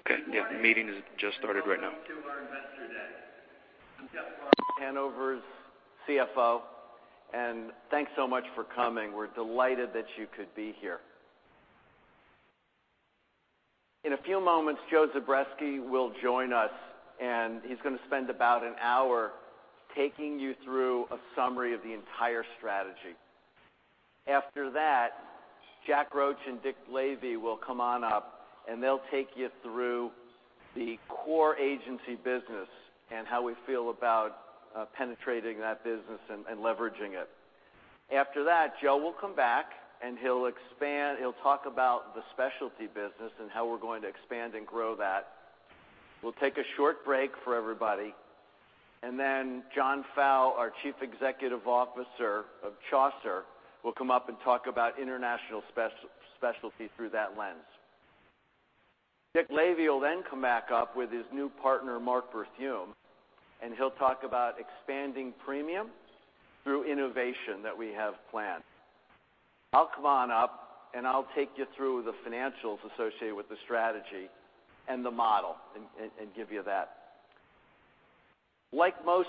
Okay. Yeah, meeting has just started right now. Welcome to our Investor Day. I'm Jeff Farber, Hanover's CFO. Thanks so much for coming. We're delighted that you could be here. In a few moments, Joe Zubretsky will join us. He's going to spend about an hour taking you through a summary of the entire strategy. After that, Jack Roche and Dick Lavey will come on up. They'll take you through the core agency business and how we feel about penetrating that business and leveraging it. After that, Joe will come back. He'll talk about the specialty business and how we're going to expand and grow that. We'll take a short break for everybody. Then John Fowle, our Chief Executive Officer of Chaucer, will come up and talk about international specialty through that lens. Dick Lavey will come back up with his new partner, Mark Berthiaume. He'll talk about expanding premium through innovation that we have planned. I'll come on up. I'll take you through the financials associated with the strategy and the model. Give you that. Like most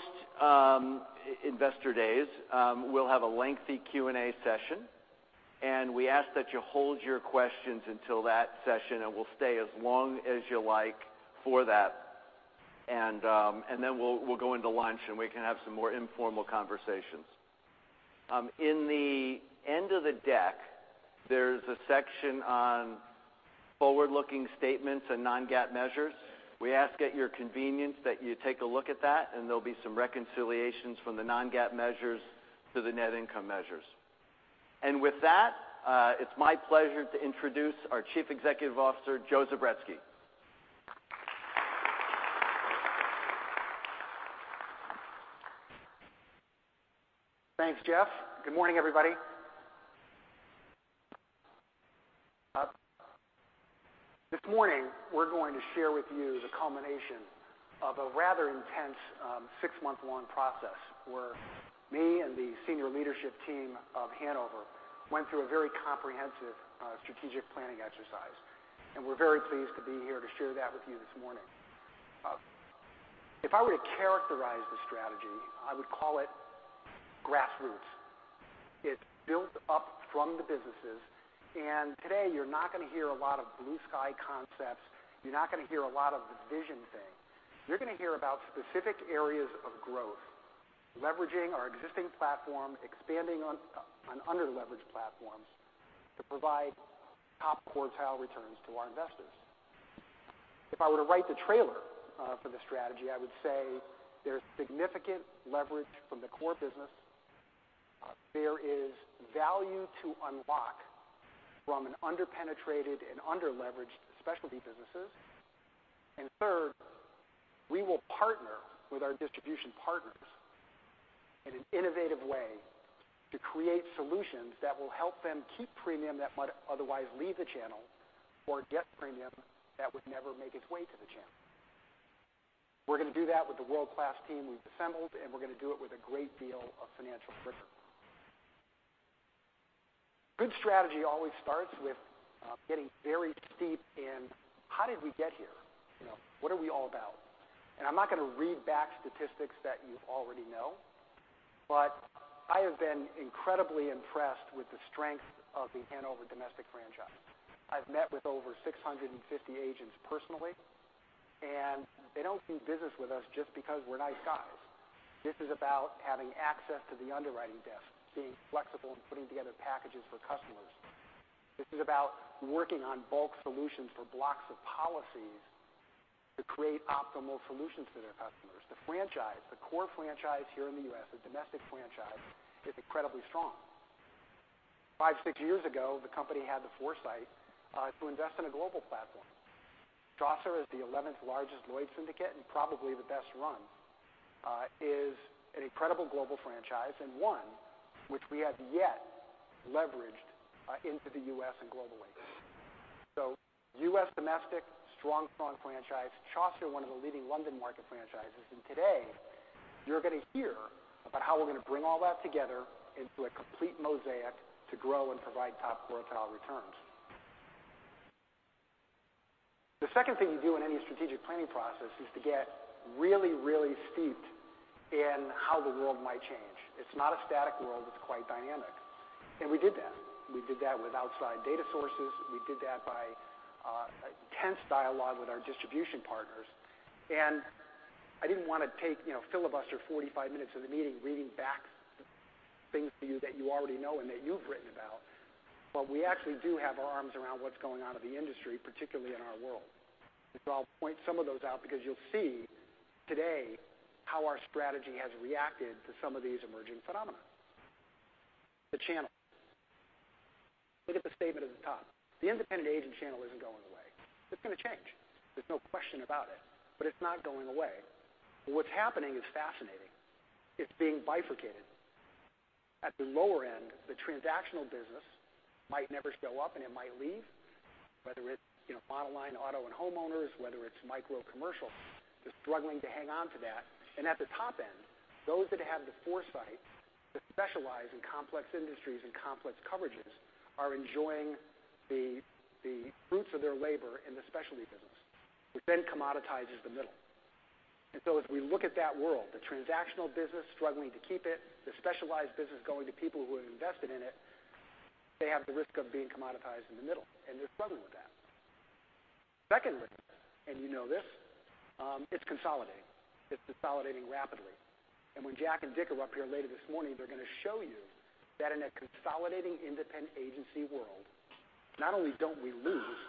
investor days, we'll have a lengthy Q&A session. We ask that you hold your questions until that session. We'll stay as long as you like for that. Then we'll go into lunch. We can have some more informal conversations. In the end of the deck, there's a section on forward-looking statements and non-GAAP measures. We ask at your convenience that you take a look at that. There'll be some reconciliations from the non-GAAP measures to the net income measures. With that, it's my pleasure to introduce our Chief Executive Officer, Joe Zubretsky. Thanks, Jeff. Good morning, everybody. This morning, we're going to share with you the culmination of a rather intense, six-month-long process where me and the senior leadership team of Hanover went through a very comprehensive strategic planning exercise. We're very pleased to be here to share that with you this morning. If I were to characterize the strategy, I would call it grassroots. It's built up from the businesses. Today you're not going to hear a lot of blue sky concepts. You're not going to hear a lot of the vision thing. You're going to hear about specific areas of growth, leveraging our existing platform, expanding on under-leveraged platforms to provide top quartile returns to our investors. If I were to write the trailer for the strategy, I would say there's significant leverage from the core business. There is value to unlock from an under-penetrated and under-leveraged specialty businesses. Third, we will partner with our distribution partners in an innovative way to create solutions that will help them keep premium that might otherwise leave the channel or get premium that would never make its way to the channel. We're going to do that with the world-class team we've assembled, and we're going to do it with a great deal of financial friction. Good strategy always starts with getting very steep in how did we get here? What are we all about? I'm not going to read back statistics that you already know, but I have been incredibly impressed with the strength of the Hanover domestic franchise. I've met with over 650 agents personally, and they don't do business with us just because we're nice guys. This is about having access to the underwriting desk, being flexible in putting together packages for customers. This is about working on bulk solutions for blocks of policies to create optimal solutions for their customers. The franchise, the core franchise here in the U.S., the domestic franchise, is incredibly strong. Five, six years ago, the company had the foresight to invest in a global platform. Chaucer is the 11th largest Lloyd's syndicate and probably the best run. Is an incredible global franchise and one which we have yet leveraged into the U.S. and global markets. U.S. domestic, strong franchise. Chaucer, one of the leading London market franchises. Today, you're going to hear about how we're going to bring all that together into a complete mosaic to grow and provide top quartile returns. The second thing you do in any strategic planning process is to get really steeped in how the world might change. It's not a static world. It's quite dynamic. We did that. We did that with outside data sources. We did that by intense dialogue with our distribution partners. I didn't want to filibuster 45 minutes of the meeting reading back things to you that you already know and that you've written about, but we actually do have our arms around what's going on in the industry, particularly in our world. I'll point some of those out because you'll see today how our strategy has reacted to some of these emerging phenomena. The channel. Look at the statement at the top. The independent agent channel isn't going away. It's going to change. There's no question about it, but it's not going away. What's happening is fascinating. It's being bifurcated. At the lower end, the transactional business might never show up, and it might leave, whether it's bottom line auto and homeowners, whether it's micro commercial, they're struggling to hang on to that. At the top end, those that have the foresight that specialize in complex industries and complex coverages are enjoying the fruits of their labor in the specialty business, which then commoditizes the middle. As we look at that world, the transactional business struggling to keep it, the specialized business going to people who have invested in it, they have the risk of being commoditized in the middle, and they're struggling with that. Second risk, you know this, it's consolidating. It's consolidating rapidly. When Jack and Dick are up here later this morning, they're going to show you that in a consolidating independent agency world, not only don't we lose,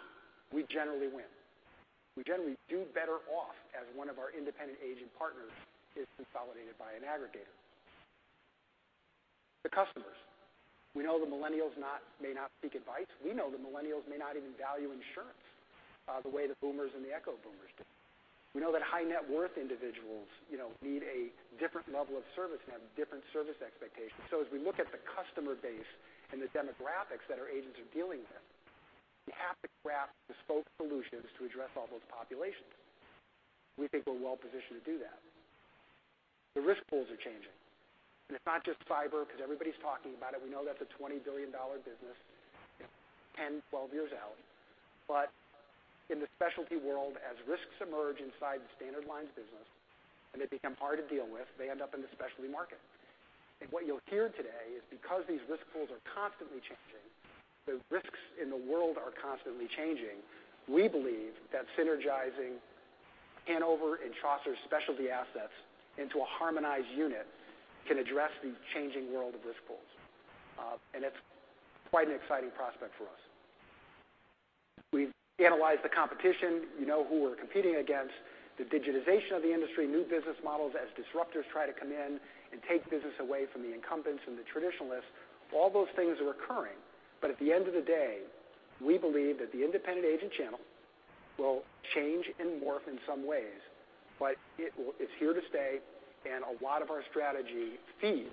we generally win. We generally do better off as one of our independent agent partners is consolidated by an aggregator. The customers. We know the millennials may not seek advice. We know the millennials may not even value insurance the way the boomers and the echo boomers do. We know that high net worth individuals need a different level of service and have different service expectations. As we look at the customer base and the demographics that our agents are dealing with, we have to craft bespoke solutions to address all those populations. We think we're well positioned to do that. The risk pools are changing, it's not just cyber, because everybody's talking about it. We know that's a $20 billion business 10, 12 years out. In the specialty world, as risks emerge inside the standard lines business and they become hard to deal with, they end up in the specialty market. What you'll hear today is because these risk pools are constantly changing, the risks in the world are constantly changing, we believe that synergizing Hanover and Chaucer specialty assets into a harmonized unit can address the changing world of risk pools. It's quite an exciting prospect for us. We've analyzed the competition. You know who we're competing against. The digitization of the industry, new business models as disruptors try to come in and take business away from the incumbents and the traditionalists. All those things are occurring, at the end of the day, we believe that the independent agent channel will change and morph in some ways, but it's here to stay, and a lot of our strategy feeds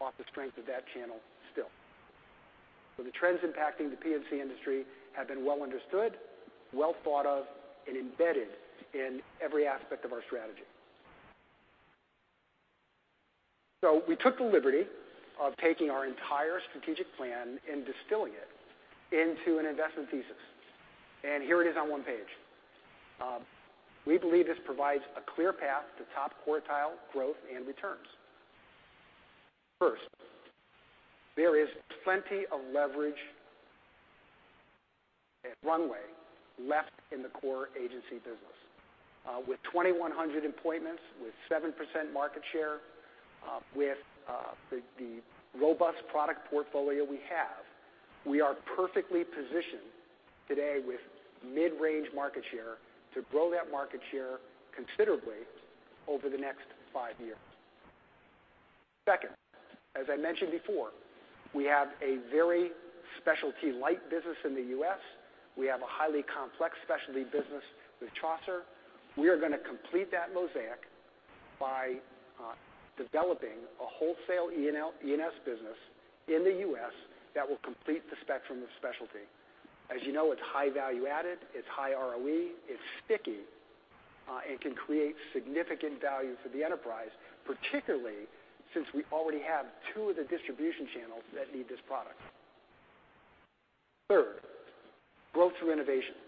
off the strength of that channel still. The trends impacting the P&C industry have been well understood, well thought of, and embedded in every aspect of our strategy. We took the liberty of taking our entire strategic plan and distilling it into an investment thesis, and here it is on one page. We believe this provides a clear path to top quartile growth and returns. First, there is plenty of leverage and runway left in the core agency business. With 2,100 employments, with 7% market share, with the robust product portfolio we have, we are perfectly positioned today with mid-range market share to grow that market share considerably over the next five years. Second, as I mentioned before, we have a very specialty-light business in the U.S. We have a highly complex specialty business with Chaucer. We are going to complete that mosaic by developing a wholesale E&S business in the U.S. that will complete the spectrum of specialty. As you know, it's high value added, it's high ROE, it's sticky, and can create significant value for the enterprise, particularly since we already have two of the distribution channels that need this product. Third, growth through innovation.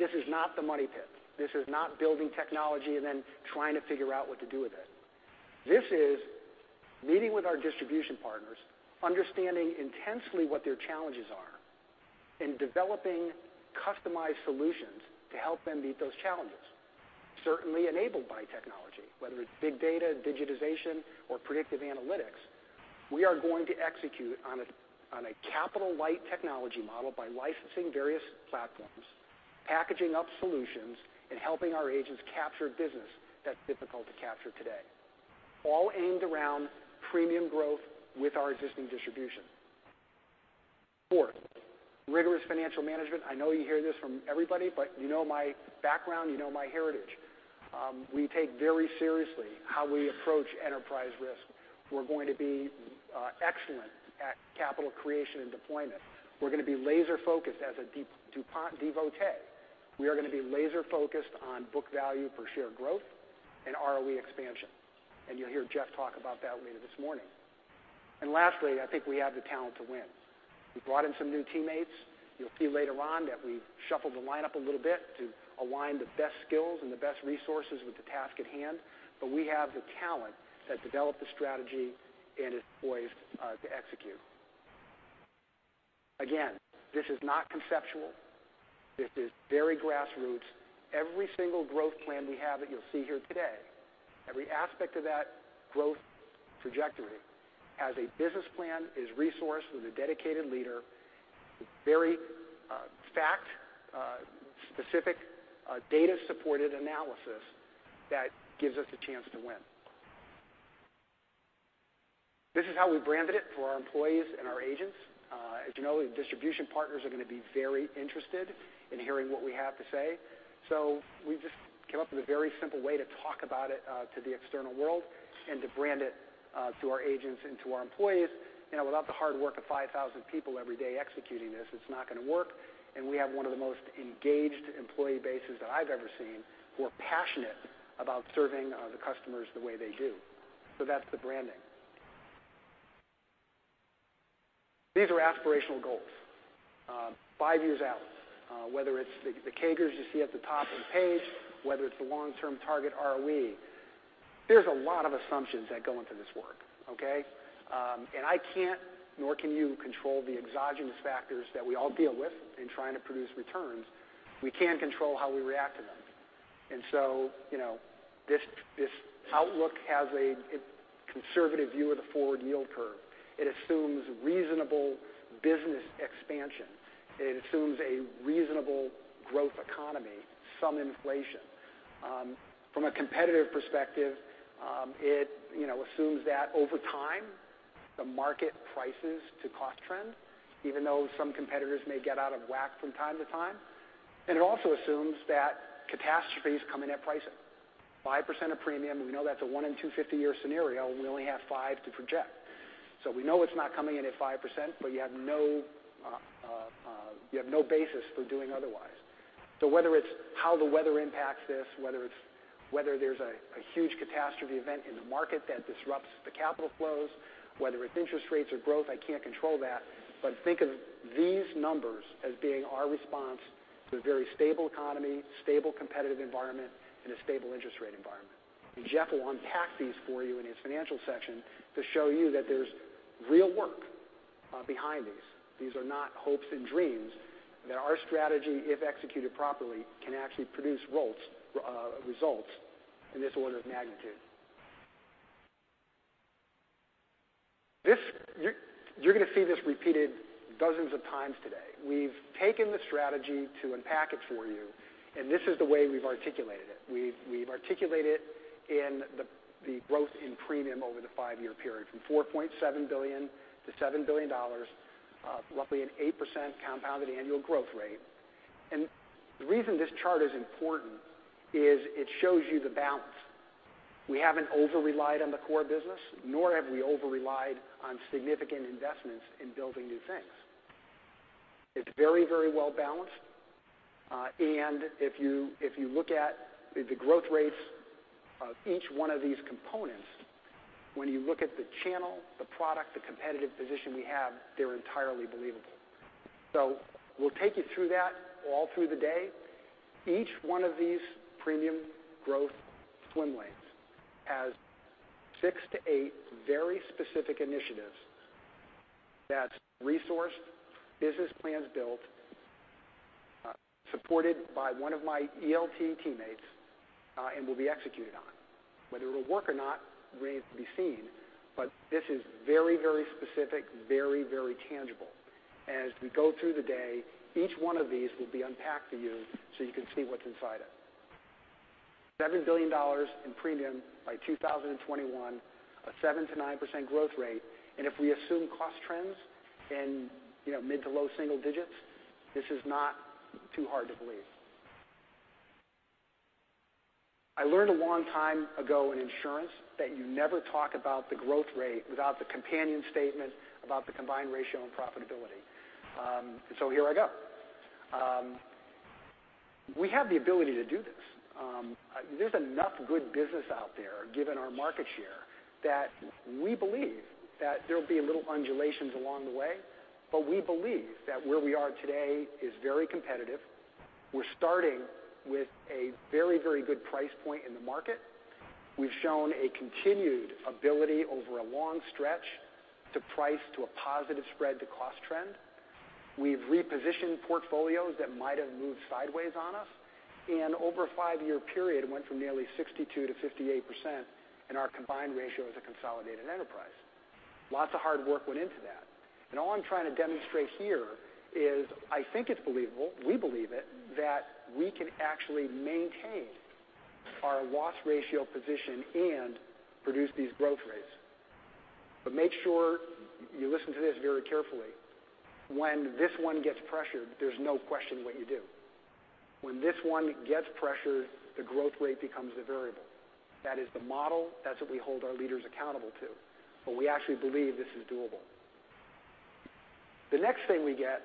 This is not the money pit. This is not building technology and then trying to figure out what to do with it. This is meeting with our distribution partners, understanding intensely what their challenges are, and developing customized solutions to help them meet those challenges. Enabled by technology, whether it's big data, digitization, or predictive analytics. We are going to execute on a capital light technology model by licensing various platforms, packaging up solutions, and helping our agents capture business that's difficult to capture today, all aimed around premium growth with our existing distribution. Fourth, rigorous financial management. I know you hear this from everybody, but you know my background, you know my heritage. We take very seriously how we approach enterprise risk. We are going to be excellent at capital creation and deployment. We are going to be laser focused as a DuPont devotee. We are going to be laser focused on book value for share growth and ROE expansion. You'll hear Jeff talk about that later this morning. Lastly, I think we have the talent to win. We brought in some new teammates. You'll see later on that we've shuffled the lineup a little bit to align the best skills and the best resources with the task at hand. We have the talent that developed the strategy and is poised to execute. Again, this is not conceptual. This is very grassroots. Every single growth plan we have that you'll see here today, every aspect of that growth trajectory has a business plan, is resourced with a dedicated leader, with very fact specific, data supported analysis that gives us a chance to win. This is how we branded it for our employees and our agents. As you know, the distribution partners are going to be very interested in hearing what we have to say. We just came up with a very simple way to talk about it to the external world and to brand it to our agents and to our employees. Without the hard work of 5,000 people every day executing this, it's not going to work, and we have one of the most engaged employee bases that I've ever seen, who are passionate about serving the customers the way they do. That's the branding. These are aspirational goals five years out, whether it's the CAGRs you see at the top of the page, whether it's the long-term target ROE. There's a lot of assumptions that go into this work, okay? I can't, nor can you, control the exogenous factors that we all deal with in trying to produce returns. We can control how we react to them. This outlook has a conservative view of the forward yield curve. It assumes reasonable business expansion. It assumes a reasonable growth economy, some inflation. From a competitive perspective, it assumes that over time, the market prices to cost trend, even though some competitors may get out of whack from time to time. It also assumes that catastrophes come in at pricing, 5% of premium. We know that's a one in 250 year scenario, and we only have five to project. We know it's not coming in at 5%, but you have no basis for doing otherwise. Whether it's how the weather impacts this, whether there's a huge catastrophe event in the market that disrupts the capital flows, whether it's interest rates or growth, I can't control that. Think of these numbers as being our response to a very stable economy, stable competitive environment, and a stable interest rate environment. Jeff will unpack these for you in his financial section to show you that there's real work behind these. These are not hopes and dreams. That our strategy, if executed properly, can actually produce results in this order of magnitude. You're going to see this repeated dozens of times today. We've taken the strategy to unpack it for you, and this is the way we've articulated it. We've articulated in the growth in premium over the five-year period, from $4.7 billion to $7 billion, roughly an 8% compounded annual growth rate. The reason this chart is important is it shows you the balance. We haven't over-relied on the core business, nor have we over-relied on significant investments in building new things. It's very well balanced. If you look at the growth rates of each one of these components, when you look at the channel, the product, the competitive position we have, they're entirely believable. We'll take you through that all through the day. Each one of these premium growth swim lanes has six to eight very specific initiatives that's resourced, business plans built, supported by one of my ELT teammates, and will be executed on. Whether it will work or not remains to be seen, but this is very specific, very tangible. As we go through the day, each one of these will be unpacked for you so you can see what's inside it. $7 billion in premium by 2021, a 7%-9% growth rate. If we assume cost trends in mid to low single digits, this is not too hard to believe. I learned a long time ago in insurance that you never talk about the growth rate without the companion statement about the combined ratio and profitability. Here I go. We have the ability to do this. There's enough good business out there, given our market share, that we believe that there'll be little undulations along the way, but we believe that where we are today is very competitive. We're starting with a very good price point in the market. We've shown a continued ability over a long stretch to price to a positive spread to cost trend. We've repositioned portfolios that might have moved sideways on us. Over a five-year period, went from nearly 62%-58% in our combined ratio as a consolidated enterprise. Lots of hard work went into that. All I'm trying to demonstrate here is, I think it's believable, we believe it, that we can actually maintain our loss ratio position and produce these growth rates. Make sure you listen to this very carefully. When this one gets pressured, there's no question what you do. When this one gets pressured, the growth rate becomes a variable. That is the model. That's what we hold our leaders accountable to. We actually believe this is doable. The next thing we get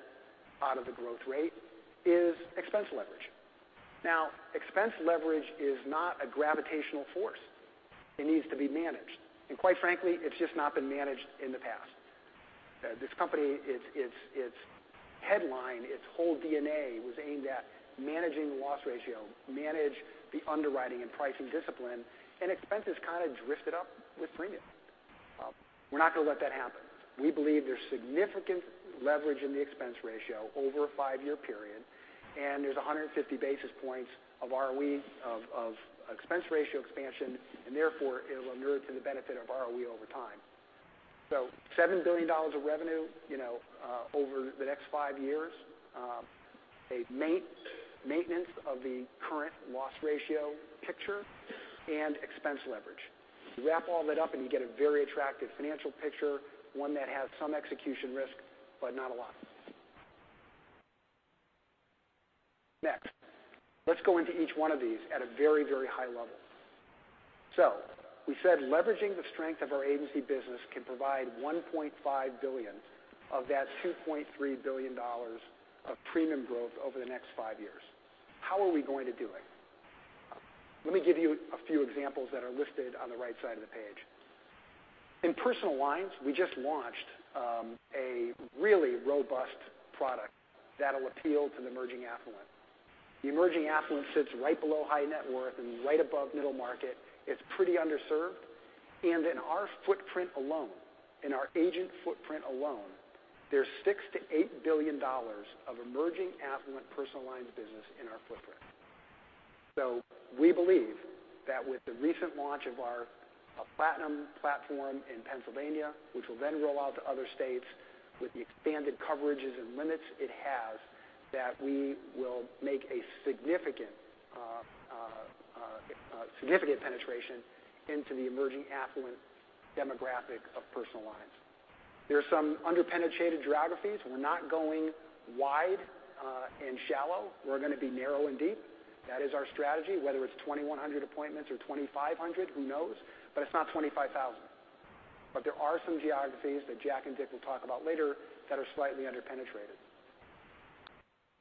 out of the growth rate is expense leverage. Expense leverage is not a gravitational force. It needs to be managed. Quite frankly, it's just not been managed in the past. This company, its headline, its whole DNA was aimed at managing loss ratio, manage the underwriting and pricing discipline, and expenses kind of drifted up with premium. We're not going to let that happen. We believe there's significant leverage in the expense ratio over a five-year period, there's 150 basis points of ROE of expense ratio expansion, and therefore, it will accrete to the benefit of ROE over time. $7 billion of revenue over the next five years, a maintenance of the current loss ratio picture, and expense leverage. You wrap all that up and you get a very attractive financial picture, one that has some execution risk, but not a lot. Next, let's go into each one of these at a very high level. We said leveraging the strength of our agency business can provide $1.5 billion of that $2.3 billion of premium growth over the next five years. How are we going to do it? Let me give you a few examples that are listed on the right side of the page. In personal lines, we just launched a really robust product that'll appeal to the emerging affluent. The emerging affluent sits right below high net worth and right above middle market. It's pretty underserved. In our footprint alone, in our agent footprint alone, there's $6 billion to $8 billion of emerging affluent personal lines business in our footprint. We believe that with the recent launch of our Platinum platform in Pennsylvania, which will then roll out to other states, with the expanded coverages and limits it has, that we will make a significant penetration into the emerging affluent demographic of personal lines. There are some under-penetrated geographies. We're not going wide and shallow. We're going to be narrow and deep. That is our strategy, whether it's 2,100 appointments or 2,500, who knows? It's not 25,000. There are some geographies that Jack and Dick will talk about later that are slightly under-penetrated.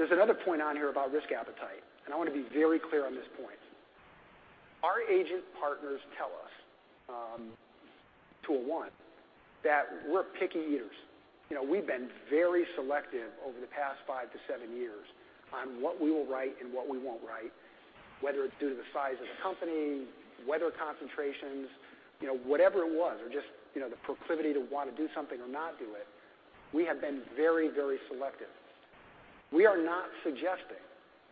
There's another point on here about risk appetite, and I want to be very clear on this point. Our agent partners tell us, to a one, that we're picky eaters. We've been very selective over the past five to seven years on what we will write and what we won't write, whether it's due to the size of the company, weather concentrations, whatever it was, or just the proclivity to want to do something or not do it. We have been very selective. We are not suggesting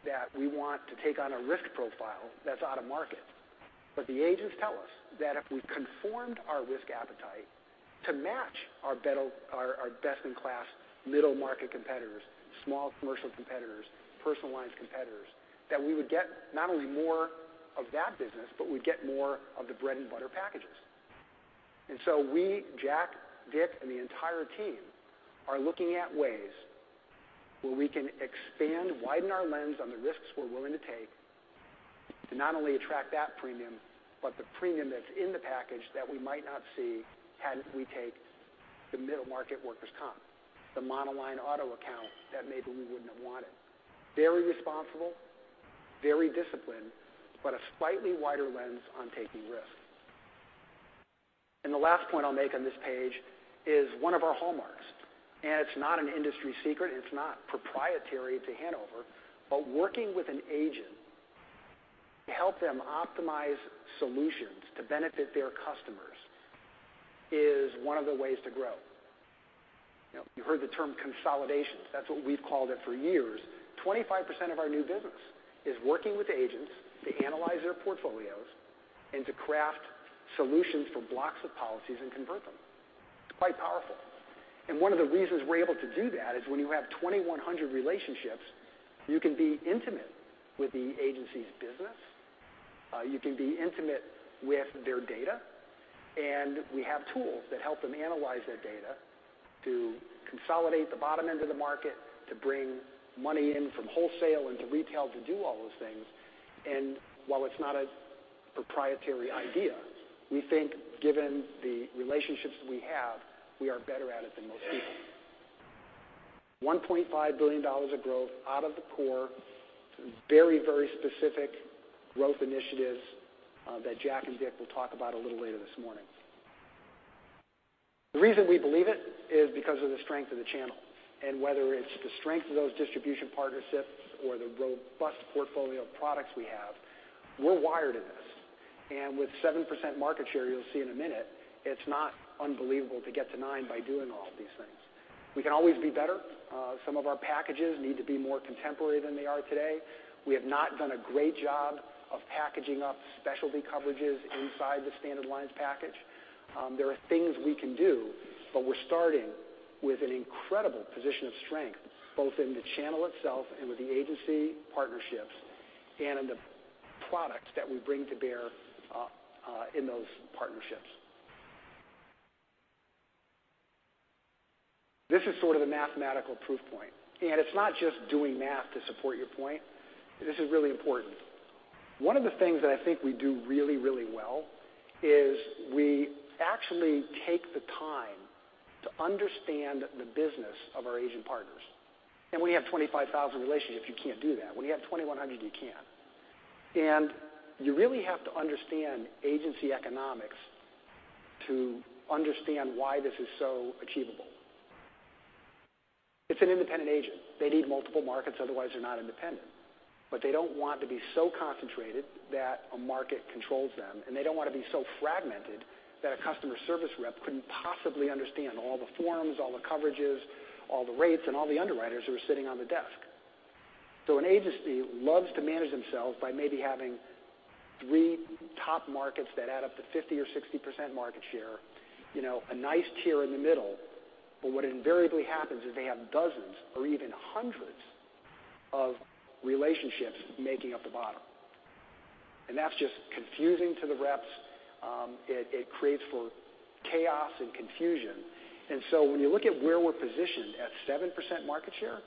that we want to take on a risk profile that's out of market. The agents tell us that if we conformed our risk appetite to match our best in class middle market competitors, small commercial competitors, personal lines competitors, that we would get not only more of that business, but we'd get more of the bread and butter packages. We, Jack, Dick, and the entire team are looking at ways where we can expand, widen our lens on the risks we're willing to take to not only attract that premium, but the premium that's in the package that we might not see had we taken the middle market workers' comp, the monoline auto account that maybe we wouldn't have wanted. Very responsible, very disciplined, a slightly wider lens on taking risks. The last point I'll make on this page is one of our hallmarks, and it's not an industry secret, it's not proprietary to Hanover, but working with an agent to help them optimize solutions to benefit their customers is one of the ways to grow. You've heard the term consolidations. That's what we've called it for years. 25% of our new business is working with agents to analyze their portfolios and to craft solutions for blocks of policies and convert them. It's quite powerful. One of the reasons we're able to do that is when you have 2,100 relationships, you can be intimate with the agency's business, you can be intimate with their data, and we have tools that help them analyze their data to consolidate the bottom end of the market, to bring money in from wholesale into retail to do all those things. While it's not a proprietary idea, we think given the relationships we have, we are better at it than most people. $1.5 billion of growth out of the core. Very specific growth initiatives that Jack and Dick will talk about a little later this morning. The reason we believe it is because of the strength of the channel, and whether it's the strength of those distribution partnerships or the robust portfolio of products we have, we're wired in this. With 7% market share, you'll see in a minute, it's not unbelievable to get to nine by doing all of these things. We can always be better. Some of our packages need to be more contemporary than they are today. We have not done a great job of packaging up specialty coverages inside the standard lines package. There are things we can do, we're starting with an incredible position of strength, both in the channel itself and with the agency partnerships and in the products that we bring to bear in those partnerships. This is sort of the mathematical proof point, it's not just doing math to support your point. This is really important. One of the things that I think we do really well is we actually take the time to understand the business of our agent partners. When you have 25,000 relationships, you can't do that. When you have 2,100, you can. You really have to understand agency economics to understand why this is so achievable. It's an independent agent. They need multiple markets, otherwise they're not independent. They don't want to be so concentrated that a market controls them, and they don't want to be so fragmented that a customer service rep couldn't possibly understand all the forms, all the coverages, all the rates, and all the underwriters who are sitting on the desk. An agency loves to manage themselves by maybe having three top markets that add up to 50% or 60% market share, a nice tier in the middle. What invariably happens is they have dozens or even hundreds of relationships making up the bottom. That's just confusing to the reps. It creates for chaos and confusion. When you look at where we're positioned at 7% market share,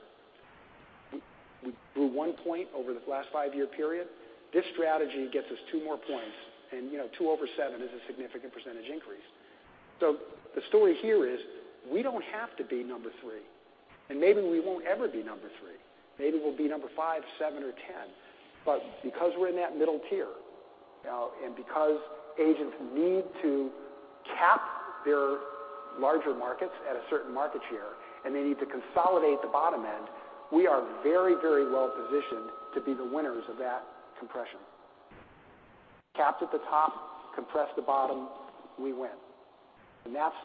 we grew one point over this last five-year period. This strategy gets us two more points, and two over seven is a significant percentage increase. The story here is we don't have to be number three, and maybe we won't ever be number three. Maybe we'll be number five, seven, or 10. Because we're in that middle tier now, and because agents need to cap their larger markets at a certain market share, and they need to consolidate the bottom end, we are very well positioned to be the winners of that compression. Cap at the top, compress the bottom, we win. That's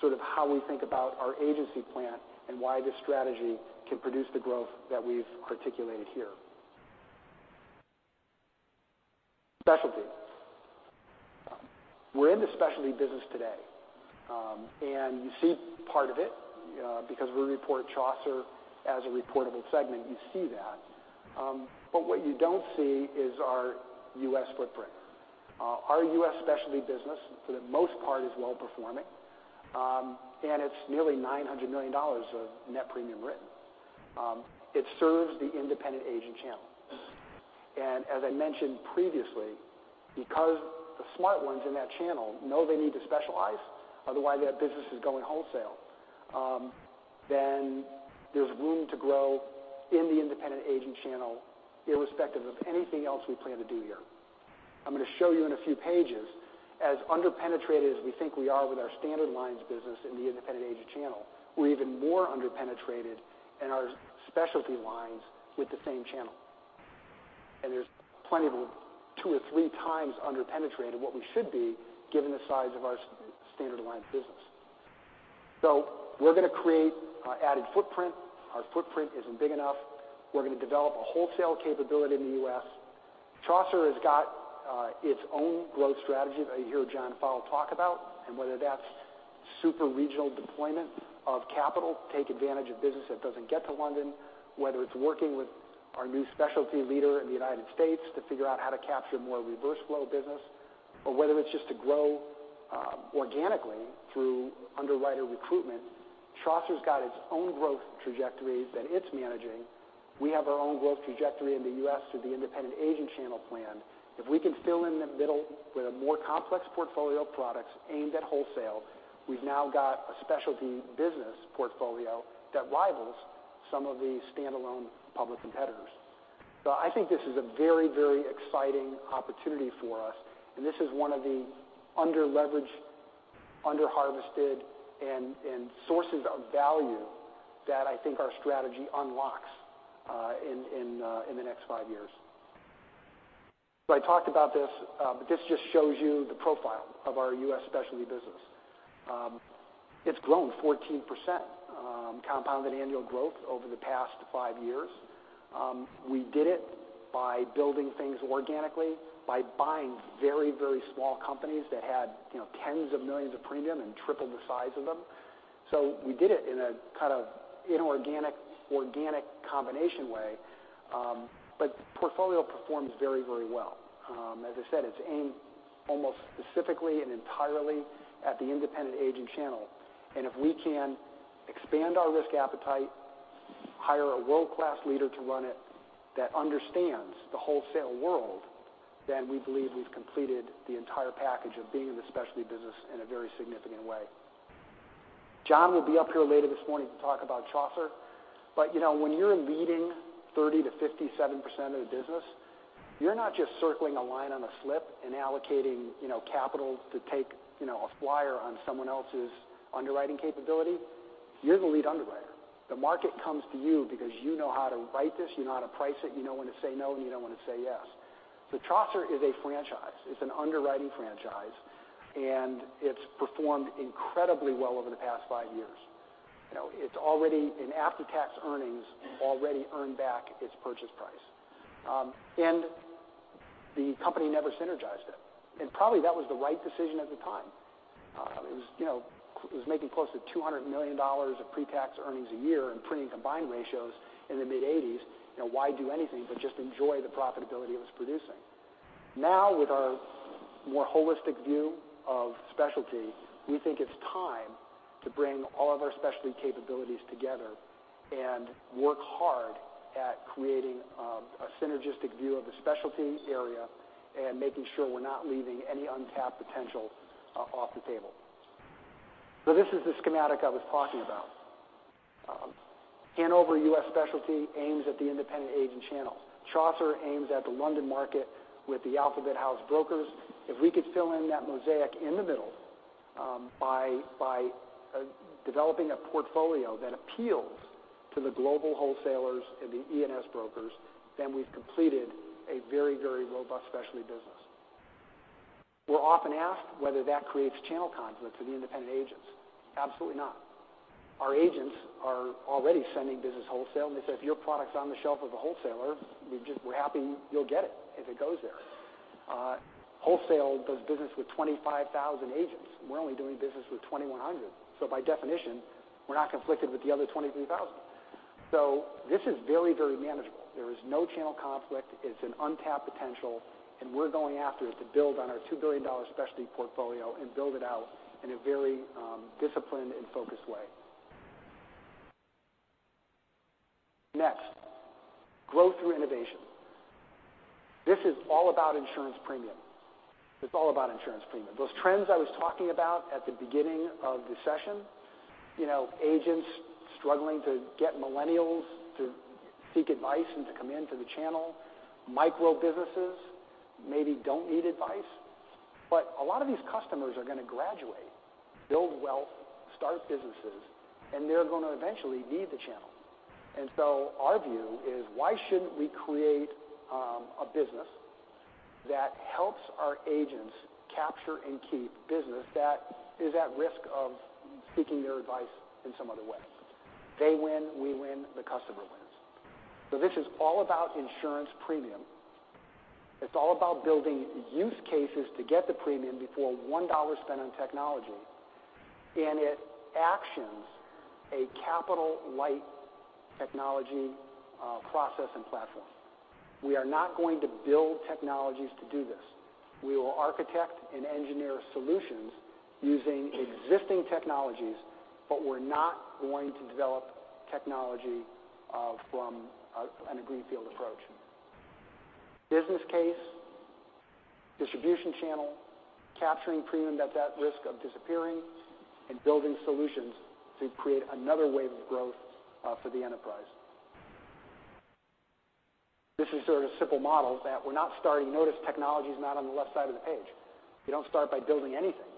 sort of how we think about our agency plan and why this strategy can produce the growth that we've articulated here. Specialty. We're in the specialty business today, and you see part of it because we report Chaucer as a reportable segment, you see that. What you don't see is our U.S. footprint. Our U.S. specialty business, for the most part, is well-performing, and it's nearly $900 million of net premium written. It serves the independent agent channel. As I mentioned previously, because the smart ones in that channel know they need to specialize, otherwise their business is going wholesale, there's room to grow in the independent agent channel, irrespective of anything else we plan to do here. I'm going to show you in a few pages, as under-penetrated as we think we are with our standard lines business in the independent agent channel, we're even more under-penetrated in our specialty lines with the same channel. There's plenty of them, two or three times under-penetrated what we should be given the size of our standard aligned business. We're going to create added footprint. Our footprint isn't big enough. We're going to develop a wholesale capability in the U.S. Chaucer has got its own growth strategy that you hear John Fowle talk about, whether that's super-regional deployment of capital to take advantage of business that doesn't get to London, whether it's working with our new specialty leader in the United States to figure out how to capture more reverse flow business, whether it's just to grow organically through underwriter recruitment. Chaucer's got its own growth trajectories that it's managing. We have our own growth trajectory in the U.S. through the independent agent channel plan. If we can fill in the middle with a more complex portfolio of products aimed at wholesale, we've now got a specialty business portfolio that rivals some of the standalone public competitors. I think this is a very exciting opportunity for us, this is one of the under-leveraged, under-harvested sources of value that I think our strategy unlocks in the next five years. I talked about this just shows you the profile of our U.S. specialty business. It's grown 14% compounded annual growth over the past five years. We did it by building things organically, by buying very small companies that had tens of millions of premium and tripled the size of them. We did it in a kind of inorganic, organic combination way, the portfolio performs very well. As I said, it's aimed almost specifically and entirely at the independent agent channel. If we can expand our risk appetite, hire a world-class leader to run it that understands the wholesale world, then we believe we've completed the entire package of being in the specialty business in a very significant way. John will be up here later this morning to talk about Chaucer. When you're leading 30%-57% of the business, you're not just circling a line on a slip and allocating capital to take a flyer on someone else's underwriting capability. You're the lead underwriter. The market comes to you because you know how to write this, you know how to price it, you know when to say no, and you know when to say yes. Chaucer is a franchise. It's an underwriting franchise, and it's performed incredibly well over the past five years. In after-tax earnings, already earned back its purchase price. The company never synergized it, and probably that was the right decision at the time. It was making close to $200 million of pre-tax earnings a year and printing combined ratios in the mid-80s. Why do anything but just enjoy the profitability it was producing? With our more holistic view of specialty, we think it's time to bring all of our specialty capabilities together and work hard at creating a synergistic view of the specialty area and making sure we're not leaving any untapped potential off the table. This is the schematic I was talking about. Hanover US Specialty aims at the independent agent channel. Chaucer aims at the London market with the alphabet house brokers. If we could fill in that mosaic in the middle by developing a portfolio that appeals to the global wholesalers and the E&S brokers, then we've completed a very robust specialty business. We're often asked whether that creates channel conflict for the independent agents. Absolutely not. Our agents are already sending business wholesale, and they say, "If your product's on the shelf of a wholesaler, we're happy you'll get it if it goes there." Wholesale does business with 25,000 agents. We're only doing business with 2,100. By definition, we're not conflicted with the other 23,000. This is very manageable. There is no channel conflict. It's an untapped potential, and we're going after it to build on our $2 billion specialty portfolio and build it out in a very disciplined and focused way. Next, growth through innovation. This is all about insurance premium. Those trends I was talking about at the beginning of the session, agents struggling to get millennials to seek advice and to come into the channel. Micro businesses maybe don't need advice, but a lot of these customers are going to graduate, build wealth, start businesses, and they're going to eventually need the channel. Our view is why shouldn't we create a business that helps our agents capture and keep business that is at risk of seeking their advice in some other way? They win, we win, the customer wins. This is all about insurance premium. It's all about building use cases to get the premium before $1 spent on technology, and it actions a capital light technology process and platform. We are not going to build technologies to do this. We will architect and engineer solutions using existing technologies, but we're not going to develop technology from a greenfield approach. Business case, distribution channel, capturing premium that's at risk of disappearing, and building solutions to create another wave of growth for the enterprise. This is sort of simple models that we're not starting. Notice technology's not on the left side of the page. You don't start by building anything.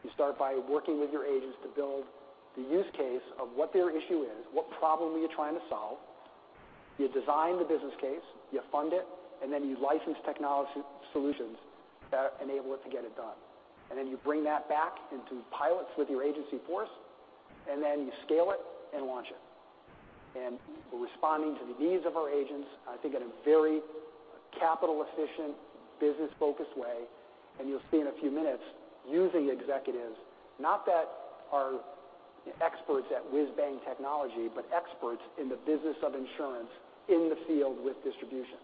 You start by working with your agents to build the use case of what their issue is, what problem are you trying to solve. You design the business case, you fund it, then you license technology solutions that enable it to get it done. Then you bring that back into pilots with your agency force, then you scale it and launch it. We're responding to the needs of our agents, I think in a very capital efficient, business focused way, and you'll see in a few minutes using executives, not that are experts at whiz-bang technology, but experts in the business of insurance in the field with distribution.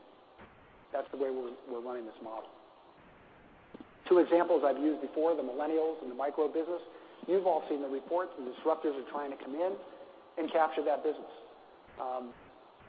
That's the way we're running this model. Two examples I've used before, the millennials and the micro business. You've all seen the reports. The disruptors are trying to come in and capture that business.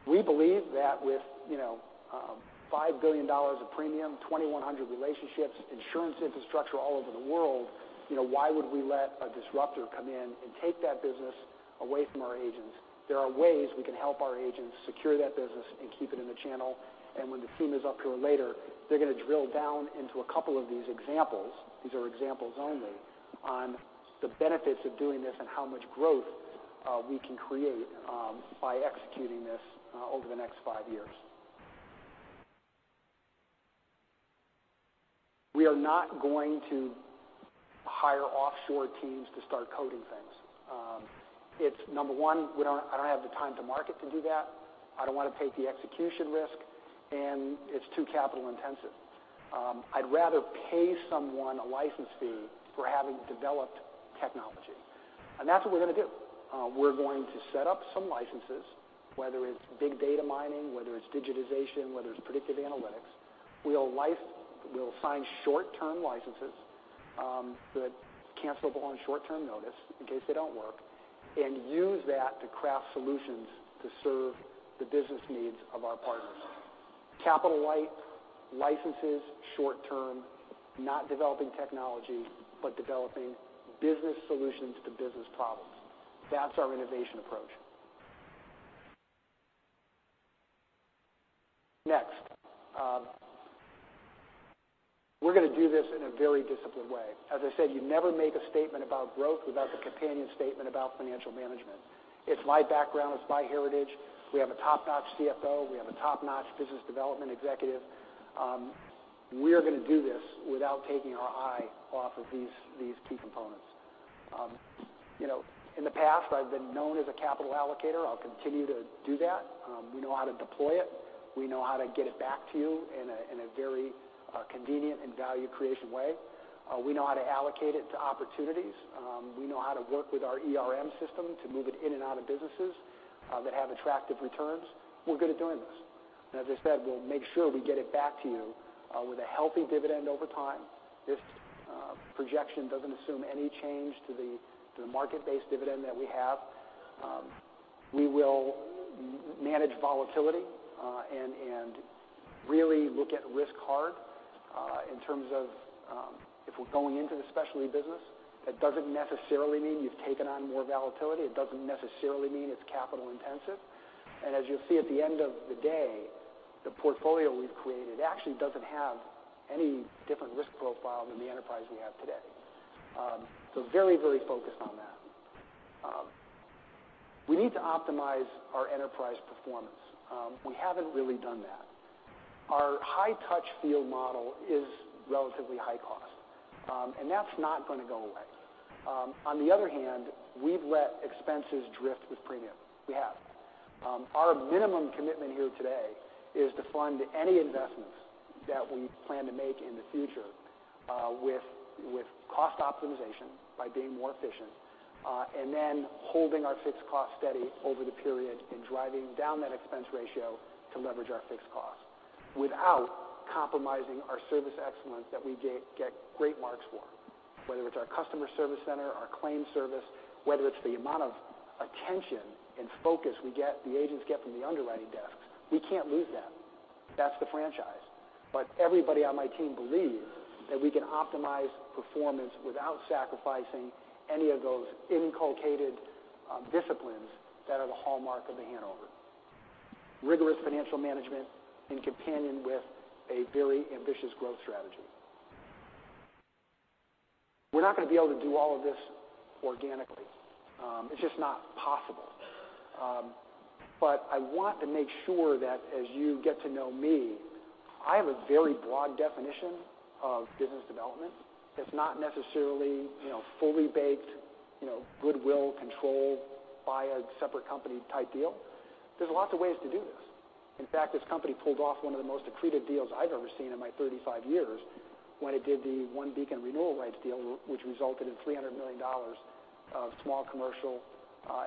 We believe that with $5 billion of premium, 2,100 relationships, insurance infrastructure all over the world, why would we let a disruptor come in and take that business away from our agents? There are ways we can help our agents secure that business and keep it in the channel. When Dhifem is up here later, they're going to drill down into a couple of these examples, these are examples only, on the benefits of doing this and how much growth we can create by executing this over the next 5 years. We are not going to hire offshore teams to start coding things. It's number 1, I don't have the time to market to do that, I don't want to take the execution risk, and it's too capital intensive. I'd rather pay someone a license fee for having developed technology, and that's what we're going to do. We're going to set up some licenses, whether it's big data mining, whether it's digitization, whether it's predictive analytics. We'll assign short-term licenses that are cancelable on short-term notice in case they don't work, use that to craft solutions to serve the business needs of our partners. Capital light licenses short-term, not developing technology, but developing business solutions to business problems. That's our innovation approach. Next. We're going to do this in a very disciplined way. As I said, you never make a statement about growth without the companion statement about financial management. It's my background, it's my heritage. We have a top-notch CFO. We have a top-notch business development executive. We are going to do this without taking our eye off of these key components. In the past, I've been known as a capital allocator. I'll continue to do that. We know how to deploy it. We know how to get it back to you in a very convenient and value creation way. We know how to allocate it to opportunities. We know how to work with our ERM system to move it in and out of businesses that have attractive returns. We're good at doing this. As I said, we'll make sure we get it back to you with a healthy dividend over time. This projection doesn't assume any change to the market-based dividend that we have. We will manage volatility, and really look at risk hard in terms of if we're going into the specialty business, that doesn't necessarily mean you've taken on more volatility. It doesn't necessarily mean it's capital intensive. As you'll see at the end of the day, the portfolio we've created actually doesn't have any different risk profile than the enterprise we have today. Very focused on that. We need to optimize our enterprise performance. We haven't really done that. Our high-touch field model is relatively high cost, and that's not going to go away. On the other hand, we've let expenses drift with premium. We have. Our minimum commitment here today is to fund any investments that we plan to make in the future with cost optimization by being more efficient, then holding our fixed cost steady over the period and driving down that expense ratio to leverage our fixed cost without compromising our service excellence that we get great marks for. Whether it's our customer service center, our claim service, whether it's the amount of attention and focus we get, the agents get from the underwriting desk, we can't lose that. That's the franchise. Everybody on my team believes that we can optimize performance without sacrificing any of those inculcated disciplines that are the hallmark of The Hanover. Rigorous financial management in companion with a very ambitious growth strategy. We're not going to be able to do all of this organically. It's just not possible. I want to make sure that as you get to know me, I have a very broad definition of business development. It's not necessarily fully baked, goodwill controlled by a separate company type deal. There's lots of ways to do this. In fact, this company pulled off one of the most accretive deals I've ever seen in my 35 years when it did the OneBeacon renewal rights deal, which resulted in $300 million of small commercial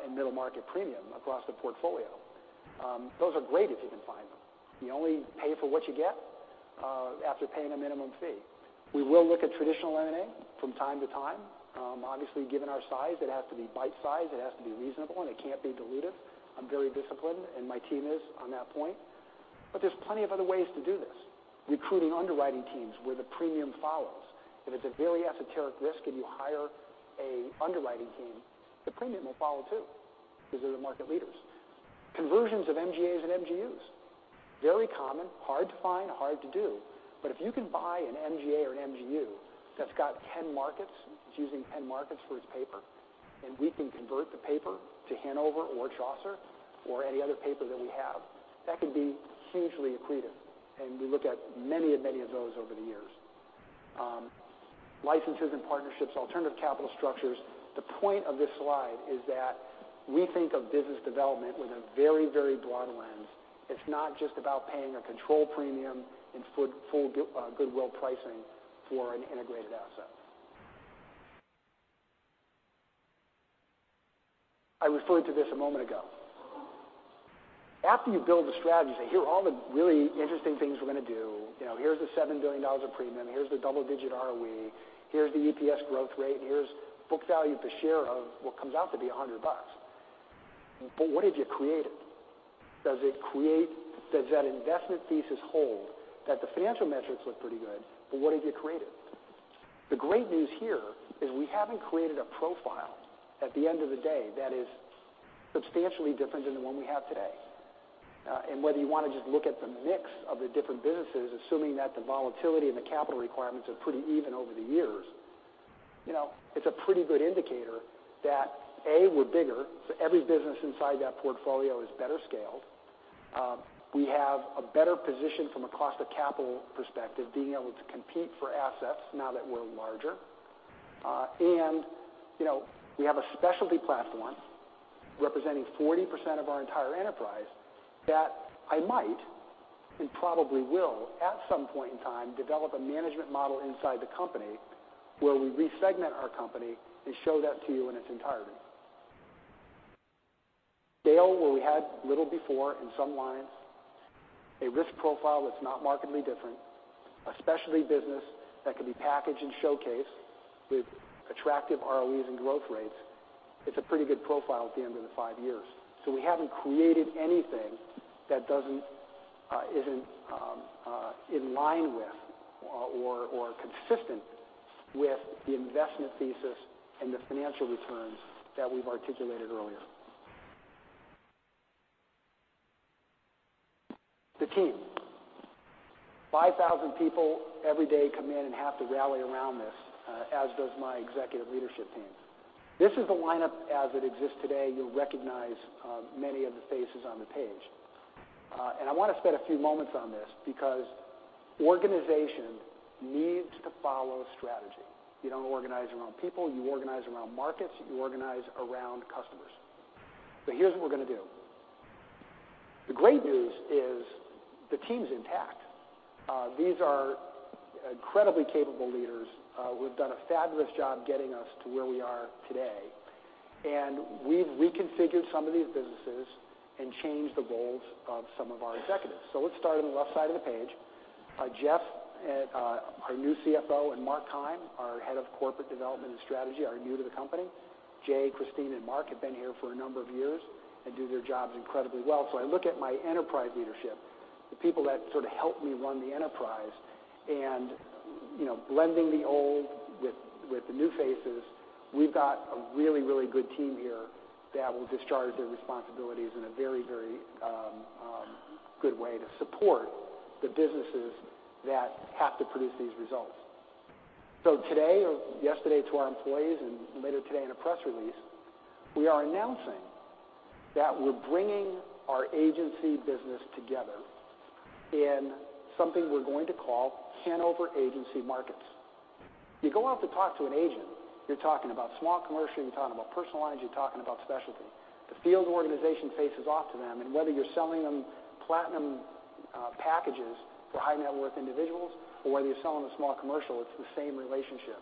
and middle market premium across the portfolio. Those are great if you can find them. You only pay for what you get, after paying a minimum fee. We will look at traditional M&A from time to time. Obviously, given our size, it has to be bite-sized, it has to be reasonable, and it can't be dilutive. I'm very disciplined, and my team is on that point. There's plenty of other ways to do this. Recruiting underwriting teams where the premium follows. If it's a very esoteric risk and you hire an underwriting team, the premium will follow, too, because they're the market leaders. Conversions of MGAs and MGUs, very common, hard to find, hard to do. If you can buy an MGA or an MGU that's got 10 markets, it's using 10 markets for its paper, and we can convert the paper to Hanover or Chaucer or any other paper that we have, that can be hugely accretive, and we look at many of those over the years. Licenses and partnerships, alternative capital structures. The point of this slide is that we think of business development with a very broad lens. It's not just about paying a control premium and full goodwill pricing for an integrated asset. I referred to this a moment ago. After you build the strategy and say, "Here are all the really interesting things we're going to do. Here's the $7 billion of premium. Here's the double-digit ROE. Here's the EPS growth rate, and here's book value per share of what comes out to be $100." What have you created? Does that investment thesis hold that the financial metrics look pretty good, but what have you created? The great news here is we haven't created a profile at the end of the day that is substantially different than the one we have today. Whether you want to just look at the mix of the different businesses, assuming that the volatility and the capital requirements are pretty even over the years, it's a pretty good indicator that, A, we're bigger. Every business inside that portfolio is better scaled. We have a better position from a cost of capital perspective, being able to compete for assets now that we're larger. We have a specialty platform representing 40% of our entire enterprise that I might and probably will, at some point in time, develop a management model inside the company where we re-segment our company and show that to you in its entirety. Scale, where we had little before in some lines, a risk profile that's not markedly different, a specialty business that can be packaged and showcased with attractive ROEs and growth rates. It's a pretty good profile at the end of the five years. We haven't created anything that isn't in line with or consistent with the investment thesis and the financial returns that we've articulated earlier. The team. 5,000 people every day come in and have to rally around this, as does my executive leadership team. This is the lineup as it exists today. You'll recognize many of the faces on the page. I want to spend a few moments on this because organization needs to follow strategy. You don't organize around people, you organize around markets, you organize around customers. Here's what we're going to do. The great news is the team's intact. These are incredibly capable leaders who have done a fabulous job getting us to where we are today. We've reconfigured some of these businesses and changed the roles of some of our executives. Let's start on the left side of the page. Jeff, our new CFO, and Mark Heim, our head of corporate development and strategy, are new to the company. Jay, Christine, and Mark have been here for a number of years and do their jobs incredibly well. I look at my enterprise leadership, the people that sort of help me run the enterprise, blending the old with the new faces, we've got a really good team here that will discharge their responsibilities in a very good way to support the businesses that have to produce these results. Today or yesterday to our employees and later today in a press release, we are announcing that we're bringing our agency business together in something we're going to call Hanover Agency Markets. You go out to talk to an agent, you're talking about small commercial, you're talking about personal lines, you're talking about specialty. The field organization faces off to them, whether you're selling them Platinum packages for high net worth individuals or whether you're selling them small commercial, it's the same relationship.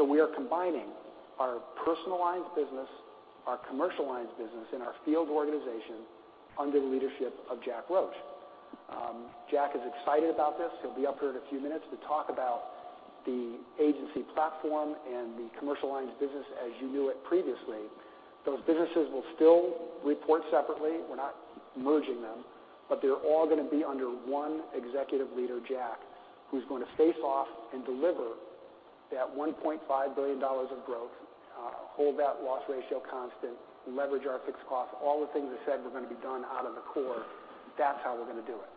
We are combining our personal lines business, our commercial lines business, and our field organization under the leadership of Jack Roche. Jack is excited about this. He'll be up here in a few minutes to talk about the agency platform and the commercial lines business as you knew it previously. Those businesses will still report separately. We're not merging them, but they're all going to be under one executive leader, Jack, who's going to face off and deliver that $1.5 billion of growth, hold that loss ratio constant, leverage our fixed costs, all the things I said were going to be done out of the core. That's how we're going to do it.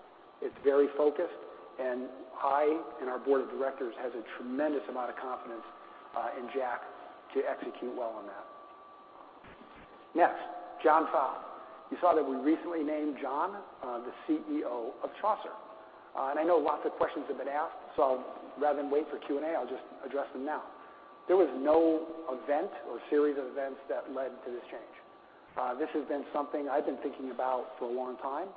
It's very focused, I and our board of directors have a tremendous amount of confidence in Jack to execute well on that. Next, John Fowle. You saw that we recently named John the CEO of Chaucer. I know lots of questions have been asked, rather than wait for Q&A, I'll just address them now. There was no event or series of events that led to this change. This has been something I've been thinking about for a long time.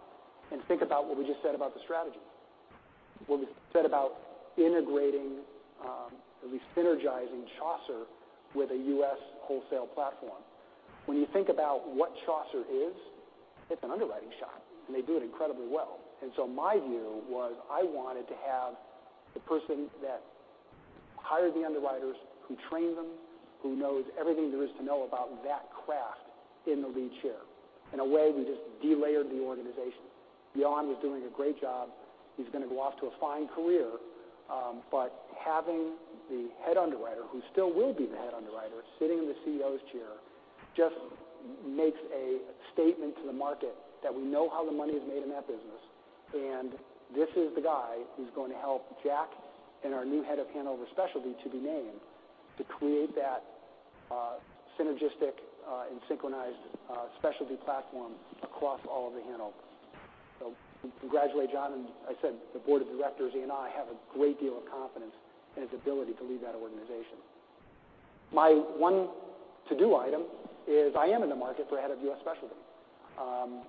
Think about what we just said about the strategy. What we said about integrating, or at least synergizing Chaucer with a U.S. wholesale platform. When you think about what Chaucer is, it's an underwriting shop, and they do it incredibly well. My view was I wanted to have the person that hired the underwriters, who trained them, who knows everything there is to know about that craft in the lead chair. In a way, we just de-layered the organization. Johan was doing a great job. He's going to go off to a fine career. Having the head underwriter, who still will be the head underwriter, sitting in the CEO's chair just makes a statement to the market that we know how the money is made in that business, and this is the guy who's going to help Jack and our new head of Hanover Specialty, to be named, to create that synergistic and synchronized specialty platform across all of the Hanover. We congratulate John, I said the board of directors and I have a great deal of confidence in his ability to lead that organization. My one to-do item is I am in the market for head of U.S. Specialty.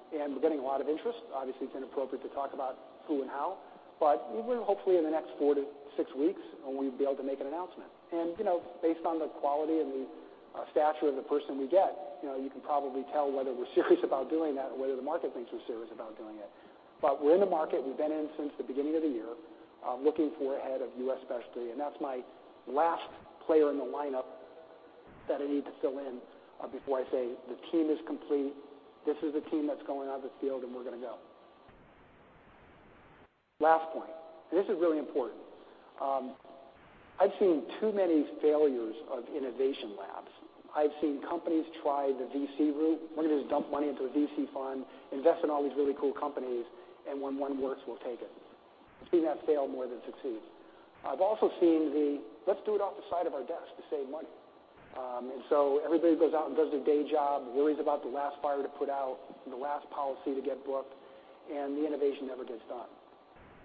We're getting a lot of interest. Obviously, it's inappropriate to talk about who and how, but we will hopefully in the next four to six weeks, we'll be able to make an announcement. Based on the quality and the stature of the person we get, you can probably tell whether we're serious about doing that or whether the market thinks we're serious about doing it. We're in the market, we've been in since the beginning of the year, looking for a head of U.S. Specialty, and that's my last player in the lineup that I need to fill in before I say the team is complete. This is the team that's going out on the field, we're going to go. Last point, this is really important. I've seen too many failures of innovation labs. I've seen companies try the VC route. One of it is dump money into a VC fund, invest in all these really cool companies, and when one works, we'll take it. I've seen that fail more than succeed. I've also seen the let's do it off the side of our desk to save money. Everybody goes out and does their day job, worries about the last fire to put out, the last policy to get booked, and the innovation never gets done.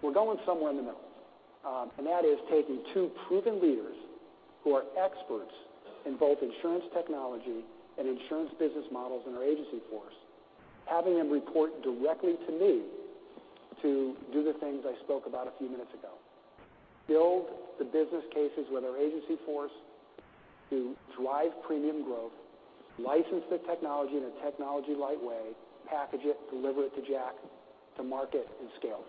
We're going somewhere in the middle. That is taking two proven leaders who are experts in both insurance technology and insurance business models in our agency force, having them report directly to me to do the things I spoke about a few minutes ago. Build the business cases with our agency force to drive premium growth, license the technology in a technology-light way, package it, deliver it to Jack to market and scale.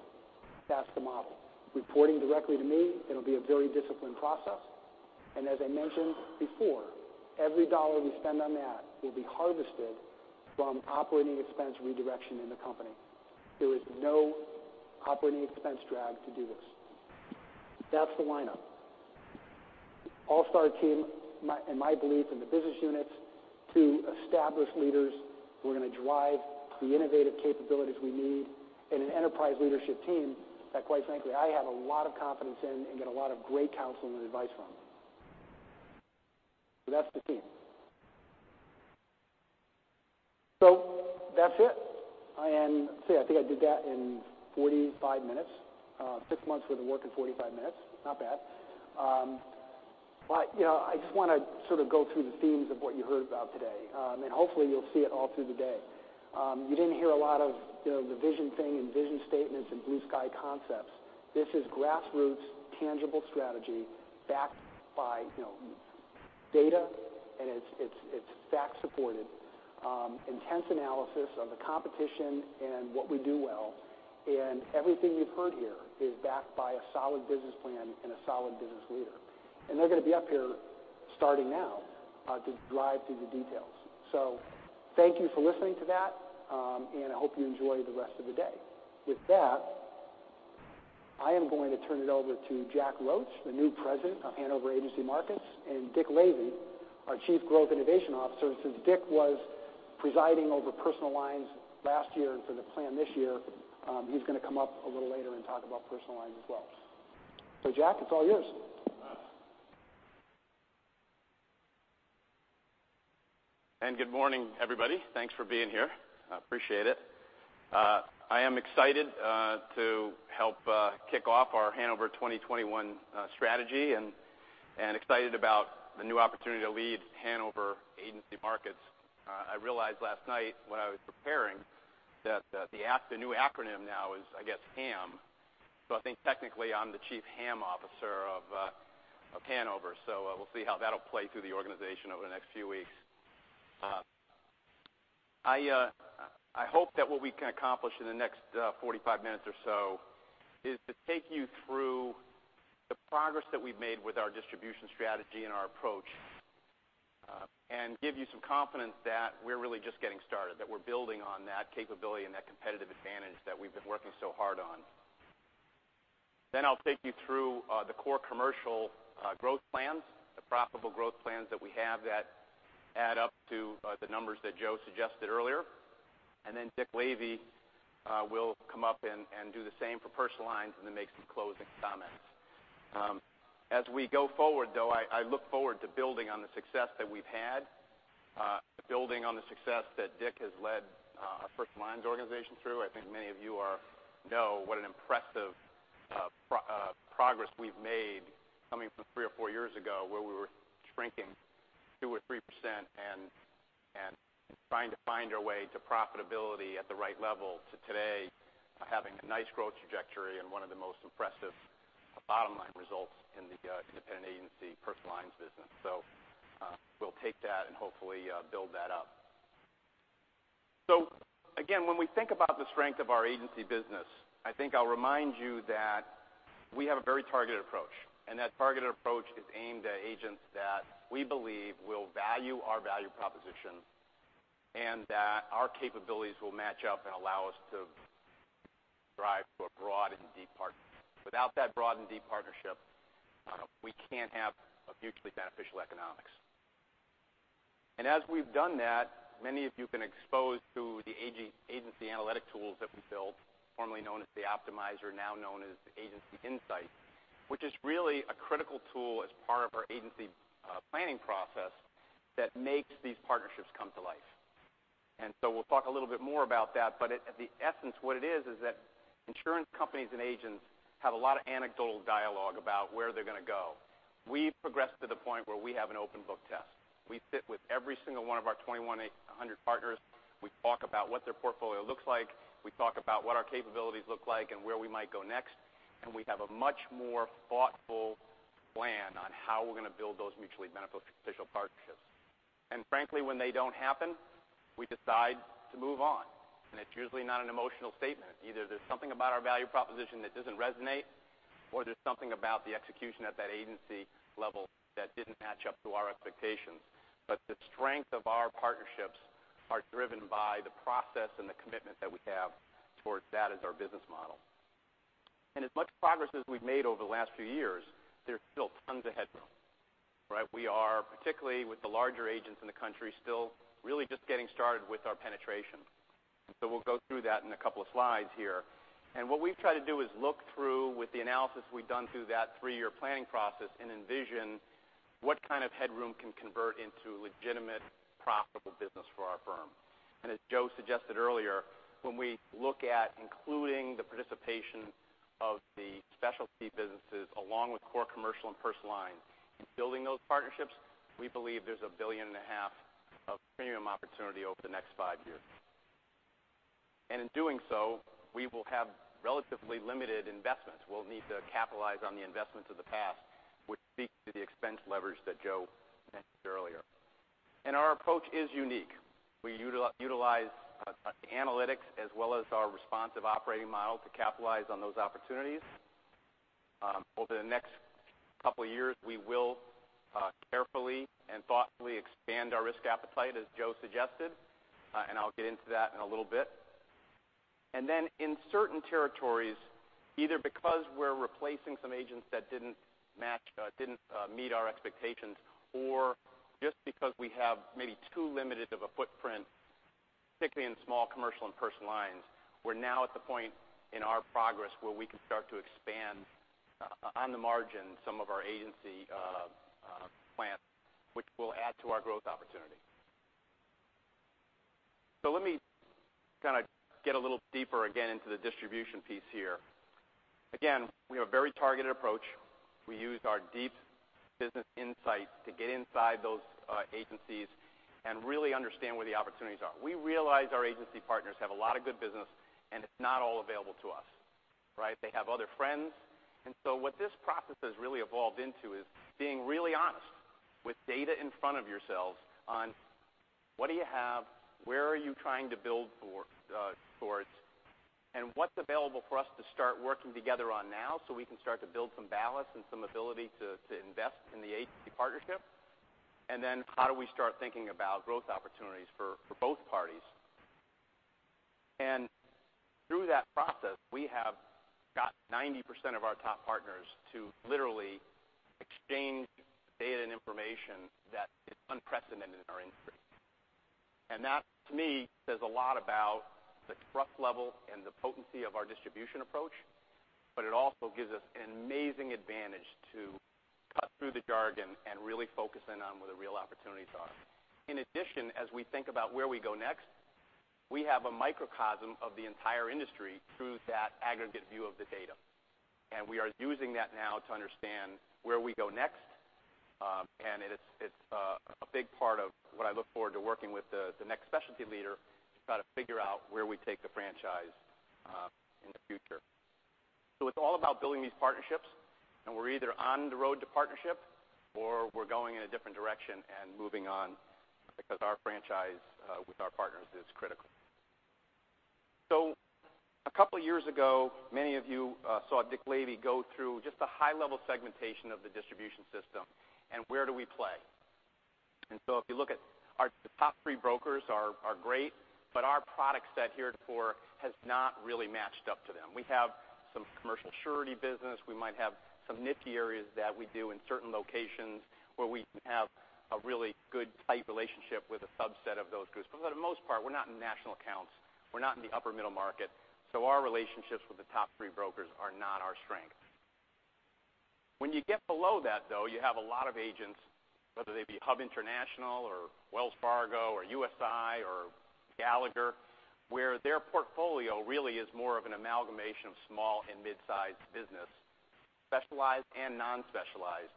That's the model. Reporting directly to me, it'll be a very disciplined process. As I mentioned before, every dollar we spend on that will be harvested from operating expense redirection in the company. There is no operating expense drag to do this. That's the lineup. All-star team, and my belief in the business units, two established leaders who are going to drive the innovative capabilities we need, and an enterprise leadership team that quite frankly, I have a lot of confidence in and get a lot of great counsel and advice from. That's the team. That's it. I think I did that in 45 minutes. Six months' worth of work in 45 minutes. Not bad. I just want to sort of go through the themes of what you heard about today. Hopefully, you'll see it all through the day. You didn't hear a lot of the vision thing and vision statements and blue sky concepts. This is grassroots, tangible strategy backed by data, and it's fact supported, intense analysis of the competition and what we do well. Everything you've heard here is backed by a solid business plan and a solid business leader. They're going to be up here starting now to drive through the details. Thank you for listening to that, and I hope you enjoy the rest of the day. With that, I am going to turn it over to Jack Roche, the new President of Hanover Agency Markets, and Dick Lavey, our Chief Growth Innovation Officer. Since Dick was presiding over personal lines last year and for the plan this year, he's going to come up a little later and talk about personal lines as well. Jack, it's all yours. Good morning, everybody. Thanks for being here. I appreciate it. I am excited to help kick off our Hanover 2021 strategy and excited about the new opportunity to lead Hanover Agency Markets. I realized last night when I was preparing that the new acronym now is, I guess, HAM. I think technically I'm the chief HAM officer of Hanover. We'll see how that'll play through the organization over the next few weeks. I hope that what we can accomplish in the next 45 minutes or so is to take you through the progress that we've made with our distribution strategy and our approach, and give you some confidence that we're really just getting started, that we're building on that capability and that competitive advantage that we've been working so hard on. I'll take you through the core commercial growth plans, the profitable growth plans that we have that add up to the numbers that Joe suggested earlier. Then Dick Lavey will come up and do the same for personal lines, and then make some closing comments. As we go forward, though, I look forward to building on the success that we've had, building on the success that Dick has led our personal lines organization through. I think many of you know what an impressive progress we've made coming from three or four years ago, where we were shrinking 2% or 3% and trying to find our way to profitability at the right level, to today, having a nice growth trajectory and one of the most impressive bottom line results in the independent agency personal lines business. We'll take that and hopefully build that up. Again, when we think about the strength of our agency business, I think I'll remind you that we have a very targeted approach, and that targeted approach is aimed at agents that we believe will value our value proposition and that our capabilities will match up and allow us to thrive through a broad and deep partnership. Without that broad and deep partnership, we can't have mutually beneficial economics. As we've done that, many of you have been exposed to the agency analytic tools that we built, formerly known as the Optimizer, now known as Agency Insight, which is really a critical tool as part of our agency planning process that makes these partnerships come to life. We'll talk a little bit more about that, but at the essence, what it is that insurance companies and agents have a lot of anecdotal dialogue about where they're going to go. We've progressed to the point where we have an open book test. We sit with every single one of our 2,100 partners. We talk about what their portfolio looks like. We talk about what our capabilities look like and where we might go next, and we have a much more thoughtful plan on how we're going to build those mutually beneficial partnerships. Frankly, when they don't happen, we decide to move on, and it's usually not an emotional statement. Either there's something about our value proposition that doesn't resonate, or there's something about the execution at that agency level that didn't match up to our expectations. The strength of our partnerships are driven by the process and the commitment that we have towards that as our business model. As much progress as we've made over the last few years, there's still tons of headroom. We are, particularly with the larger agents in the country, still really just getting started with our penetration. We'll go through that in a couple of slides here. What we've tried to do is look through with the analysis we've done through that three-year planning process and envision what kind of headroom can convert into legitimate, profitable business for our firm. As Joe suggested earlier, when we look at including the participation of the specialty businesses, along with core commercial and personal lines in building those partnerships, we believe there's $1.5 billion of premium opportunity over the next five years. In doing so, we will have relatively limited investments. We'll need to capitalize on the investments of the past, which speaks to the expense leverage that Joe mentioned earlier. Our approach is unique. We utilize analytics as well as our responsive operating model to capitalize on those opportunities. Over the next couple of years, we will carefully and thoughtfully expand our risk appetite, as Joe suggested. I'll get into that in a little bit. In certain territories, either because we're replacing some agents that didn't meet our expectations or just because we have maybe too limited of a footprint, particularly in small commercial and personal lines, we're now at the point in our progress where we can start to expand on the margin some of our agency plans, which will add to our growth opportunity. Let me get a little deeper again into the distribution piece here. Again, we have a very targeted approach. We use our deep business insight to get inside those agencies and really understand where the opportunities are. We realize our agency partners have a lot of good business, and it's not all available to us. They have other friends. What this process has really evolved into is being really honest with data in front of yourselves on what do you have, where are you trying to build towards, and what's available for us to start working together on now so we can start to build some ballast and some ability to invest in the agency partnership? How do we start thinking about growth opportunities for both parties? Through that process, we have got 90% of our top partners to literally exchange data and information that is unprecedented in our industry. That, to me, says a lot about the trust level and the potency of our distribution approach, but it also gives us an amazing advantage to cut through the jargon and really focus in on where the real opportunities are. In addition, as we think about where we go next, we have a microcosm of the entire industry through that aggregate view of the data, and we are using that now to understand where we go next. It's a big part of what I look forward to working with the next specialty leader to try to figure out where we take the franchise in the future. It's all about building these partnerships, and we're either on the road to partnership or we're going in a different direction and moving on because our franchise with our partners is critical. A couple of years ago, many of you saw Dick Lavey go through just the high level segmentation of the distribution system and where do we play. If you look at our top three brokers are great, but our product set here at core has not really matched up to them. We have some commercial surety business. We might have some nifty areas that we do in certain locations where we have a really good, tight relationship with a subset of those groups. For the most part, we're not in national accounts. We're not in the upper middle market. Our relationships with the top three brokers are not our strength. When you get below that, though, you have a lot of agents, whether they be Hub International or Wells Fargo or USI or Gallagher, where their portfolio really is more of an amalgamation of small and mid-sized business, specialized and non-specialized,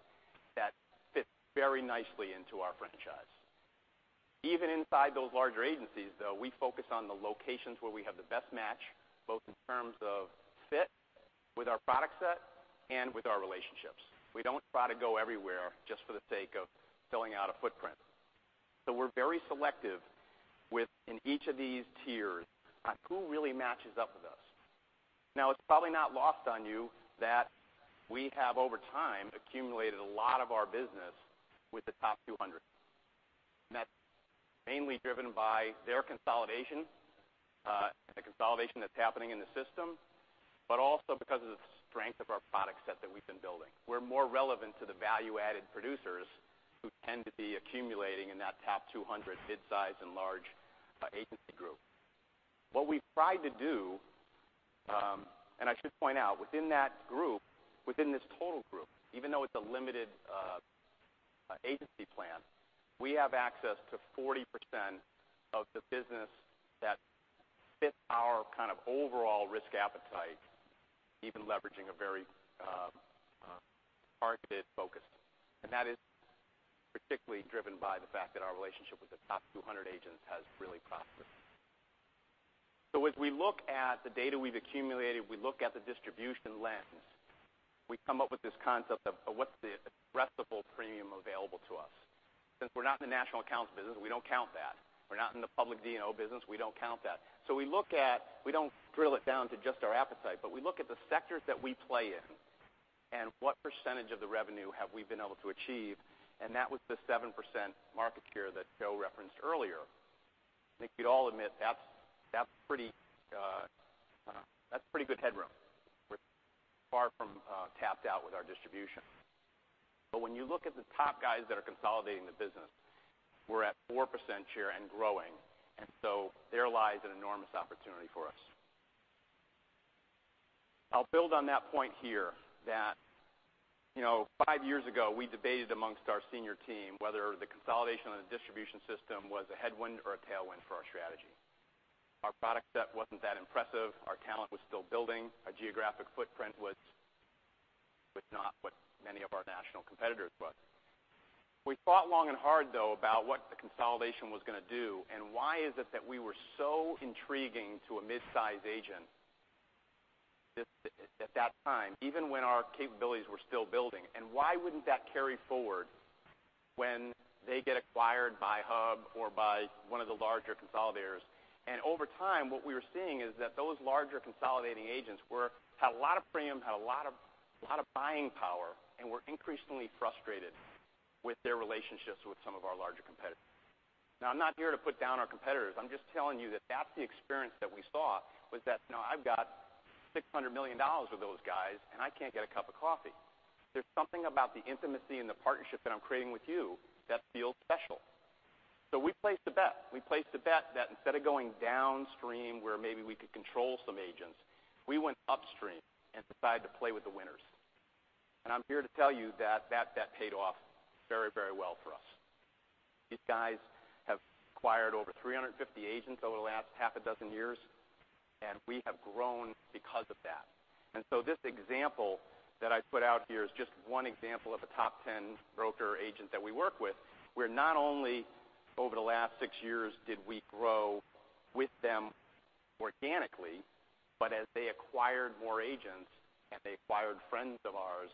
that fits very nicely into our franchise. Even inside those larger agencies, though, we focus on the locations where we have the best match, both in terms of fit with our product set and with our relationships. We don't try to go everywhere just for the sake of filling out a footprint. We're very selective within each of these tiers on who really matches up with us. It's probably not lost on you that we have, over time, accumulated a lot of our business with the top 200. That's mainly driven by their consolidation, the consolidation that's happening in the system, also because of the strength of our product set that we've been building. We're more relevant to the value-added producers who tend to be accumulating in that top 200 mid-size and large agency group. What we've tried to do, and I should point out, within that group, within this total group, even though it's a limited agency plan, we have access to 40% of the business that fits our kind of overall risk appetite, even leveraging a very targeted focus. That is particularly driven by the fact that our relationship with the top 200 agents has really prospered. As we look at the data we've accumulated, we look at the distribution lens, we come up with this concept of what's the addressable premium available to us. Since we're not in the national accounts business, we don't count that. We're not in the public D&O business, we don't count that. We don't drill it down to just our appetite, but we look at the sectors that we play in and what percentage of the revenue have we been able to achieve, and that was the 7% market share that Joe referenced earlier. I think you'd all admit that's pretty good headroom. We're far from tapped out with our distribution. When you look at the top guys that are consolidating the business, we're at 4% share and growing, there lies an enormous opportunity for us. I'll build on that point here that five years ago, we debated amongst our senior team whether the consolidation of the distribution system was a headwind or a tailwind for our strategy. Our product set wasn't that impressive, our talent was still building, our geographic footprint was not what many of our national competitors' was. We thought long and hard, though, about what the consolidation was going to do and why is it that we were so intriguing to a mid-size agent at that time, even when our capabilities were still building, and why wouldn't that carry forward when they get acquired by Hub or by one of the larger consolidators? Over time, what we were seeing is that those larger consolidating agents had a lot of premium, had a lot of buying power, and were increasingly frustrated with their relationships with some of our larger competitors. I'm not here to put down our competitors. I'm just telling you that that's the experience that we saw was that, "I've got $600 million with those guys and I can't get a cup of coffee. There's something about the intimacy and the partnership that I'm creating with you that feels special." We placed a bet. We placed a bet that instead of going downstream where maybe we could control some agents, we went upstream and decided to play with the winners. I'm here to tell you that paid off very well for us. These guys have acquired over 350 agents over the last half a dozen years, and we have grown because of that. This example that I put out here is just one example of a top 10 broker agent that we work with, where not only over the last six years did we grow with them organically, but as they acquired more agents and they acquired friends of ours,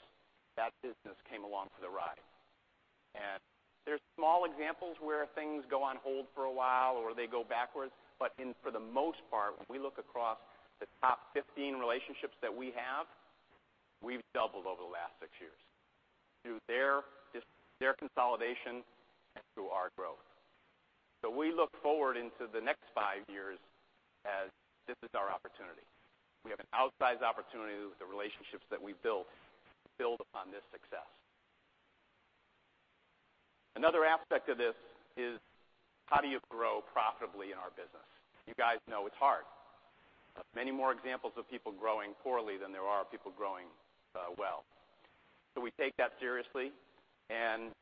that business came along for the ride. There's small examples where things go on hold for a while or they go backwards, but for the most part, when we look across the top 15 relationships that we have, we've doubled over the last six years through their consolidation and through our growth. We look forward into the next five years as this is our opportunity. We have an outsized opportunity with the relationships that we've built to build upon this success. Another aspect of this is how do you grow profitably in our business? You guys know it's hard. Many more examples of people growing poorly than there are of people growing well. We take that seriously, and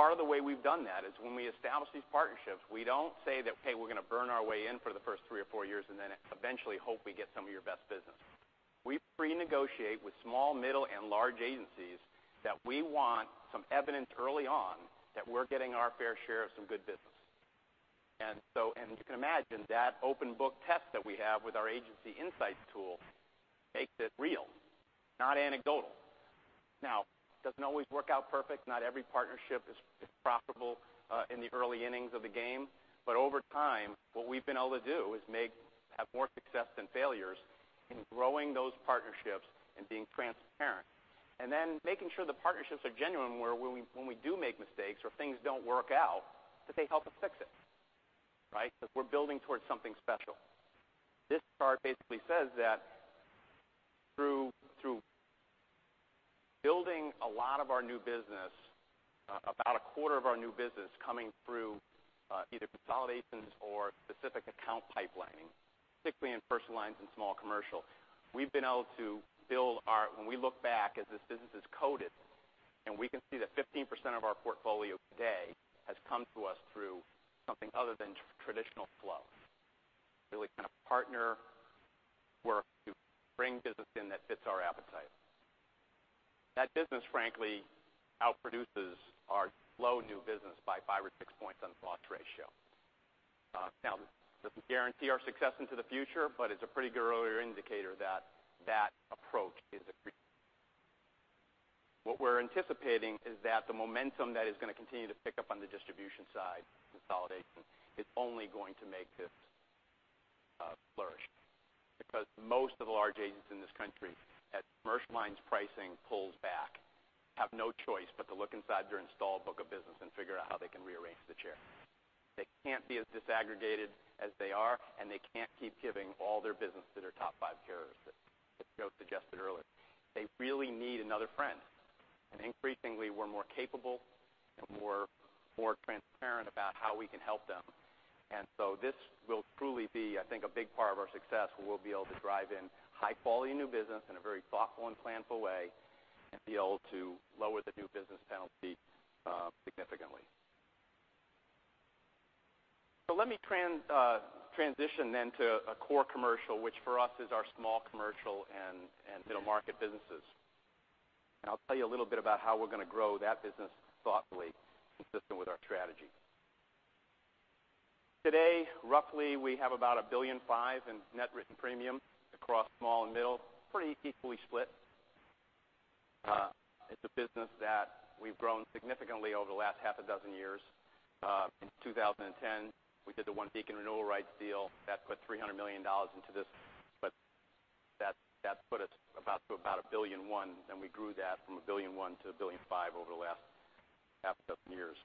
part of the way we've done that is when we establish these partnerships, we don't say that, "Hey, we're going to burn our way in for the first three or four years and then eventually hope we get some of your best business." We pre-negotiate with small, middle, and large agencies that we want some evidence early on that we're getting our fair share of some good business. You can imagine, that open book test that we have with our Agency Insight tool makes it real, not anecdotal. It doesn't always work out perfect. Not every partnership is profitable in the early innings of the game. Over time, what we've been able to do is have more success than failures in growing those partnerships and being transparent. making sure the partnerships are genuine, where when we do make mistakes or things don't work out, that they help us fix it, right? We're building towards something special. This chart basically says that through building a lot of our new business, about a quarter of our new business coming through either consolidations or specific account pipelining, particularly in personal lines and small commercial, we've been able to build. When we look back as this business is coded, and we can see that 15% of our portfolio today has come to us through something other than traditional flow. Partner work to bring business in that fits our appetite. That business, frankly, outproduces our slow new business by five or six points on the loss ratio. It doesn't guarantee our success into the future, it's a pretty good early indicator that that approach is agreed. What we're anticipating is that the momentum that is going to continue to pick up on the distribution side, consolidation, is only going to make this flourish. Most of the large agents in this country, as commercial lines pricing pulls back, have no choice but to look inside their installed book of business and figure out how they can rearrange the chair. They can't be as disaggregated as they are, and they can't keep giving all their business to their top five carriers, as Joe suggested earlier. They really need another friend. Increasingly, we're more capable and more transparent about how we can help them. This will truly be, I think, a big part of our success, where we'll be able to drive in high-quality new business in a very thoughtful and planful way and be able to lower the new business penalty significantly. Let me transition to a core commercial, which for us is our small commercial and middle market businesses. I'll tell you a little bit about how we're going to grow that business thoughtfully, consistent with our strategy. Today, roughly we have about $1.5 billion in net written premium across small and middle, pretty equally split. It's a business that we've grown significantly over the last half a dozen years. In 2010, we did the OneBeacon Renewal Rights deal. That put $300 million into this, that put us to about $1.1 billion. We grew that from $1.1 billion to $1.5 billion over the last half dozen years.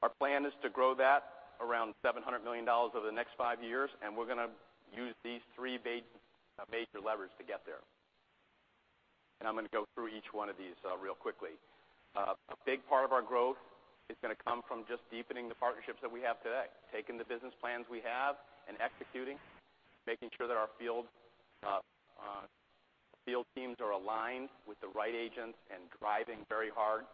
Our plan is to grow that around $700 million over the next five years, we're going to use these three major levers to get there. I'm going to go through each one of these real quickly. A big part of our growth is going to come from just deepening the partnerships that we have today, taking the business plans we have and executing, making sure that our field teams are aligned with the right agents and driving very hard.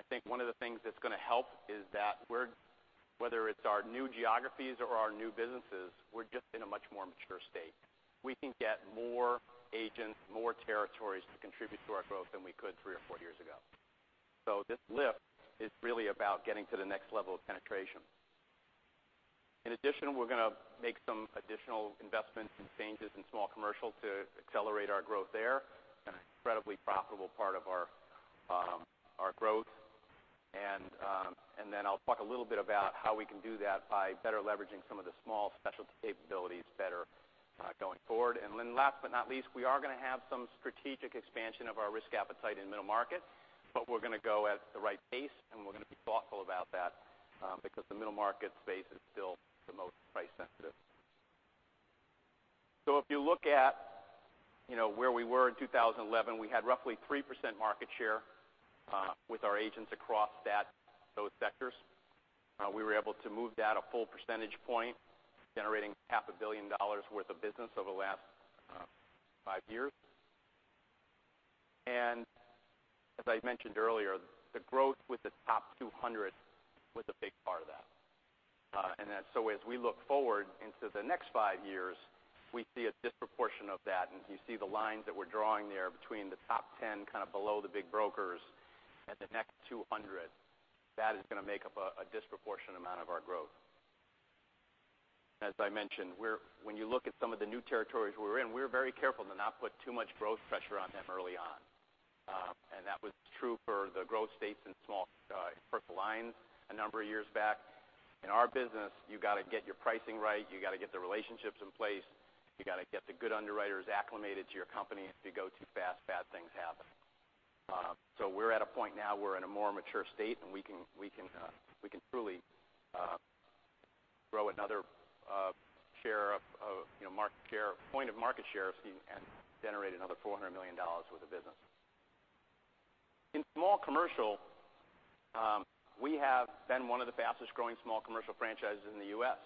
I think one of the things that's going to help is that whether it's our new geographies or our new businesses, we're just in a much more mature state. We can get more agents, more territories to contribute to our growth than we could three or four years ago. This lift is really about getting to the next level of penetration. In addition, we're going to make some additional investments and changes in small commercial to accelerate our growth there, an incredibly profitable part of our growth. I'll talk a little bit about how we can do that by better leveraging some of the small specialty capabilities better going forward. Last but not least, we are going to have some strategic expansion of our risk appetite in middle market, we're going to go at the right pace, and we're going to be thoughtful about that because the middle market space is still the most price sensitive. If you look at where we were in 2011, we had roughly 3% market share with our agents across those sectors. We were able to move that a full percentage point, generating half a billion dollars worth of business over the last five years. As I mentioned earlier, the growth with the top 200 was a big part of that. As we look forward into the next five years, we see a disproportion of that, and you see the lines that we're drawing there between the top 10, kind of below the big brokers at the next 200. That is going to make up a disproportionate amount of our growth. As I mentioned, when you look at some of the new territories we're in, we're very careful to not put too much growth pressure on them early on. That was true for the growth states in personal lines a number of years back. In our business, you got to get your pricing right. You got to get the relationships in place. You got to get the good underwriters acclimated to your company. If you go too fast, bad things happen. We're at a point now we're in a more mature state, and we can truly grow another point of market share and generate another $400 million worth of business. In small commercial, we have been one of the fastest-growing small commercial franchises in the U.S.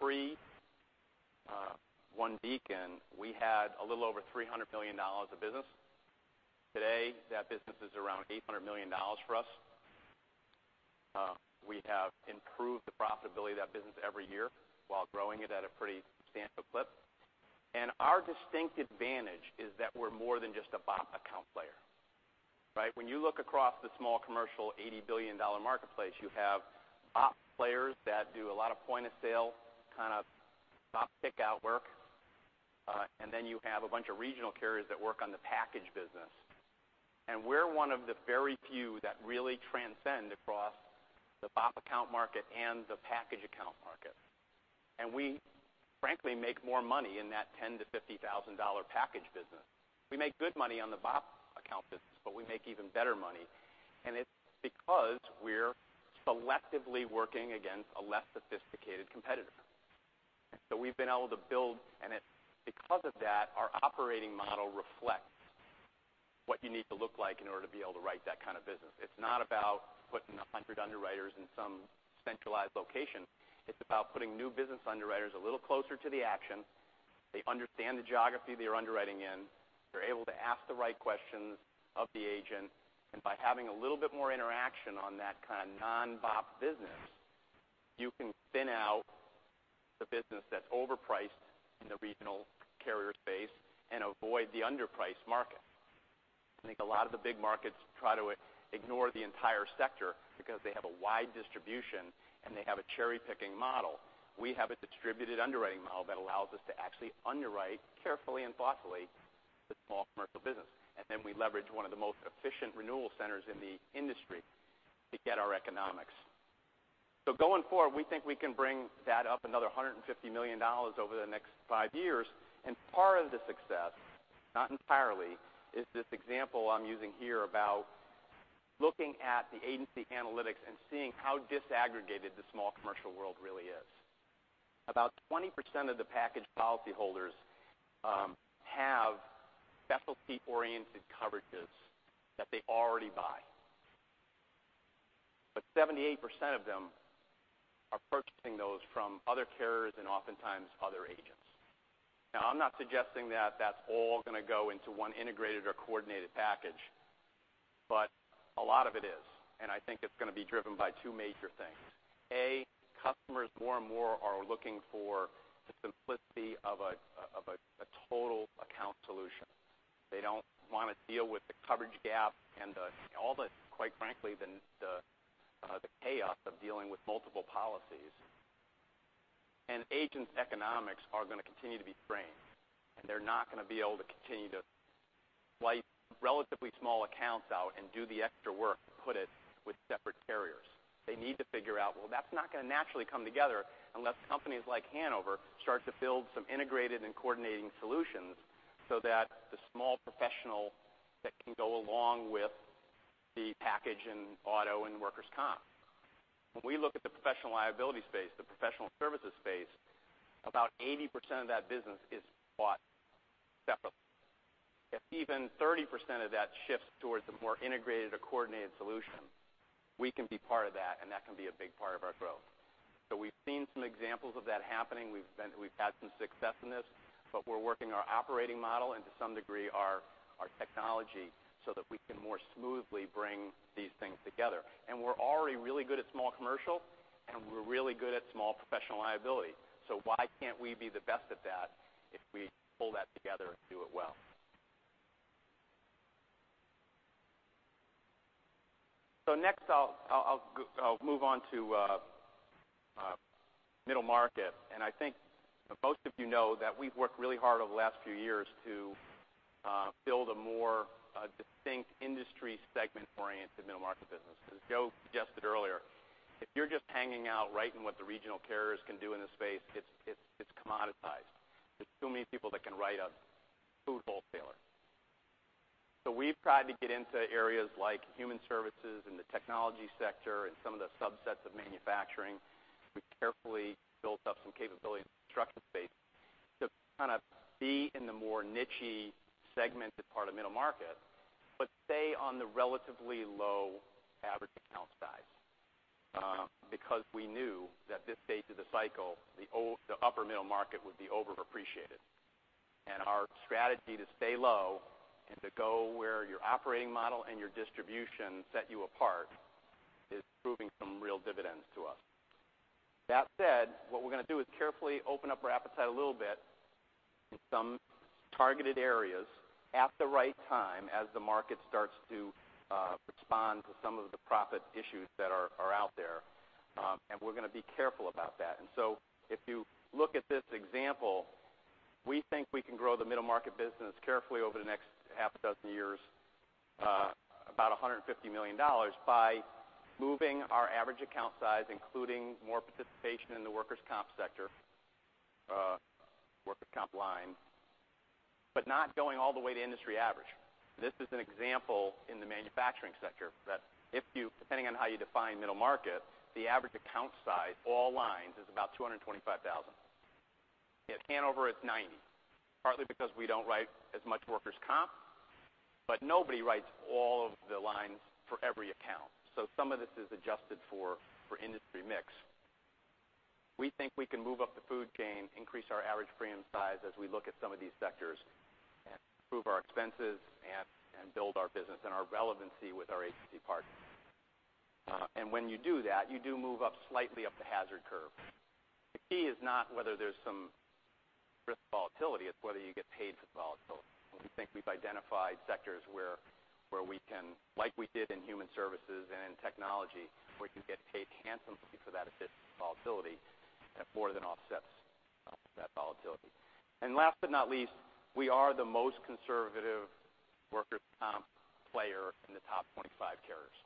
Pre-OneBeacon, we had a little over $300 million of business. Today, that business is around $800 million for us. We have improved the profitability of that business every year while growing it at a pretty substantial clip. Our distinct advantage is that we're more than just a BOP account player. When you look across the small commercial $80 billion marketplace, you have BOP players that do a lot of point-of-sale kind of BOP pick-out work, you have a bunch of regional carriers that work on the package business. We're one of the very few that really transcend across the BOP account market and the package account market. We frankly make more money in that $10,000-$50,000 package business. We make good money on the BOP account business, we make even better money, it's because we're selectively working against a less sophisticated competitor. We've been able to build, because of that, our operating model reflects what you need to look like in order to be able to write that kind of business. It's not about putting 100 underwriters in some centralized location. It's about putting new business underwriters a little closer to the action. They understand the geography they're underwriting in. They're able to ask the right questions of the agent. By having a little bit more interaction on that kind of non-BOP business, you can thin out the business that's overpriced in the regional carrier space and avoid the underpriced market. I think a lot of the big markets try to ignore the entire sector because they have a wide distribution, and they have a cherry-picking model. We have a distributed underwriting model that allows us to actually underwrite carefully and thoughtfully the small commercial business. Then we leverage one of the most efficient renewal centers in the industry to get our economics. Going forward, we think we can bring that up another $150 million over the next five years, part of the success, not entirely, is this example I'm using here about looking at the agency analytics and seeing how disaggregated the small commercial world really is. About 20% of the package policyholders have specialty-oriented coverages that they already buy. 78% of them are purchasing those from other carriers and oftentimes other agents. I'm not suggesting that that's all going to go into one integrated or coordinated package, a lot of it is, and I think it's going to be driven by two major things. A, customers more and more are looking for the simplicity of a total account solution. They don't want to deal with the coverage gap and all the, quite frankly, the chaos of dealing with multiple policies. Agents' economics are going to continue to be frayed, they're not going to be able to continue to write relatively small accounts out and do the extra work to put it with separate carriers. They need to figure out, well, that's not going to naturally come together unless companies like Hanover start to build some integrated and coordinating solutions so that the small professional that can go along with the package and auto and workers' comp. When we look at the professional liability space, the professional services space, about 80% of that business is bought separately. If even 30% of that shifts towards a more integrated or coordinated solution, we can be part of that, and that can be a big part of our growth. We've seen some examples of that happening. We've had some success in this, we're working our operating model and to some degree, our technology so that we can more smoothly bring these things together. We're already really good at small commercial, we're really good at small professional liability. Why can't we be the best at that if we pull that together and do it well? Next, I'll move on to middle market, I think most of you know that we've worked really hard over the last few years to build a more distinct industry segment-oriented middle market business. As Joe suggested earlier, if you're just hanging out writing what the regional carriers can do in the space, it's commoditized. There are too many people that can write a food wholesaler. We've tried to get into areas like human services and the technology sector and some of the subsets of manufacturing. We've carefully built up some capability in the construction space to kind of be in the more nichey segmented part of middle market, but stay on the relatively low average account size because we knew that this phase of the cycle, the upper middle market would be over-appreciated. Our strategy to stay low and to go where your operating model and your distribution set you apart is proving some real dividends to us. That said, what we're going to do is carefully open up our appetite a little bit in some targeted areas at the right time as the market starts to respond to some of the profit issues that are out there. We're going to be careful about that. If you look at this example, we think we can grow the middle market business carefully over the next half a dozen years, about $150 million, by moving our average account size, including more participation in the workers' comp sector, workers' comp line, but not going all the way to industry average. This is an example in the manufacturing sector that depending on how you define middle market, the average account size, all lines, is about $225,000. At Hanover, it's $90, partly because we don't write as much workers' comp, but nobody writes all of the lines for every account. Some of this is adjusted for industry mix. We think we can move up the food chain, increase our average premium size as we look at some of these sectors, and improve our expenses and build our business and our relevancy with our agency partners. When you do that, you do move up slightly up the hazard curve. The key is not whether there's some risk volatility, it's whether you get paid for the volatility. We think we've identified sectors where we can, like we did in human services and in technology, where we can get paid handsomely for that additional volatility, and it more than offsets that volatility. Last but not least, we are the most conservative workers' comp player in the top 25 carriers.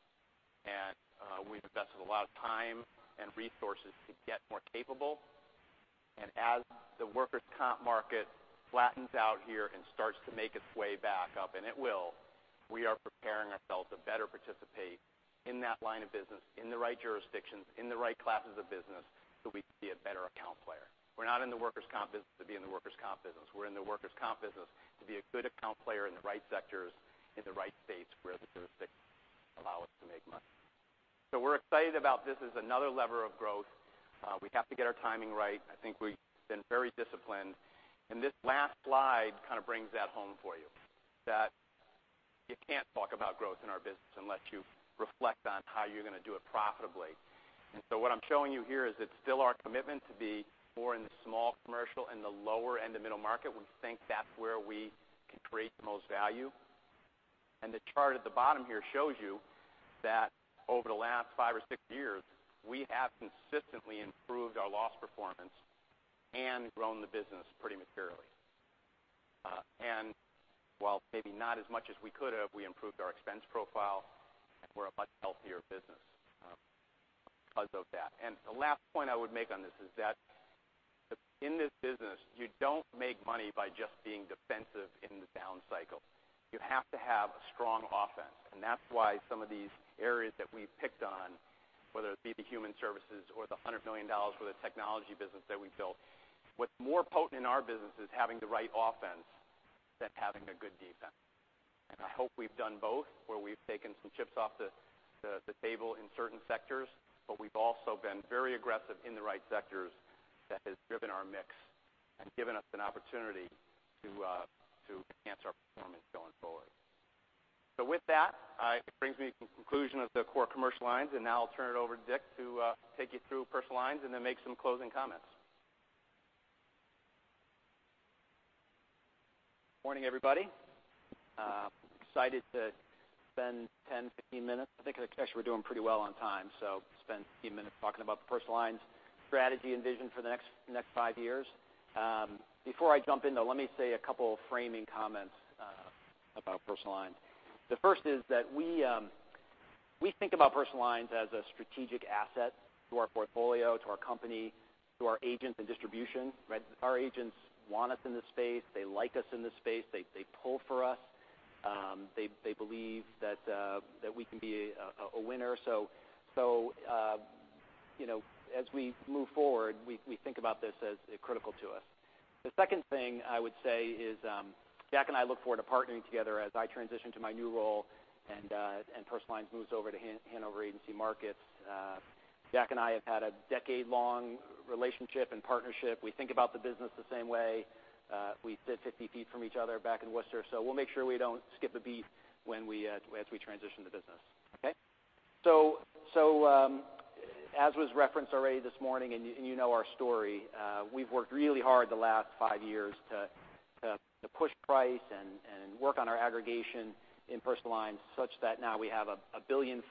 We've invested a lot of time and resources to get more capable, and as the workers' comp market flattens out here and starts to make its way back up, and it will, we are preparing ourselves to better participate in that line of business, in the right jurisdictions, in the right classes of business so we can be a better account player. We're not in the workers' comp business to be in the workers' comp business. We're in the workers' comp business to be a good account player in the right sectors, in the right states where the characteristics allow us to make money. We're excited about this as another lever of growth. We have to get our timing right. I think we've been very disciplined, and this last slide kind of brings that home for you, that you can't talk about growth in our business unless you reflect on how you're going to do it profitably. What I'm showing you here is it's still our commitment to be more in the small commercial and the lower end of middle market. We think that's where we can create the most value. The chart at the bottom here shows you that over the last five or six years, we have consistently improved our loss performance and grown the business pretty materially. While maybe not as much as we could have, we improved our expense profile, and we're a much healthier business because of that. The last point I would make on this is that in this business, you don't make money by just being defensive in the down cycle. You have to have a strong offense. That's why some of these areas that we've picked on, whether it be the human services or the $100 million for the technology business that we built, what's more potent in our business is having the right offense than having a good defense. I hope we've done both, where we've taken some chips off the table in certain sectors, but we've also been very aggressive in the right sectors that has driven our mix and given us an opportunity to enhance our performance going forward. With that, it brings me to the conclusion of the core commercial lines, and now I'll turn it over to Dick to take you through Personal Lines and then make some closing comments. Morning, everybody. Excited to spend 10, 15 minutes. I think actually we're doing pretty well on time, so spend 15 minutes talking about the Personal Lines strategy and vision for the next 5 years. Before I jump in, though, let me say a couple of framing comments about Personal Lines. The first is that we think about Personal Lines as a strategic asset to our portfolio, to our company, to our agents and distribution. Our agents want us in this space. They like us in this space. They pull for us. They believe that we can be a winner. As we move forward, we think about this as critical to us. The second thing I would say is, Jack and I look forward to partnering together as I transition to my new role and Personal Lines moves over to Hanover Agency Markets. Jack and I have had a decade-long relationship and partnership. We think about the business the same way. We sit 50 feet from each other back in Worcester, so we'll make sure we don't skip a beat as we transition the business. Okay? As was referenced already this morning, and you know our story, we've worked really hard the last 5 years to push price and work on our aggregation in Personal Lines such that now we have a $1.5 billion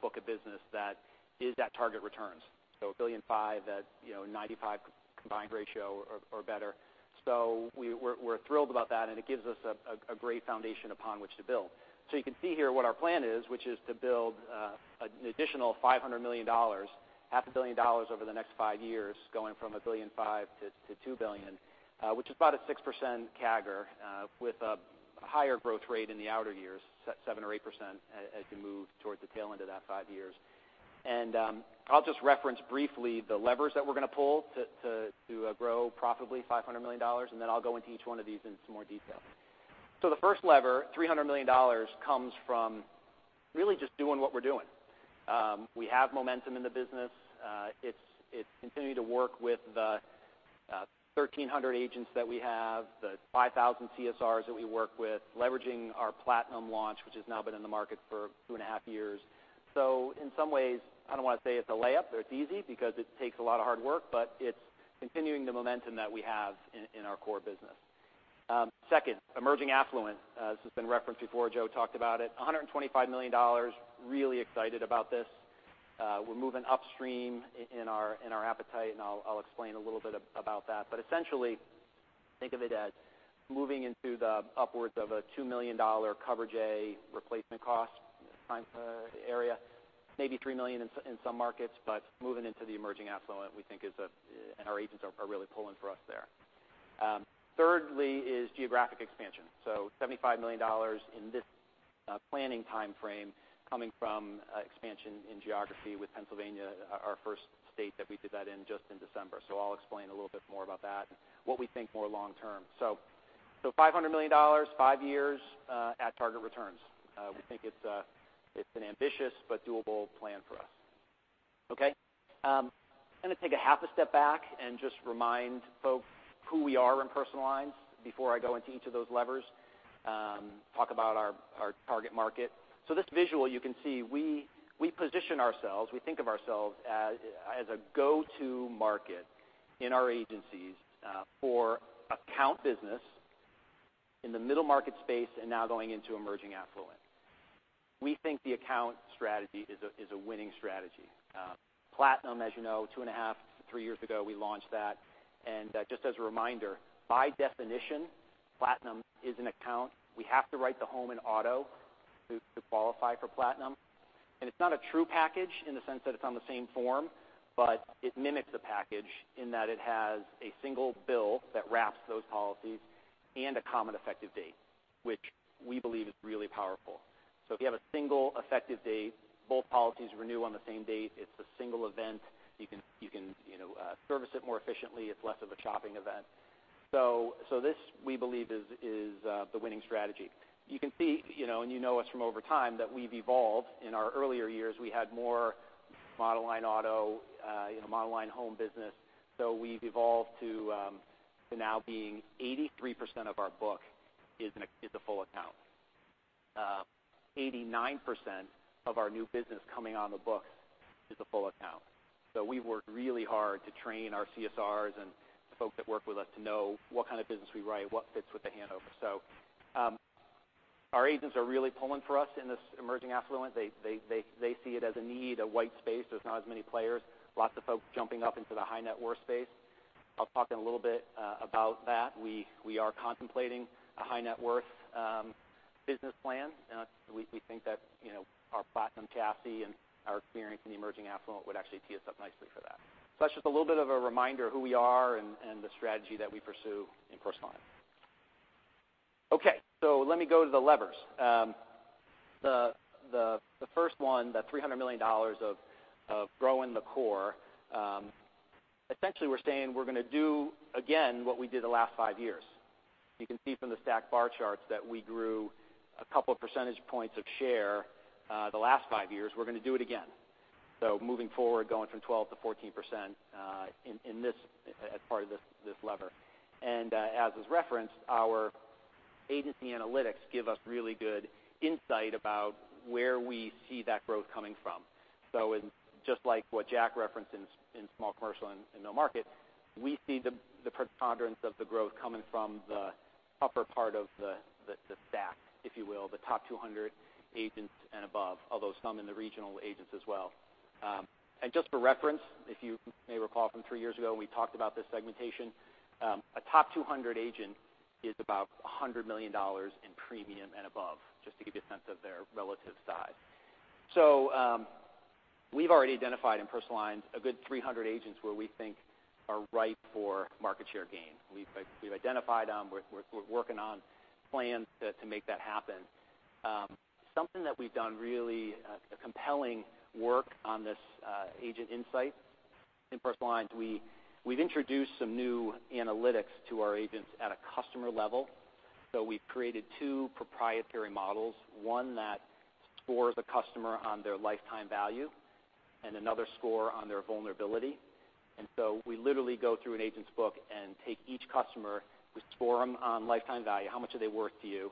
book of business that is at target returns. A $1.5 billion at 95 combined ratio or better. We're thrilled about that, and it gives us a great foundation upon which to build. You can see here what our plan is, which is to build an additional $500 million, half a billion dollars over the next five years, going from $1.5 billion to $2 billion, which is about a 6% CAGR with a higher growth rate in the outer years, 7% or 8% as we move towards the tail end of that five years. I'll just reference briefly the levers that we're going to pull to grow profitably $500 million, and then I'll go into each one of these in some more detail. The first lever, $300 million, comes from really just doing what we're doing. We have momentum in the business. It's continuing to work with the 1,300 agents that we have, the 5,000 CSRs that we work with, leveraging our Platinum launch, which has now been in the market for two and a half years. In some ways, I don't want to say it's a layup or it's easy because it takes a lot of hard work, but it's continuing the momentum that we have in our core business. Second, emerging affluent. This has been referenced before. Joe talked about it. $125 million. Really excited about this. We're moving upstream in our appetite, and I'll explain a little bit about that. But essentially, think of it as moving into the upwards of a $2 million coverage A replacement cost area, maybe $3 million in some markets, but moving into the emerging affluent we think is and our agents are really pulling for us there. Thirdly is geographic expansion. $75 million in this planning timeframe coming from expansion in geography with Pennsylvania, our first state that we did that in just in December. I'll explain a little bit more about that and what we think more long term. $500 million, five years at target returns. We think it's an ambitious but doable plan for us. Okay? I'm going to take a half a step back and just remind folks who we are in personal lines before I go into each of those levers. Talk about our target market. This visual, you can see, we position ourselves, we think of ourselves as a go-to market in our agencies for account business in the middle market space and now going into emerging affluent. We think the account strategy is a winning strategy. Platinum, as you know, two and a half, three years ago, we launched that. Just as a reminder, by definition, Platinum is an account. We have to write the home and auto to qualify for Platinum. It's not a true package in the sense that it's on the same form, but it mimics a package in that it has a single bill that wraps those policies and a common effective date, which we believe is really powerful. If you have a single effective date, both policies renew on the same date. It's a single event. You can service it more efficiently. It's less of a shopping event. This, we believe, is the winning strategy. You can see, and you know us from over time, that we've evolved. In our earlier years, we had more monoline auto, monoline home business. We've evolved to now being 83% of our book is a full account. 89% of our new business coming on the books is a full account. We work really hard to train our CSRs and the folks that work with us to know what kind of business we write, what fits with The Hanover. Our agents are really pulling for us in this emerging affluent. They see it as a need, a white space. There's not as many players. Lots of folks jumping up into the high net worth space. I'll talk in a little bit about that. We are contemplating a high net worth business plan, and we think that our Platinum chassis and our experience in the emerging affluent would actually tee us up nicely for that. That's just a little bit of a reminder who we are and the strategy that we pursue in personal lines. Let me go to the levers. The first one, the $300 million of growing the core. Essentially we're saying we're going to do, again, what we did the last five years. You can see from the stacked bar charts that we grew a couple of percentage points of share the last five years. We're going to do it again. Moving forward, going from 12%-14% as part of this lever. As was referenced, our agency analytics give us really good insight about where we see that growth coming from. Just like what Jack referenced in small commercial and no market, we see the preponderance of the growth coming from the upper part of the stack, if you will, the top 200 agents and above, although some in the regional agents as well. Just for reference, if you may recall from three years ago when we talked about this segmentation, a top 200 agent is about $100 million in premium and above, just to give you a sense of their relative size. We've already identified in personal lines a good 300 agents where we think are ripe for market share gain. We've identified them. We're working on plans to make that happen. Something that we've done really compelling work on this Agency Insight in personal lines, we've introduced some new analytics to our agents at a customer level. We've created two proprietary models, one that scores a customer on their lifetime value and another score on their vulnerability. We literally go through an agent's book and take each customer. We score them on lifetime value, how much are they worth to you,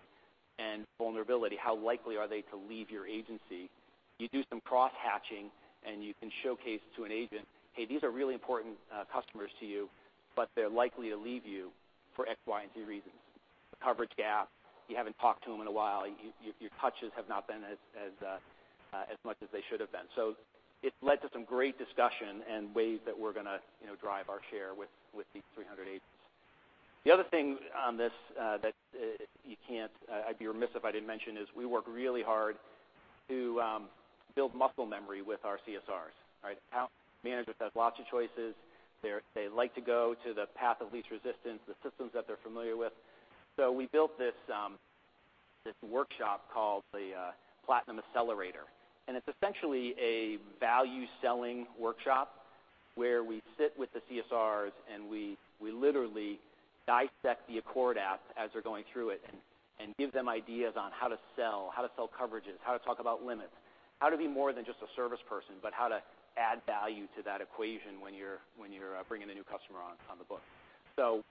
and vulnerability, how likely are they to leave your agency? You do some cross-hatching, and you can showcase to an agent, hey, these are really important customers to you, but they're likely to leave you for X, Y, and Z reasons. A coverage gap. You haven't talked to them in a while. Your touches have not been as much as they should have been. It led to some great discussion and ways that we're going to drive our share with these 300 agents. The other thing on this that I'd be remiss if I didn't mention is we work really hard to build muscle memory with our CSRs. Right? Account managers have lots of choices. They like to go to the path of least resistance, the systems that they're familiar with. We built this workshop called the Platinum Accelerator, and it's essentially a value-selling workshop where we sit with the CSRs, and we literally dissect the ACORD app as they're going through it and give them ideas on how to sell, how to sell coverages, how to talk about limits, how to be more than just a service person, but how to add value to that equation when you're bringing a new customer on the book.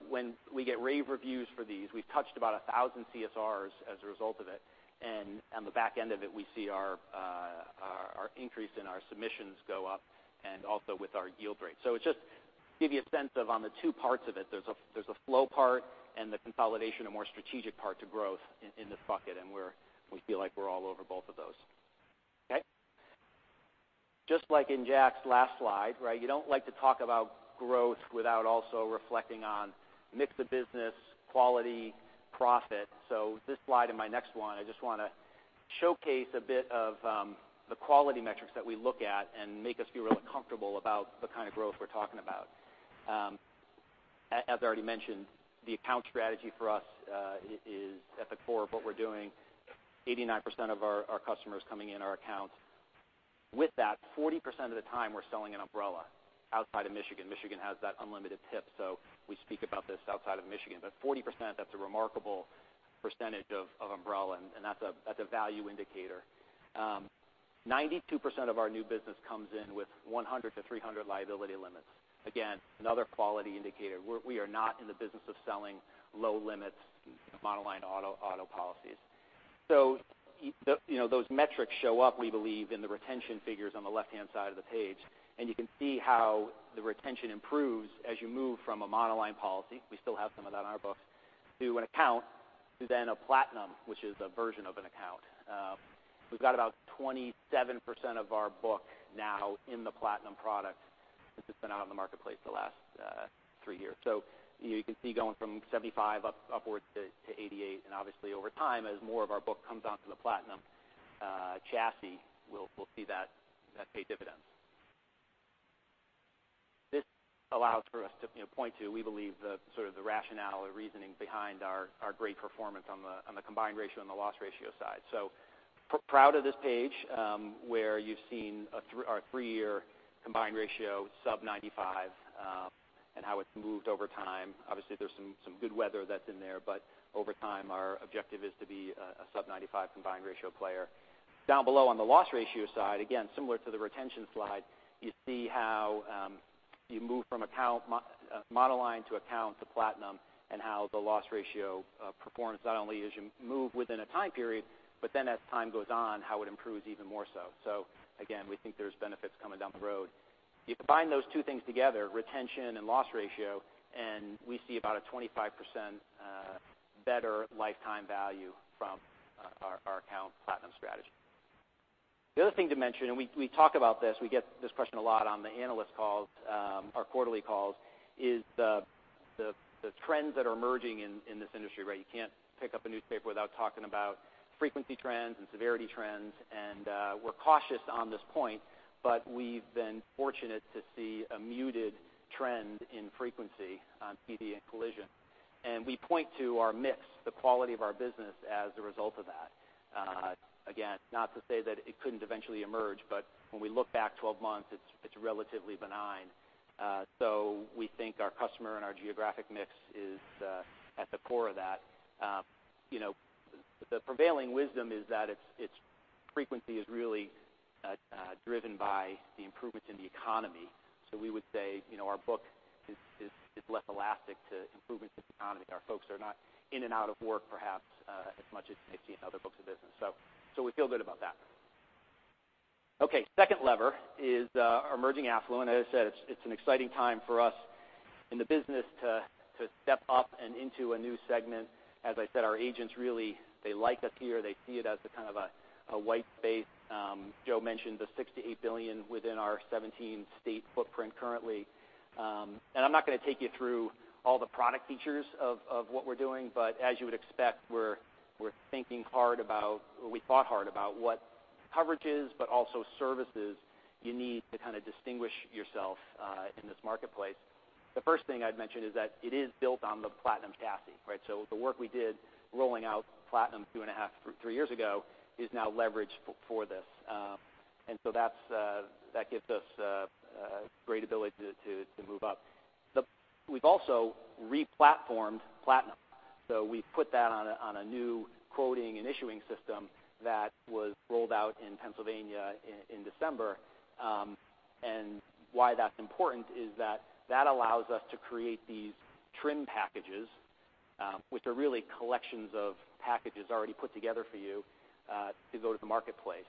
When we get rave reviews for these, we've touched about 1,000 CSRs as a result of it. On the back end of it, we see our increase in our submissions go up and also with our yield rate. It just give you a sense of on the two parts of it. There's a flow part and the consolidation, a more strategic part to growth in this bucket, and we feel like we're all over both of those. Okay? Just like in Jack's last slide, you don't like to talk about growth without also reflecting on mix of business, quality, profit. This slide and my next one, I just want to showcase a bit of the quality metrics that we look at and make us feel really comfortable about the kind of growth we're talking about. As I already mentioned, the account strategy for us is at the core of what we're doing. 89% of our customers coming in are accounts. With that, 40% of the time we're selling an umbrella outside of Michigan. Michigan has that unlimited PIP, so we speak about this outside of Michigan. 40%, that's a remarkable percentage of umbrella, and that's a value indicator. 92% of our new business comes in with 100 to 300 liability limits. Again, another quality indicator. We are not in the business of selling low limits monoline auto policies. Those metrics show up, we believe, in the retention figures on the left-hand side of the page. You can see how the retention improves as you move from a monoline policy, we still have some of that on our books, to an account, to then a Platinum, which is a version of an account. We've got about 27% of our book now in the Platinum product since it's been out in the marketplace the last three years. You can see going from 75% upwards to 88%, and obviously over time as more of our book comes onto the Platinum chassis, we'll see that pay dividends. This allows for us to point to, we believe, the sort of rationale or reasoning behind our great performance on the combined ratio and the loss ratio side. Proud of this page, where you've seen our three-year combined ratio sub 95, and how it's moved over time. Obviously, there's some good weather that's in there, but over time, our objective is to be a sub 95 combined ratio player. Down below on the loss ratio side, again, similar to the retention slide, you see how you move from monoline to account to Platinum and how the loss ratio performs not only as you move within a time period, but then as time goes on, how it improves even more so. Again, we think there's benefits coming down the road. You combine those two things together, retention and loss ratio, we see about a 25% better lifetime value from our account Platinum strategy. The other thing to mention, we talk about this, we get this question a lot on the analyst calls, our quarterly calls, is the trends that are emerging in this industry. You can't pick up a newspaper without talking about frequency trends and severity trends, we're cautious on this point, but we've been fortunate to see a muted trend in frequency on PD and collision. We point to our mix, the quality of our business as a result of that. Again, not to say that it couldn't eventually emerge, but when we look back 12 months, it's relatively benign. We think our customer and our geographic mix is at the core of that. The prevailing wisdom is that its frequency is really driven by the improvements in the economy. We would say, our book is less elastic to improvements in the economy. Our folks are not in and out of work perhaps as much as you may see in other books of business. We feel good about that. Okay. Second lever is our emerging affluent. As I said, it's an exciting time for us in the business to step up and into a new segment. As I said, our agents really, they like us here. They see it as a kind of a white space. Joe mentioned the $6 billion-$8 billion within our 17 state footprint currently. I'm not going to take you through all the product features of what we're doing, but as you would expect, we thought hard about what coverages, but also services you need to kind of distinguish yourself in this marketplace. The first thing I'd mention is that it is built on the Platinum chassis. The work we did rolling out Platinum two and a half, three years ago is now leveraged for this. That gives us great ability to move up. We've also re-platformed Platinum. We've put that on a new quoting and issuing system that was rolled out in Pennsylvania in December. Why that's important is that allows us to create these trim packages, which are really collections of packages already put together for you to go to the marketplace.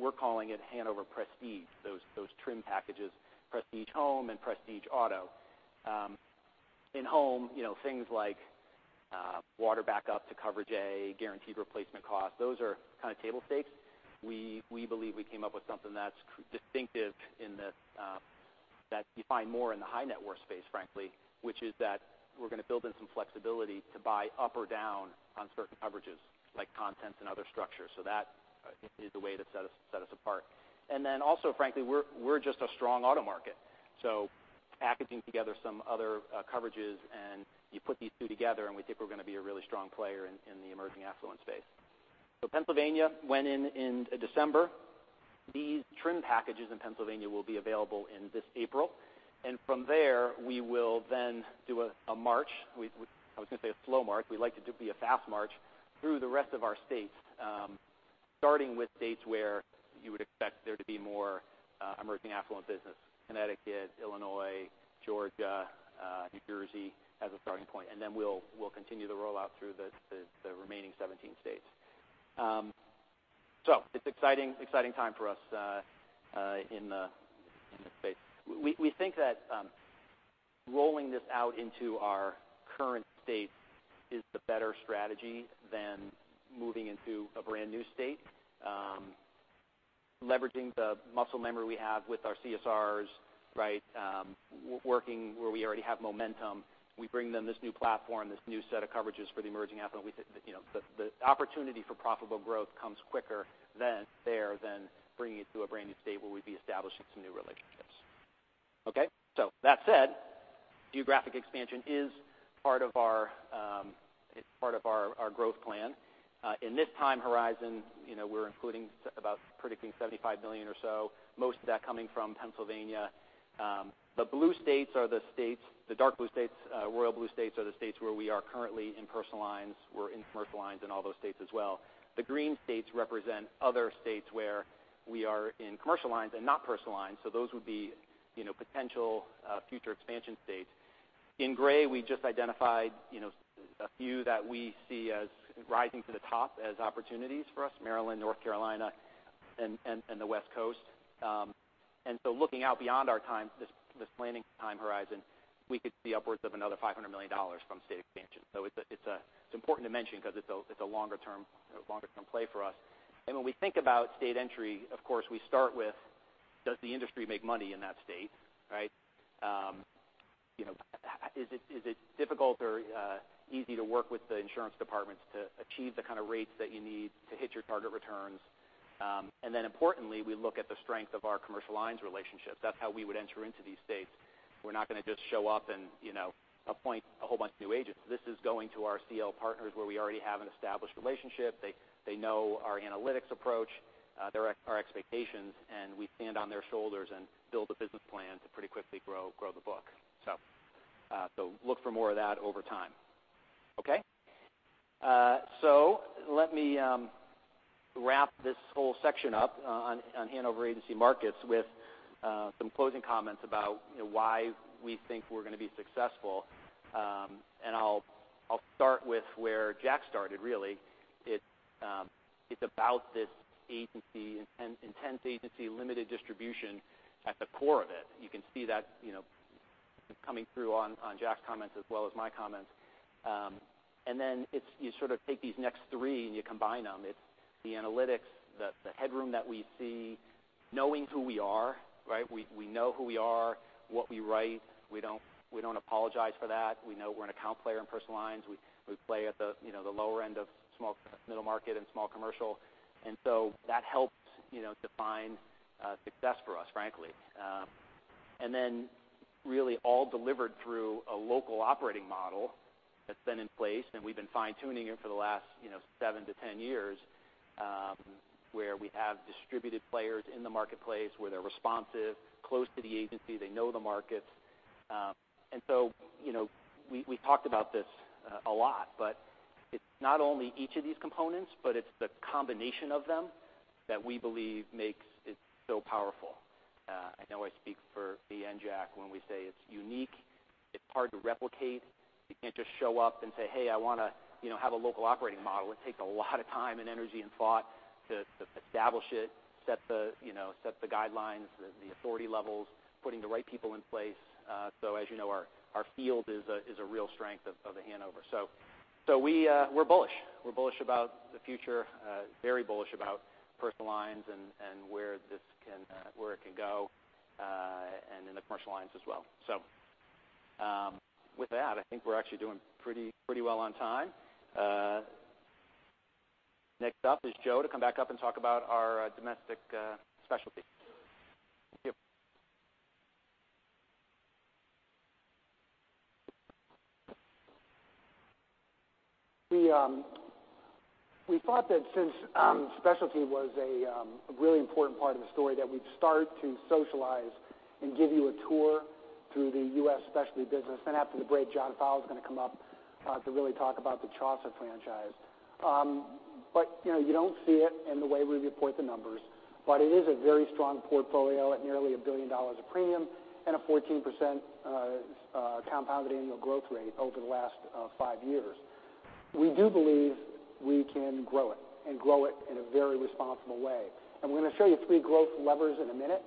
We're calling it Hanover Prestige, those trim packages, Prestige Home and Prestige Auto. In home, things like water backup to coverage, a guaranteed replacement cost. Those are kind of table stakes. We believe we came up with something that's distinctive that you find more in the high net worth space, frankly, which is that we're going to build in some flexibility to buy up or down on certain coverages like contents and other structures. That is a way to set us apart. Also, frankly, we're just a strong auto market. Packaging together some other coverages, you put these two together, we think we're going to be a really strong player in the emerging affluent space. Pennsylvania went in in December. These trim packages in Pennsylvania will be available in this April. From there, we will then do a march. We'd like to be a fast march through the rest of our states, starting with states where you would expect there to be more emerging affluent business, Connecticut, Illinois, Georgia, New Jersey as a starting point. We'll continue the rollout through the remaining 17 states. It's an exciting time for us in this space. We think that rolling this out into our current states is the better strategy than moving into a brand new state. Leveraging the muscle memory we have with our CSRs. Working where we already have momentum. We bring them this new platform, this new set of coverages for the emerging affluent. We think the opportunity for profitable growth comes quicker there than bringing it to a brand new state where we'd be establishing some new relationships. Okay? Geographic expansion is part of our growth plan. In this time horizon, we're including about predicting $75 million or so, most of that coming from Pennsylvania. The blue states are the dark blue states, royal blue states are the states where we are currently in personal lines. We're in commercial lines in all those states as well. The green states represent other states where we are in commercial lines and not personal lines, so those would be potential future expansion states. In gray, we just identified a few that we see as rising to the top as opportunities for us, Maryland, North Carolina, and the West Coast. Looking out beyond this planning time horizon, we could see upwards of another $500 million from state expansion. It's important to mention because it's a longer-term play for us. When we think about state entry, of course, we start with, does the industry make money in that state, right? Is it difficult or easy to work with the insurance departments to achieve the kind of rates that you need to hit your target returns? Importantly, we look at the strength of our commercial lines relationships. That's how we would enter into these states. We're not going to just show up and appoint a whole bunch of new agents. This is going to our CL partners where we already have an established relationship. They know our analytics approach, our expectations, and we stand on their shoulders and build a business plan to pretty quickly grow the book. Look for more of that over time. Okay? Let me wrap this whole section up on Hanover Agency Markets with some closing comments about why we think we're going to be successful. I'll start with where Jack started, really. It's about this intense agency limited distribution at the core of it. You can see that coming through on Jack's comments as well as my comments. Then you sort of take these next three and you combine them. It's the analytics, the headroom that we see, knowing who we are, right? We know who we are, what we write. We don't apologize for that. We know we're an account player in personal lines. We play at the lower end of middle market and small commercial. That helps define success for us, frankly. Really all delivered through a local operating model that's been in place, and we've been fine-tuning it for the last 7 to 10 years, where we have distributed players in the marketplace, where they're responsive, close to the agency, they know the markets. We talked about this a lot, but it's not only each of these components, but it's the combination of them that we believe makes it so powerful. I know I speak for me and Jack when we say it's unique, it's hard to replicate. You can't just show up and say, "Hey, I want to have a local operating model." It takes a lot of time and energy and thought to establish it, set the guidelines, the authority levels, putting the right people in place. As you know, our field is a real strength of The Hanover. We're bullish. We're bullish about the future, very bullish about personal lines and where it can go, and in the commercial lines as well. With that, I think we're actually doing pretty well on time. Next up is Joe to come back up and talk about our domestic specialty. Thank you. We thought that since specialty was a really important part of the story, that we'd start to socialize and give you a tour through the U.S. specialty business. After the break, John Fowle is going to come up to really talk about the Chaucer franchise. You don't see it in the way we report the numbers, but it is a very strong portfolio at nearly $1 billion of premium and a 14% compounded annual growth rate over the last five years. We do believe we can grow it and grow it in a very responsible way. We're going to show you three growth levers in a minute.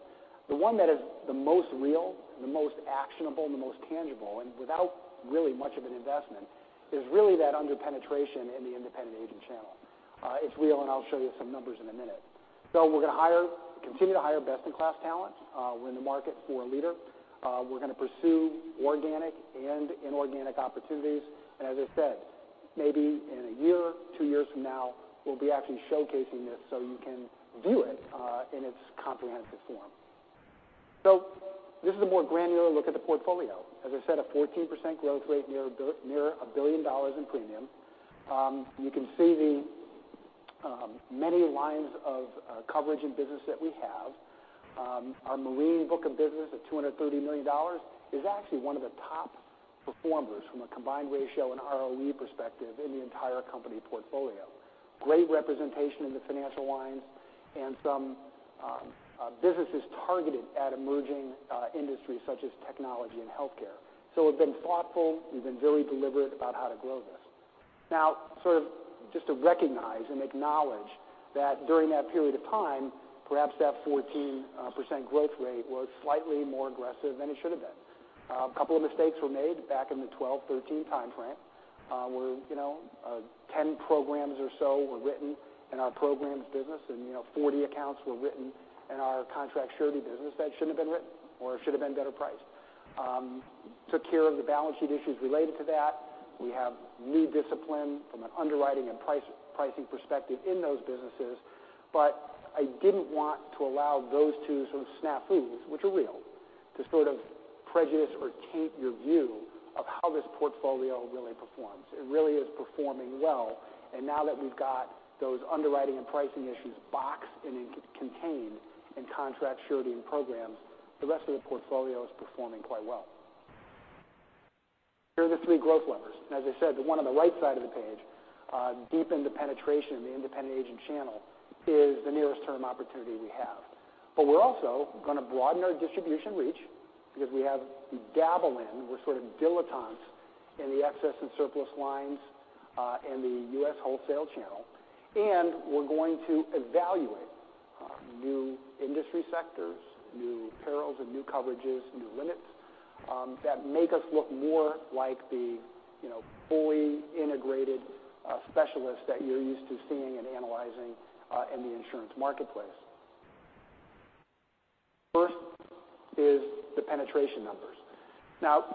The one that is the most real, the most actionable, and the most tangible, and without really much of an investment, is really that under-penetration in the independent agent channel. It's real, I'll show you some numbers in a minute. We're going to continue to hire best-in-class talent. We're in the market for a leader. We're going to pursue organic and inorganic opportunities. As I said, maybe in a year, two years from now, we'll be actually showcasing this so you can view it in its comprehensive form. This is a more granular look at the portfolio. As I said, a 14% growth rate near $1 billion in premium. You can see the many lines of coverage and business that we have. Our marine book of business at $230 million is actually one of the top performers from a combined ratio and ROE perspective in the entire company portfolio. Great representation in the financial lines and some businesses targeted at emerging industries such as technology and healthcare. We've been thoughtful, we've been very deliberate about how to grow this. Now sort of just to recognize and acknowledge that during that period of time, perhaps that 14% growth rate was slightly more aggressive than it should have been. A couple of mistakes were made back in the 2012, 2013 timeframe, where 10 programs or so were written in our programs business and 40 accounts were written in our contract surety business that shouldn't have been written or should have been better priced. Took care of the balance sheet issues related to that. We have new discipline from an underwriting and pricing perspective in those businesses. I didn't want to allow those two sort of snafus, which are real, to sort of prejudice or taint your view of how this portfolio really performs. It really is performing well. Now that we've got those underwriting and pricing issues boxed and contained in contract surety and programs, the rest of the portfolio is performing quite well. Here are the three growth levers. As I said, the one on the right side of the page, deepen the penetration in the independent agent channel, is the nearest term opportunity we have. We're also going to broaden our distribution reach because we have to dabble in. We're sort of dilettantes in the excess and surplus lines, and the U.S. wholesale channel. We're going to evaluate new industry sectors, new perils and new coverages, new limits, that make us look more like the fully integrated specialist that you're used to seeing and analyzing in the insurance marketplace. First is the penetration numbers.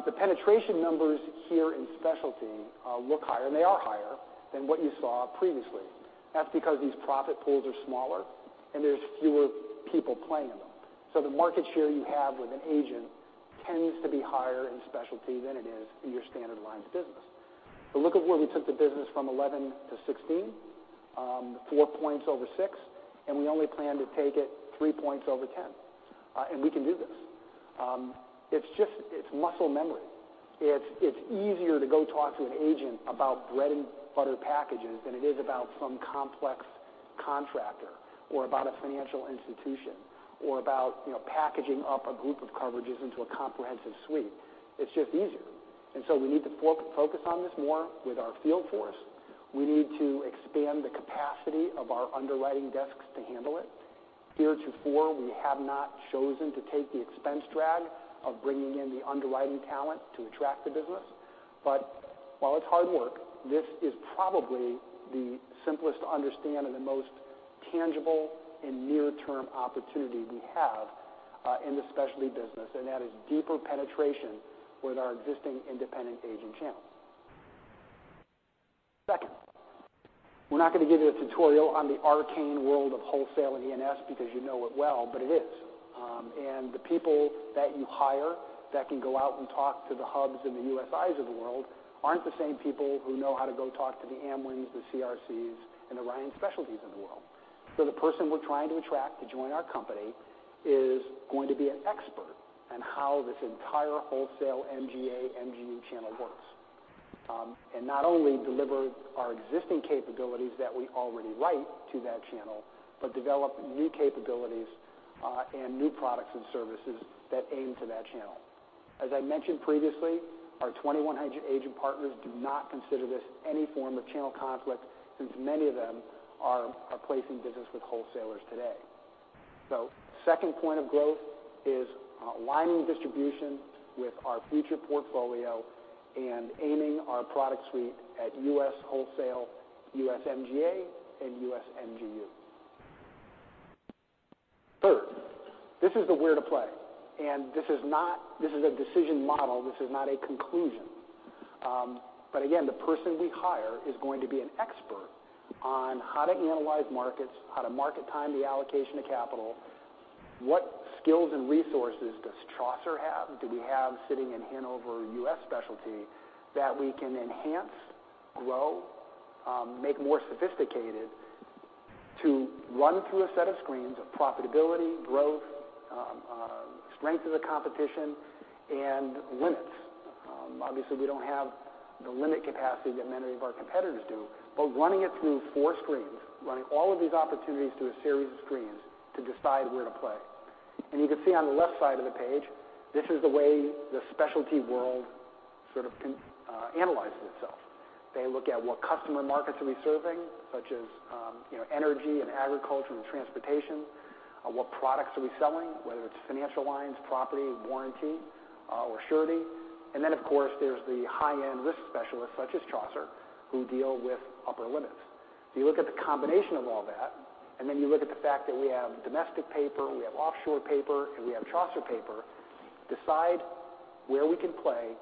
The penetration numbers here in specialty look higher, and they are higher than what you saw previously. That's because these profit pools are smaller and there's fewer people playing in them. The market share you have with an agent tends to be higher in specialty than it is in your standard lines business. Look at where we took the business from 2011 to 2016, four points over six, and we only plan to take it three points over 10. We can do this. It's muscle memory. It's easier to go talk to an agent about bread and butter packages than it is about some complex contractor or about a financial institution or about packaging up a group of coverages into a comprehensive suite. It's just easier. We need to focus on this more with our field force. We need to expand the capacity of our underwriting desks to handle it. Here at Q4, we have not chosen to take the expense drag of bringing in the underwriting talent to attract the business. While it's hard work, this is probably the simplest to understand and the most tangible and near-term opportunity we have in the specialty business, and that is deeper penetration with our existing independent agent channels. Second, we're not going to give you a tutorial on the arcane world of wholesale and E&S because you know it well, but it is. The people that you hire that can go out and talk to the Hubs and the USIs of the world aren't the same people who know how to go talk to the AmWINS, the CRCs, and the Ryan Specialties of the world. The person we're trying to attract to join our company is going to be an expert on how this entire wholesale MGA/MGU channel works. Not only deliver our existing capabilities that we already write to that channel, but develop new capabilities and new products and services that aim to that channel. As I mentioned previously, our 2,100 agent partners do not consider this any form of channel conflict since many of them are placing business with wholesalers today. Second point of growth is aligning distribution with our future portfolio and aiming our product suite at U.S. wholesale, U.S. MGA, and U.S. MGU. Third, this is the where to play. This is a decision model. This is not a conclusion. Again, the person we hire is going to be an expert on how to analyze markets, how to market time the allocation of capital, what skills and resources does Chaucer have, do we have sitting in Hanover U.S. Specialty that we can enhance, grow, make more sophisticated to run through a set of screens of profitability, growth, strength of the competition, and limits. Obviously, we don't have the limit capacity that many of our competitors do, but running it through four screens, running all of these opportunities through a series of screens to decide where to play. You can see on the left side of the page, this is the way the specialty world sort of analyzes itself. They look at what customer markets are we serving, such as energy and agriculture and transportation. What products are we selling, whether it's financial lines, property, warranty, or surety. Of course, there's the high-end risk specialists such as Chaucer, who deal with upper limits. You look at the combination of all that, you look at the fact that we have domestic paper, we have offshore paper, and we have Chaucer paper, decide where we can play,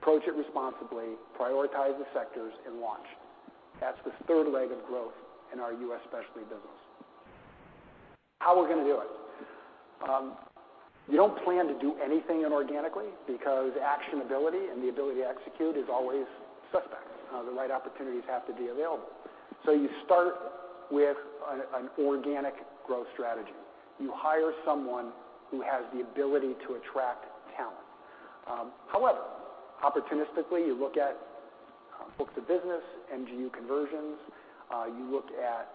approach it responsibly, prioritize the sectors, launch. That's the third leg of growth in our U.S. specialty business. How are we going to do it? You don't plan to do anything inorganically because actionability and the ability to execute is always suspect. The right opportunities have to be available. You start with an organic growth strategy. You hire someone who has the ability to attract talent. However, opportunistically, you look at books of business, MGU conversions. You look at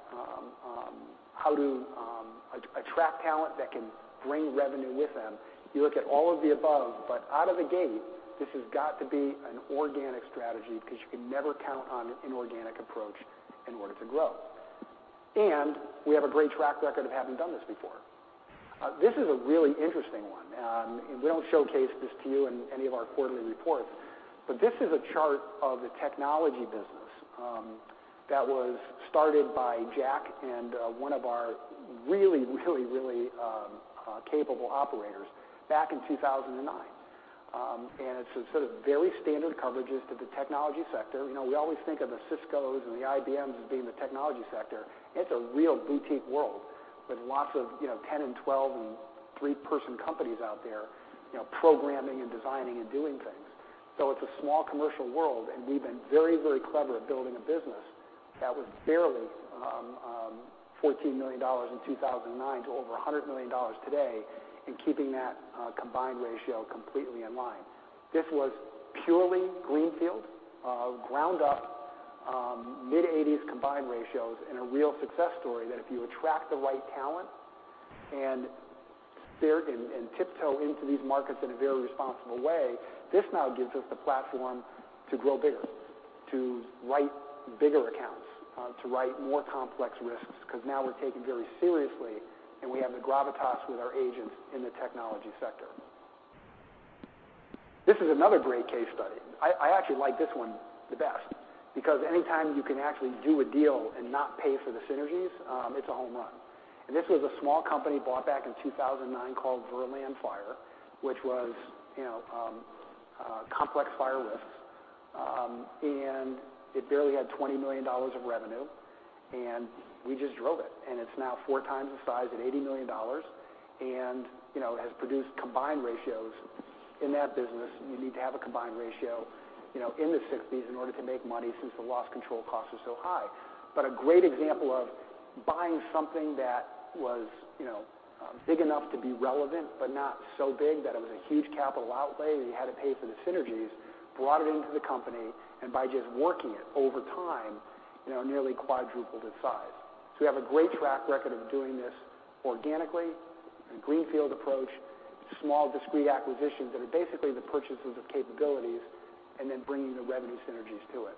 how to attract talent that can bring revenue with them. You look at all of the above, out of the gate, this has got to be an organic strategy because you can never count on an inorganic approach in order to grow. We have a great track record of having done this before. This is a really interesting one. We don't showcase this to you in any of our quarterly reports, but this is a chart of the technology business. That was started by Jack and one of our really capable operators back in 2009. It's sort of very standard coverages to the technology sector. We always think of the Ciscos and the IBMs as being the technology sector. It's a real boutique world with lots of 10 and 12 and three-person companies out there, programming and designing and doing things. It's a small commercial world, and we've been very clever at building a business that was barely $14 million in 2009 to over $100 million today, and keeping that combined ratio completely in line. This was purely greenfield, ground up, mid-80s combined ratios, and a real success story that if you attract the right talent and tiptoe into these markets in a very responsible way, this now gives us the platform to grow bigger, to write bigger accounts, to write more complex risks, because now we're taken very seriously, and we have the gravitas with our agents in the technology sector. This is another great case study. I actually like this one the best, because anytime you can actually do a deal and not pay for the synergies, it's a home run. This was a small company bought back in 2009 called Verlan Fire, which was complex fire risks. It barely had $20 million of revenue, and we just drove it. It's now four times the size at $80 million, and it has produced combined ratios. In that business, you need to have a combined ratio in the 60s in order to make money, since the loss control costs are so high. A great example of buying something that was big enough to be relevant, but not so big that it was a huge capital outlay, we had to pay for the synergies, brought it into the company, and by just working it over time, nearly quadrupled its size. We have a great track record of doing this organically, the greenfield approach, small discrete acquisitions that are basically the purchases of capabilities, and then bringing the revenue synergies to it.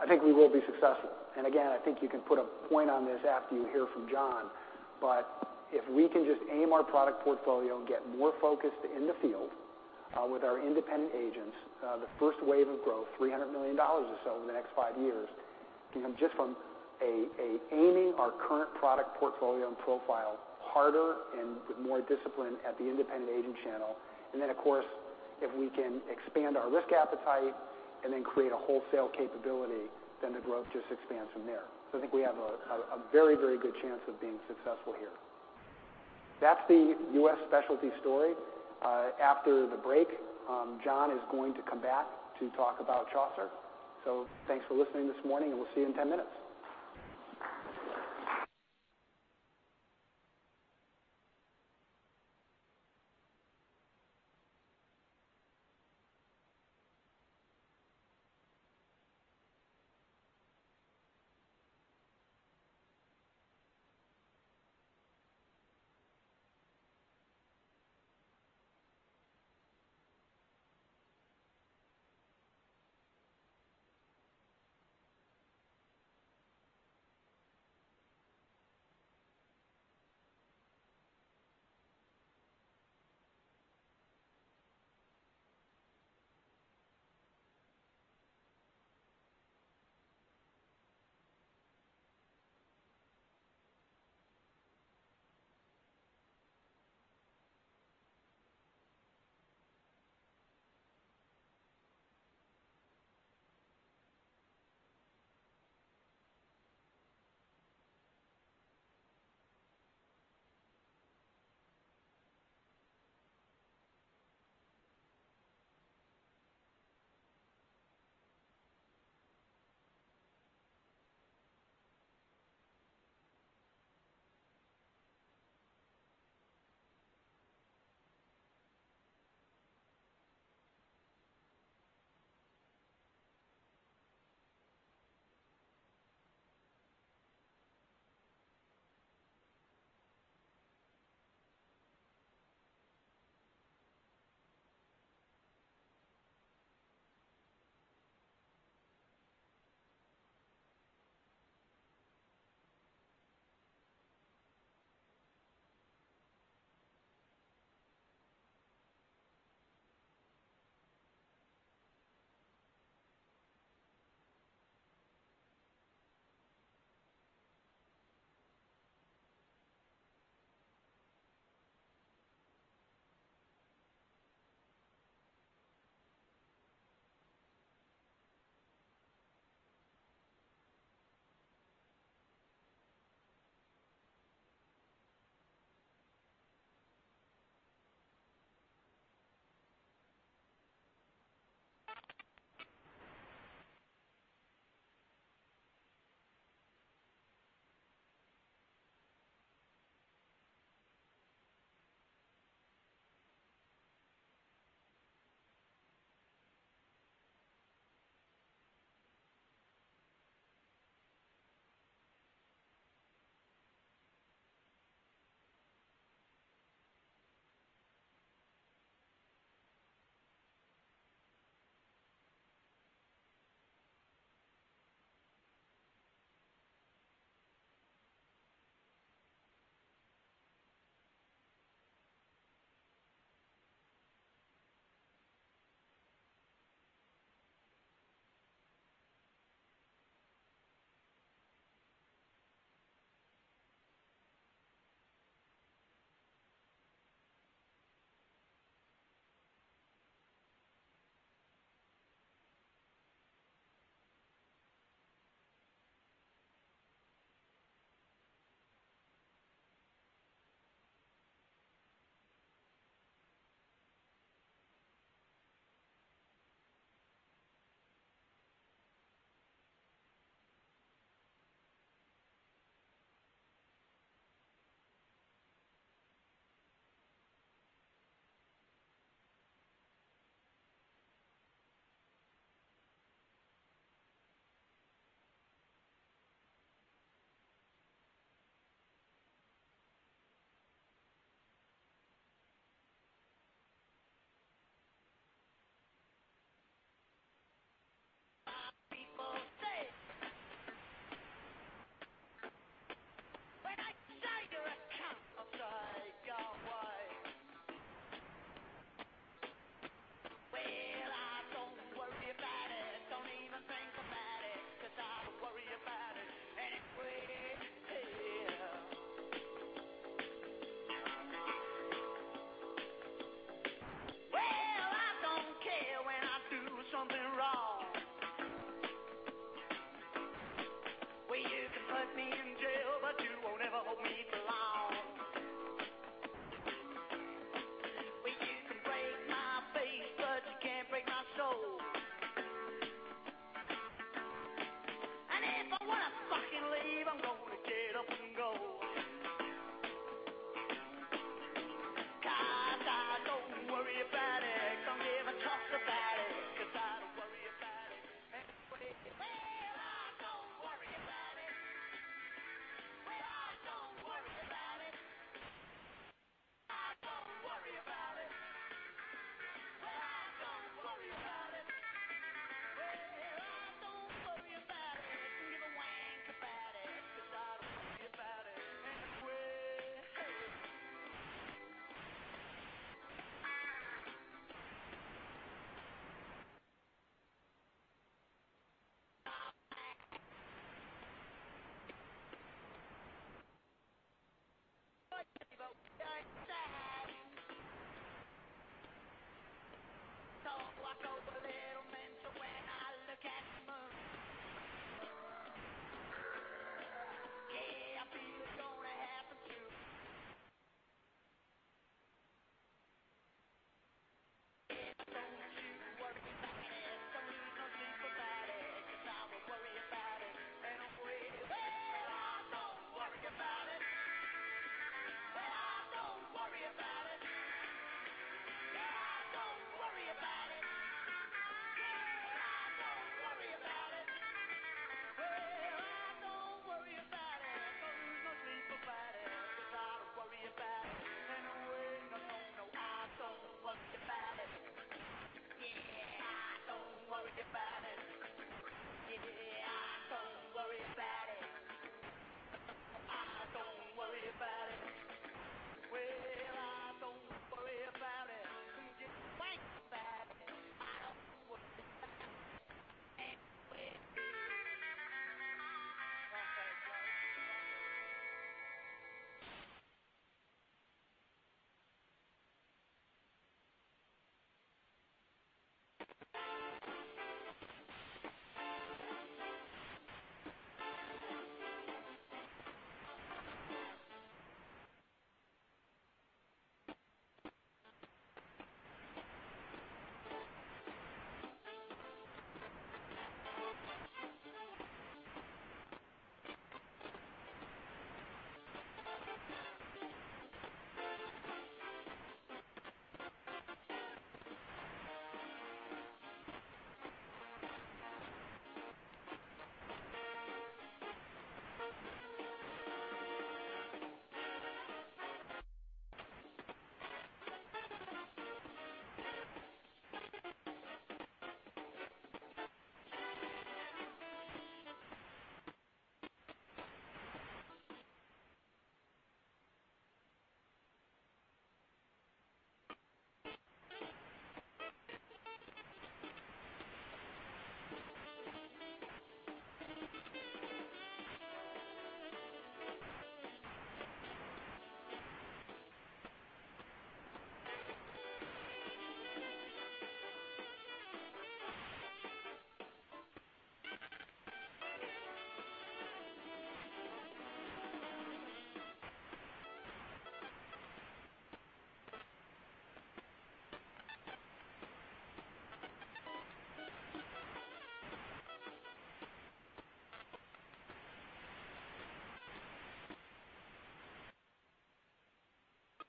I think we will be successful. Again, I think you can put a point on this after you hear from John, but if we can just aim our product portfolio and get more focused in the field with our independent agents, the first wave of growth, $300 million or so in the next five years, can come just from aiming our current product portfolio and profile harder and with more discipline at the independent agent channel. Of course, if we can expand our risk appetite and then create a wholesale capability, then the growth just expands from there. I think we have a very good chance of being successful here. That's the U.S. Specialty story. After the break, John is going to come back to talk about Chaucer. Thanks for listening this morning, and we'll see you in 10 minutes.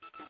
My people say. When I tell you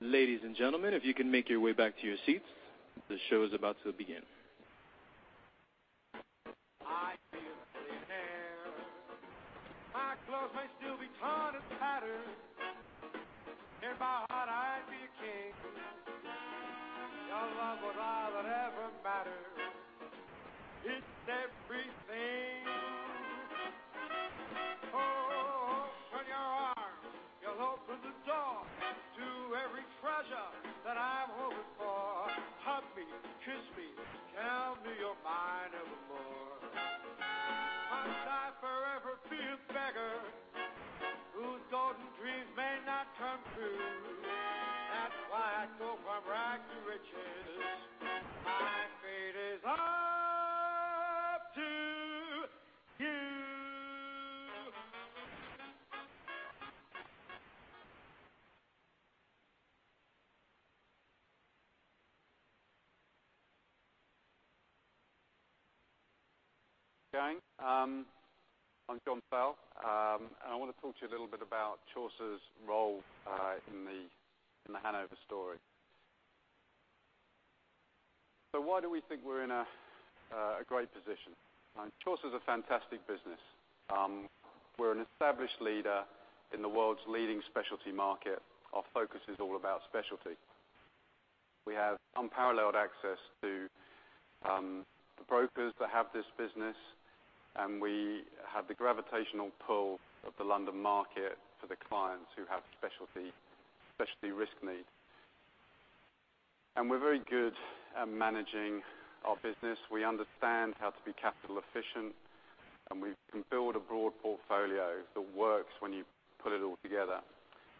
Ladies and gentlemen, if you can make your way back to your seats, the show is about to begin. I'd be a billionaire. My clothes may still be torn and tattered. In my heart, I'd be a king. Your love would lie that ever matter. It's everything. Open your arms. You'll open the door to every treasure that I'm hoping for. Hug me, kiss me, tell me you're mine evermore. Must I forever be a beggar whose golden dreams may not come true? That's why I go from rag to riches. My fate is up to you. Going. I'm John Fowle. I want to talk to you a little bit about Chaucer's role in the Hanover story. Why do we think we're in a great position? Chaucer's a fantastic business. We're an established leader in the world's leading specialty market. Our focus is all about specialty. We have unparalleled access to the brokers that have this business, and we have the gravitational pull of the London market for the clients who have specialty risk need. We're very good at managing our business. We understand how to be capital efficient, and we can build a broad portfolio that works when you put it all together,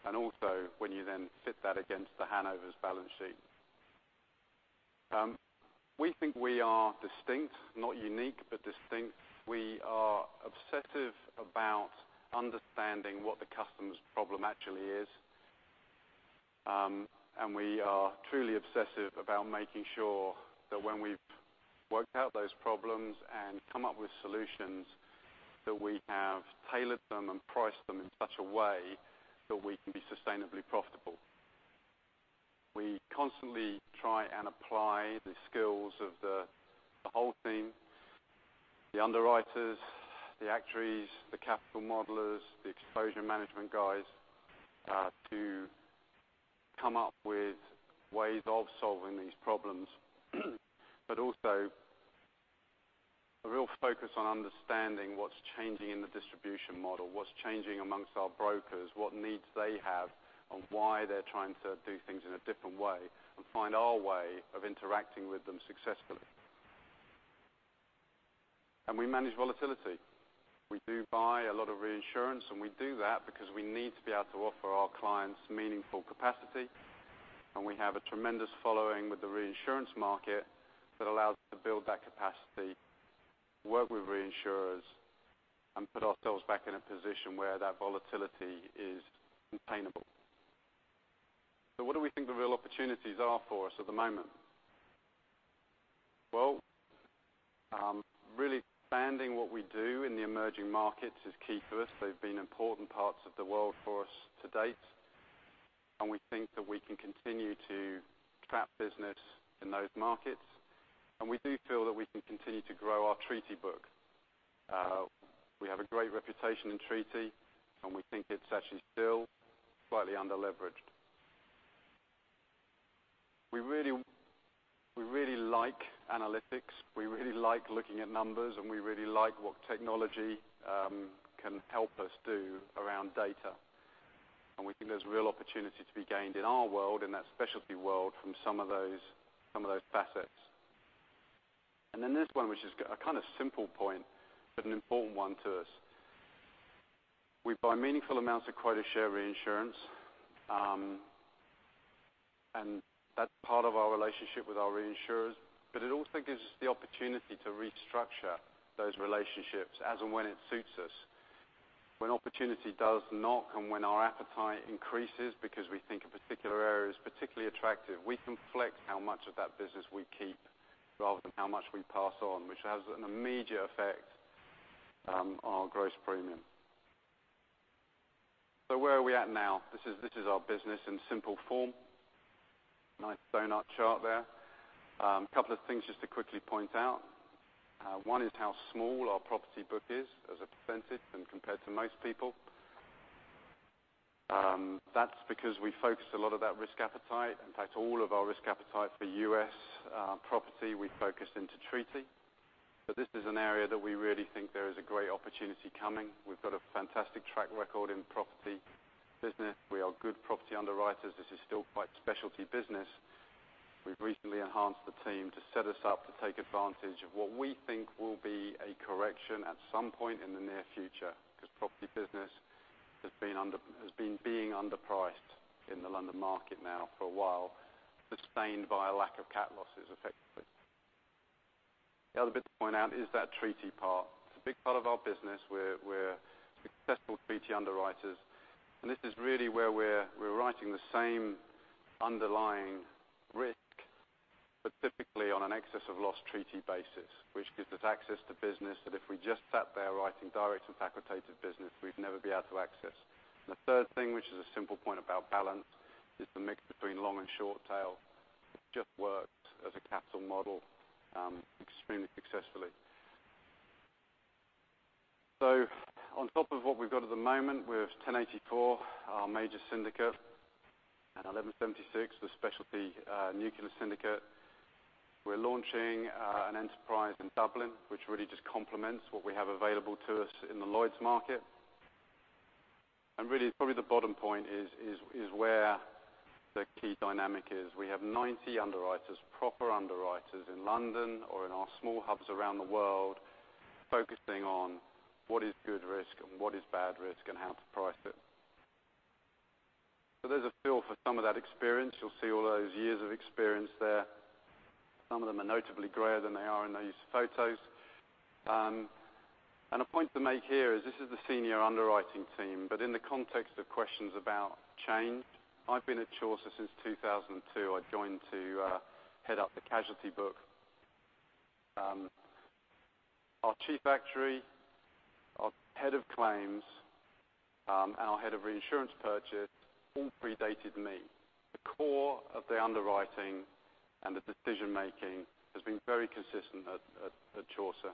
also when you then sit that against the Hanover's balance sheet. We think we are distinct, not unique, but distinct. We are obsessive about understanding what the customer's problem actually is. We are truly obsessive about making sure that when we've worked out those problems and come up with solutions, that we have tailored them and priced them in such a way that we can be sustainably profitable. We constantly try and apply the skills of the whole team, the underwriters, the actuaries, the capital modelers, the exposure management guys, to come up with ways of solving these problems. Also a real focus on understanding what's changing in the distribution model, what's changing amongst our brokers, what needs they have, and why they're trying to do things in a different way, and find our way of interacting with them successfully. We manage volatility. We do buy a lot of reinsurance, and we do that because we need to be able to offer our clients meaningful capacity. We have a tremendous following with the reinsurance market that allows us to build that capacity, work with reinsurers, and put ourselves back in a position where that volatility is obtainable. What do we think the real opportunities are for us at the moment? Really expanding what we do in the emerging markets is key for us. They've been important parts of the world for us to date, and we think that we can continue to trap business in those markets. We do feel that we can continue to grow our treaty book. We have a great reputation in treaty, and we think it's actually still slightly underleveraged. We really like analytics. We really like looking at numbers, and we really like what technology can help us do around data. We think there's real opportunity to be gained in our world, in that specialty world, from some of those facets. There's one which is a kind of simple point, but an important one to us. We buy meaningful amounts of quota share reinsurance, and that's part of our relationship with our reinsurers, but it also gives us the opportunity to restructure those relationships as and when it suits us. When opportunity does knock and when our appetite increases because we think a particular area is particularly attractive, we can flex how much of that business we keep rather than how much we pass on, which has an immediate effect on our gross premium. Where are we at now? This is our business in simple form. Nice doughnut chart there. Couple of things just to quickly point out. One is how small our property book is as a percentage when compared to most people. That's because we focus a lot of that risk appetite. In fact, all of our risk appetite for U.S. property, we focus into treaty. This is an area that we really think there is a great opportunity coming. We've got a fantastic track record in property business. We are good property underwriters. This is still quite specialty business. We've recently enhanced the team to set us up to take advantage of what we think will be a correction at some point in the near future, because property business has been being underpriced in the London market now for a while, sustained by a lack of cat losses, effectively. The other bit to point out is that treaty part. It's a big part of our business. We're successful treaty underwriters, this is really where we're writing the same underlying risk, but typically on an excess of loss treaty basis, which gives us access to business that if we just sat there writing direct and facultative business, we'd never be able to access. The third thing, which is a simple point about balance, is the mix between long and short tail just works as a capital model extremely successfully. On top of what we've got at the moment with Syndicate 1084, our major syndicate, and Syndicate 1176, the specialty nuclear syndicate, we're launching an enterprise in Dublin, which really just complements what we have available to us in the Lloyd's market. Really, probably the bottom point is where the key dynamic is. We have 90 underwriters, proper underwriters in London or in our small hubs around the world, focusing on what is good risk and what is bad risk and how to price it. There's a feel for some of that experience. You'll see all those years of experience there. Some of them are notably grayer than they are in those photos. A point to make here is this is the senior underwriting team, but in the context of questions about change, I've been at Chaucer since 2002. I joined to head up the casualty book. Our chief actuary, our head of claims, and our head of reinsurance purchase all predated me. The core of the underwriting and the decision-making has been very consistent at Chaucer.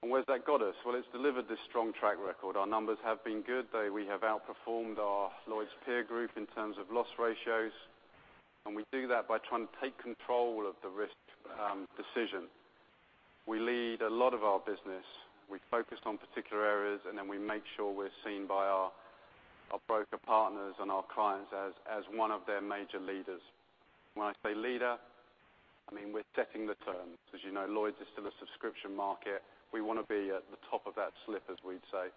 Where's that got us? Well, it's delivered this strong track record. Our numbers have been good. We have outperformed our Lloyd's peer group in terms of loss ratios, we do that by trying to take control of the risk decision. We lead a lot of our business. We focus on particular areas, then we make sure we're seen by our broker partners and our clients as one of their major leaders. When I say leader, I mean we're setting the terms. As you know, Lloyd's is still a subscription market. We want to be at the top of that slip, as we'd say,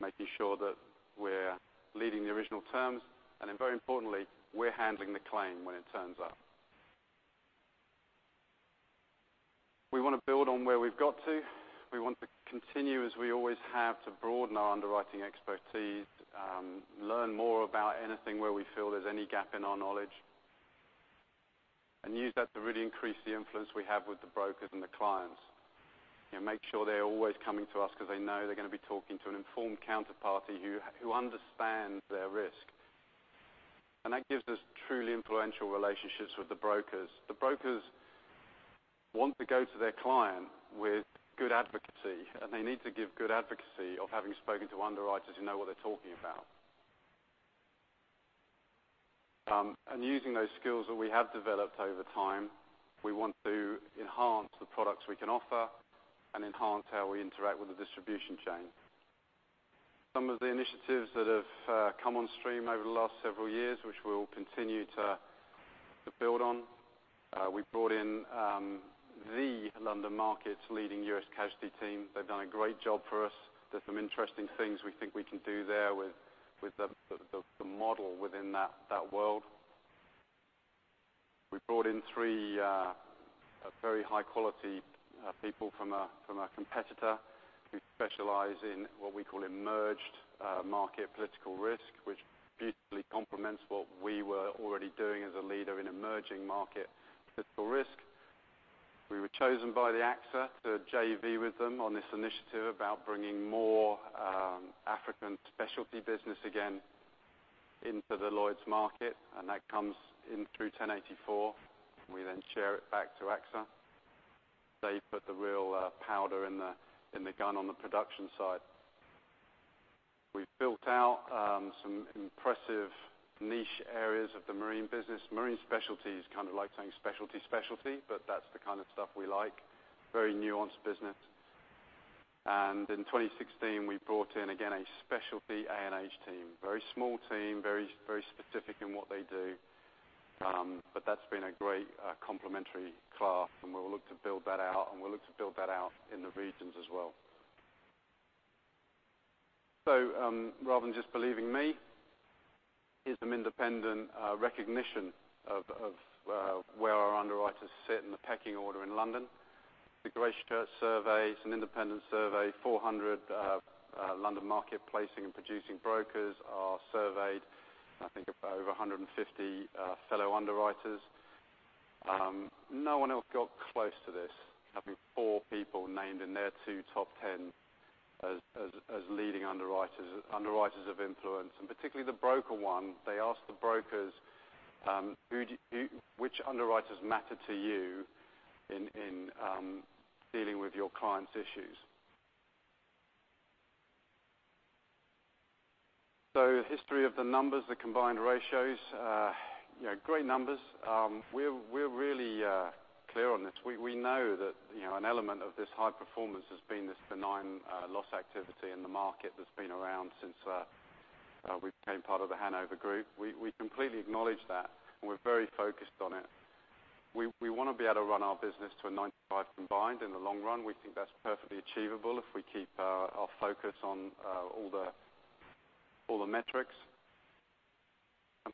making sure that we're leading the original terms, then very importantly, we're handling the claim when it turns up. We want to build on where we've got to. We want to continue as we always have to broaden our underwriting expertise, learn more about anything where we feel there's any gap in our knowledge, use that to really increase the influence we have with the brokers and the clients. Make sure they're always coming to us because they know they're going to be talking to an informed counterparty who understands their risk. That gives us truly influential relationships with the brokers. The brokers want to go to their client with good advocacy, they need to give good advocacy of having spoken to underwriters who know what they're talking about. Using those skills that we have developed over time, we want to enhance the products we can offer and enhance how we interact with the distribution chain. Some of the initiatives that have come on stream over the last several years, which we'll continue to build on. We've brought in the London markets leading U.S. casualty team. They've done a great job for us. There's some interesting things we think we can do there with the model within that world. We brought in three very high-quality people from a competitor who specialize in what we call emerged market political risk, which beautifully complements what we were already doing as a leader in emerging market political risk. We were chosen by AXA to JV with them on this initiative about bringing more African specialty business again into the Lloyd's market, and that comes in through 1084, and we then share it back to AXA. They put the real powder in the gun on the production side. We've built out some impressive niche areas of the marine business. In 2016, we brought in, again, a specialty A&H team, very small team, very specific in what they do. That's been a great complementary class, and we'll look to build that out, and we'll look to build that out in the regions as well. Rather than just believing me, here's some independent recognition of where our underwriters sit in the pecking order in London. The Gracechurch survey is an independent survey. 400 London market placing and producing brokers are surveyed, and I think over 150 fellow underwriters. No one else got close to this, having four people named in their two top 10 as leading underwriters of influence, and particularly the broker one. They asked the brokers, "Which underwriters matter to you in dealing with your clients' issues?" The history of the numbers, the combined ratios. Great numbers. We're really clear on this. We know that an element of this high performance has been this benign loss activity in the market that's been around since we became part of the Hanover Group. We completely acknowledge that, and we're very focused on it. We want to be able to run our business to a 95% combined in the long run. We think that's perfectly achievable if we keep our focus on all the metrics.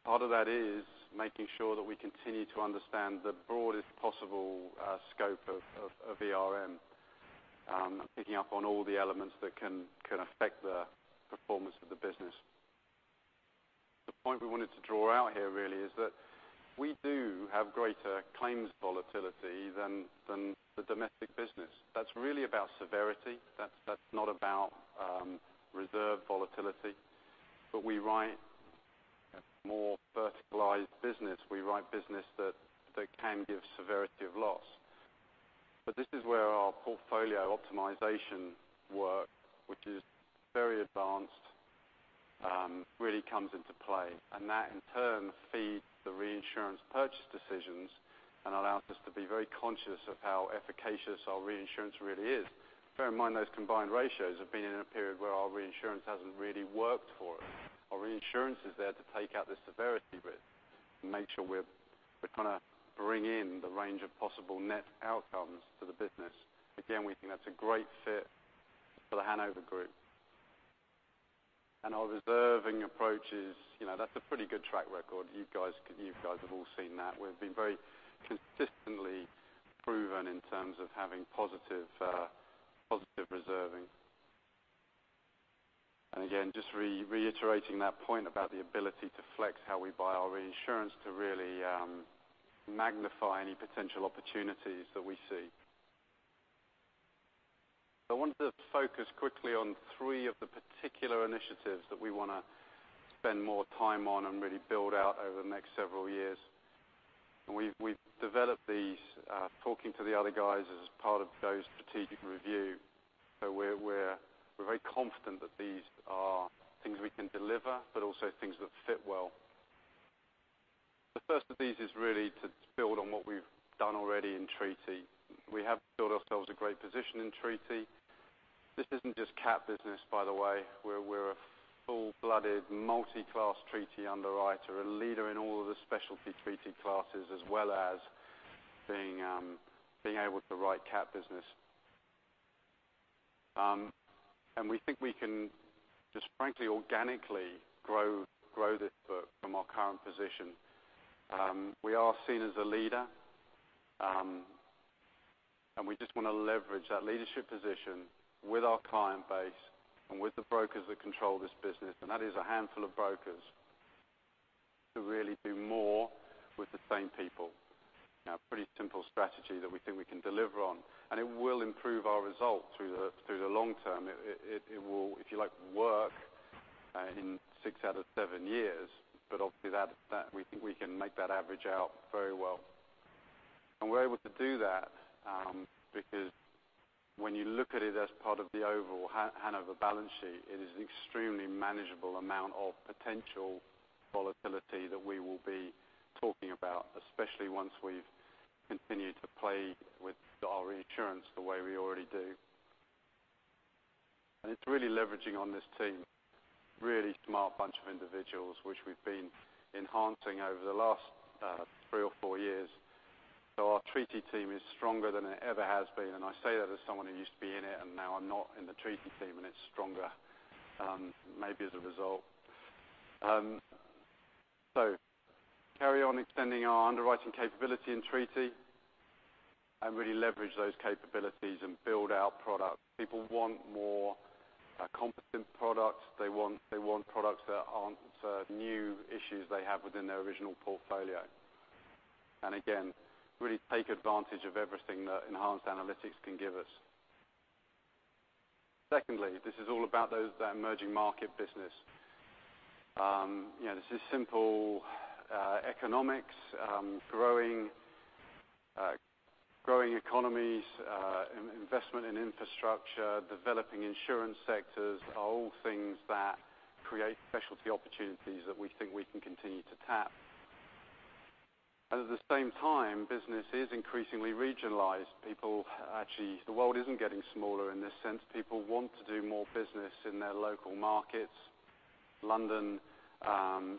Part of that is making sure that we continue to understand the broadest possible scope of ERM, picking up on all the elements that can affect the performance of the business. The point we wanted to draw out here really is that we do have greater claims volatility than the domestic business. That's really about severity. That's not about reserve volatility. We write more verticalized business. We write business that can give severity of loss. This is where our portfolio optimization work, which is very advanced really comes into play, and that in turn feeds the reinsurance purchase decisions and allows us to be very conscious of how efficacious our reinsurance really is. Bear in mind, those combined ratios have been in a period where our reinsurance hasn't really worked for us. Our reinsurance is there to take out the severity risk and make sure we're trying to bring in the range of possible net outcomes to the business. We think that's a great fit for the Hanover Group. Our reserving approach is a pretty good track record. You guys have all seen that. We've been very consistently proven in terms of having positive reserving. Again, just reiterating that point about the ability to flex how we buy our reinsurance to really magnify any potential opportunities that we see. I wanted to focus quickly on three of the particular initiatives that we want to spend more time on and really build out over the next several years. We've developed these, talking to the other guys as part of those strategic review. We're very confident that these are things we can deliver, but also things that fit well. The first of these is really to build on what we've done already in treaty. We have built ourselves a great position in treaty. This isn't just cat business, by the way. We're a full-blooded multi-class treaty underwriter, a leader in all of the specialty treaty classes, as well as being able to write cat business. We think we can just frankly, organically grow this book from our current position. We are seen as a leader, and we just want to leverage that leadership position with our client base and with the brokers that control this business, and that is a handful of brokers, to really do more with the same people. Pretty simple strategy that we think we can deliver on, and it will improve our results through the long term. It will, if you like, work in six out of seven years, but obviously, that we think we can make that average out very well. We're able to do that, because when you look at it as part of the overall The Hanover balance sheet, it is an extremely manageable amount of potential volatility that we will be talking about, especially once we've Continue to play with our reinsurance the way we already do. It's really leveraging on this team, really smart bunch of individuals, which we've been enhancing over the last three or four years. Our treaty team is stronger than it ever has been, and I say that as someone who used to be in it, and now I'm not in the treaty team, and it's stronger maybe as a result. Carry on extending our underwriting capability in treaty and really leverage those capabilities and build our product. People want more competent products. They want products that answer new issues they have within their original portfolio. Again, really take advantage of everything that enhanced analytics can give us. Secondly, this is all about that emerging market business. This is simple economics. Growing economies, investment in infrastructure, developing insurance sectors are all things that create specialty opportunities that we think we can continue to tap. At the same time, business is increasingly regionalized. The world isn't getting smaller in this sense. People want to do more business in their local markets. London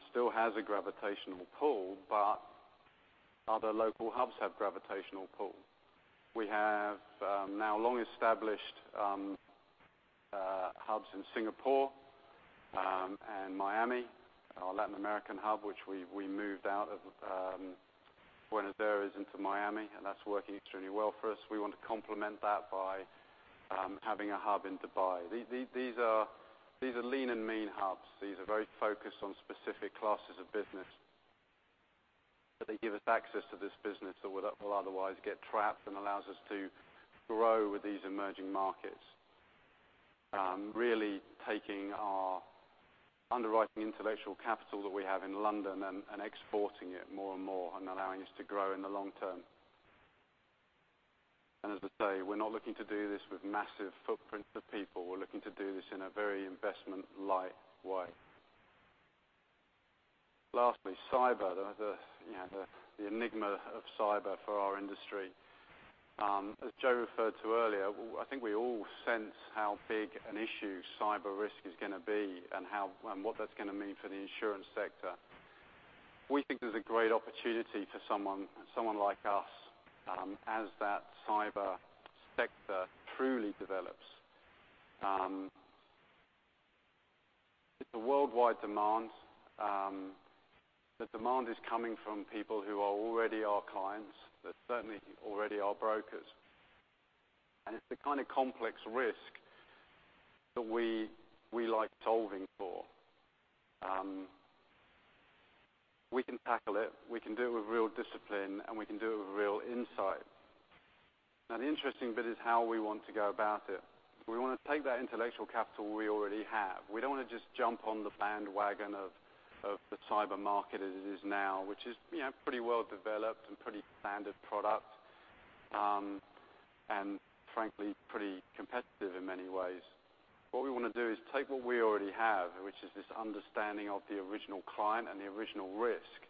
still has a gravitational pull, but other local hubs have gravitational pull. We have now long-established hubs in Singapore and Miami, our Latin American hub, which we moved out of Buenos Aires into Miami, and that's working extremely well for us. We want to complement that by having a hub in Dubai. These are lean and mean hubs. These are very focused on specific classes of business, but they give us access to this business that will otherwise get trapped and allows us to grow with these emerging markets. Really taking our underwriting intellectual capital that we have in London and exporting it more and more and allowing us to grow in the long term. As I say, we're not looking to do this with massive footprints of people. We're looking to do this in a very investment-light way. Lastly, cyber. The enigma of cyber for our industry. As Joe referred to earlier, I think we all sense how big an issue cyber risk is going to be and what that's going to mean for the insurance sector. We think there's a great opportunity for someone like us as that cyber sector truly develops. It's a worldwide demand. The demand is coming from people who are already our clients. They're certainly already our brokers. It's the kind of complex risk that we like solving for. We can tackle it. We can do it with real discipline, and we can do it with real insight. The interesting bit is how we want to go about it. We want to take that intellectual capital we already have. We don't want to just jump on the bandwagon of the cyber market as it is now, which is pretty well developed and pretty standard product, and frankly, pretty competitive in many ways. What we want to do is take what we already have, which is this understanding of the original client and the original risk,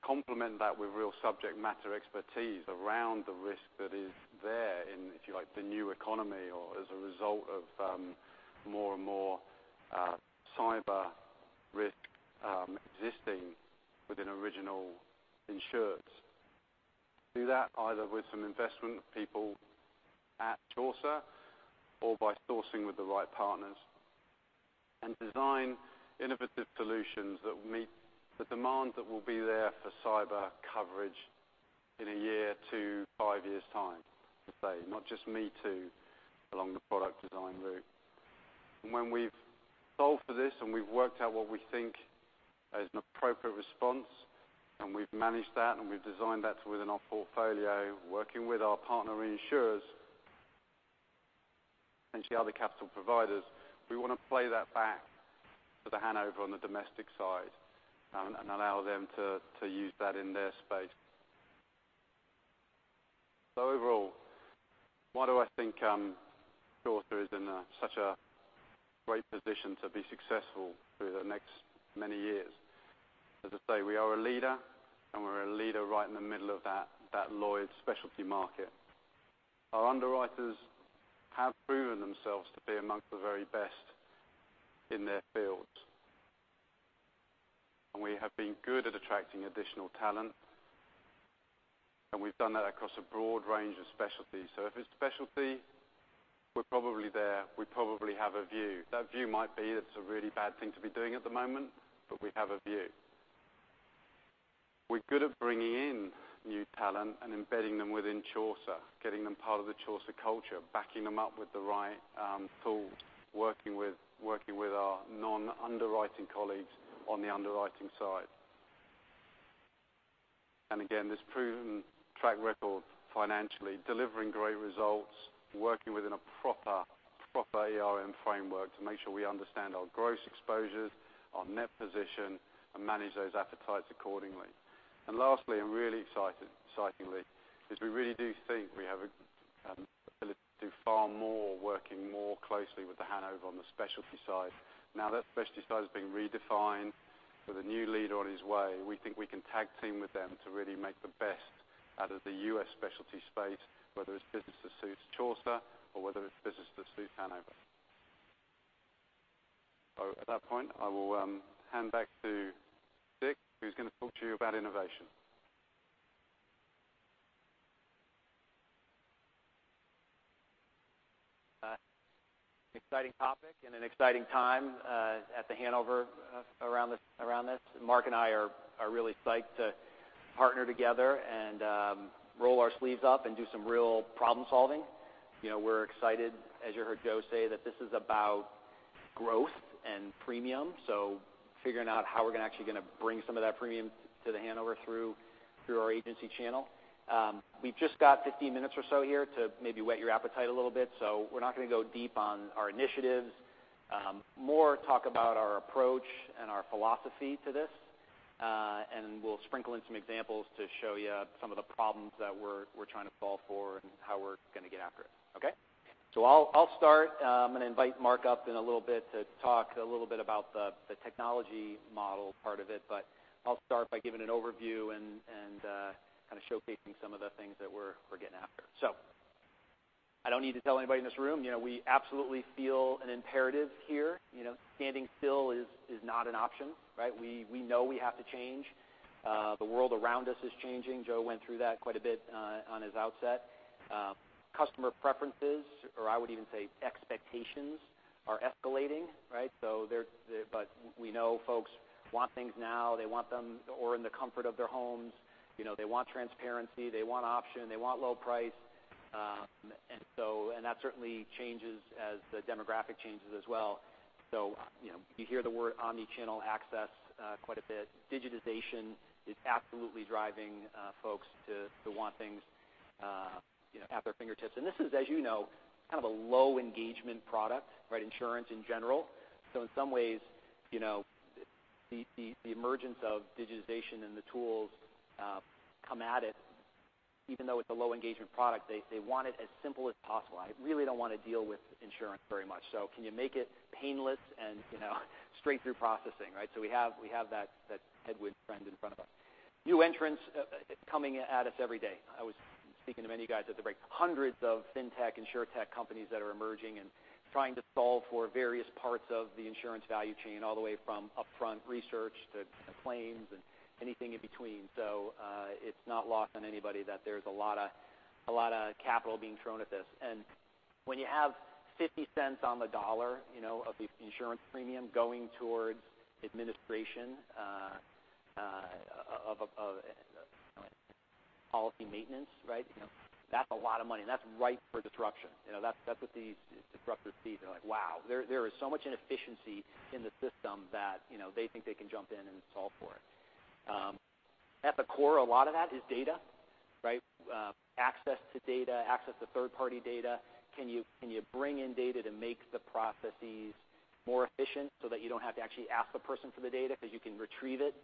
complement that with real subject matter expertise around the risk that is there in, if you like, the new economy or as a result of more and more cyber risk existing within original insureds. Do that either with some investment of people at Chaucer or by sourcing with the right partners. Design innovative solutions that will meet the demand that will be there for cyber coverage in one year to five years' time, let's say, not just me too, along the product design route. When we've solved for this and we've worked out what we think is an appropriate response and we've managed that and we've designed that within our portfolio, working with our partner reinsurers and the other capital providers, we want to play that back to The Hanover on the domestic side and allow them to use that in their space. Overall, why do I think Chaucer is in such a great position to be successful through the next many years? As I say, we are a leader, and we're a leader right in the middle of that Lloyd's specialty market. Our underwriters have proven themselves to be amongst the very best in their fields. We have been good at attracting additional talent, and we've done that across a broad range of specialties. If it's a specialty, we're probably there. We probably have a view. We have a view. We're good at bringing in new talent and embedding them within Chaucer, getting them part of the Chaucer culture, backing them up with the right tools, working with our non-underwriting colleagues on the underwriting side. Again, this proven track record financially, delivering great results, working within a proper ERM framework to make sure we understand our gross exposures, our net position, and manage those appetites accordingly. Lastly, and really excitingly, is we really do think we do far more working more closely with The Hanover on the specialty side. That specialty side is being redefined with a new leader on his way. We think we can tag team with them to really make the best out of the U.S. specialty space, whether it's business that suits Chaucer or whether it's business that suits The Hanover. At that point, I will hand back to Dick, who's going to talk to you about innovation. An exciting topic and an exciting time at The Hanover around this. Mark and I are really psyched to partner together and roll our sleeves up and do some real problem solving. We're excited, as you heard Joe say, that this is about growth and premium. Figuring out how we're actually going to bring some of that premium to The Hanover through our agency channel. We've just got 15 minutes or so here to maybe whet your appetite a little bit. We're not going to go deep on our initiatives. More talk about our approach and our philosophy to this. We'll sprinkle in some examples to show you some of the problems that we're trying to solve for and how we're going to get after it. Okay? I'll start. I'm going to invite Mark up in a little bit to talk a little bit about the technology model part of it. I'll start by giving an overview and kind of showcasing some of the things that we're getting after. I don't need to tell anybody in this room, we absolutely feel an imperative here. Standing still is not an option, right? We know we have to change. The world around us is changing. Joe went through that quite a bit on his outset. Customer preferences, or I would even say expectations, are escalating, right? We know folks want things now, they want them or in the comfort of their homes. They want transparency. They want option. They want low price. That certainly changes as the demographic changes as well. You hear the word omni-channel access quite a bit. Digitization is absolutely driving folks to want things at their fingertips. This is, as you know, kind of a low engagement product, insurance in general. In some ways, the emergence of digitization and the tools come at it, even though it's a low engagement product, they want it as simple as possible. I really don't want to deal with insurance very much. Can you make it painless and straight through processing, right? We have that headwind trend in front of us. New entrants coming at us every day. I was speaking to many of you guys at the break. Hundreds of Fintech, Insurtech companies that are emerging and trying to solve for various parts of the insurance value chain, all the way from upfront research to claims and anything in between. It's not lost on anybody that there's a lot of capital being thrown at this. When you have $0.50 on the dollar of the insurance premium going towards administration of policy maintenance, that's a lot of money. That's ripe for disruption. That's what these disruptors see. They're like, wow, there is so much inefficiency in the system that they think they can jump in and solve for it. At the core, a lot of that is data. Access to data, access to third-party data. Can you bring in data to make the processes more efficient so that you don't have to actually ask the person for the data because you can retrieve it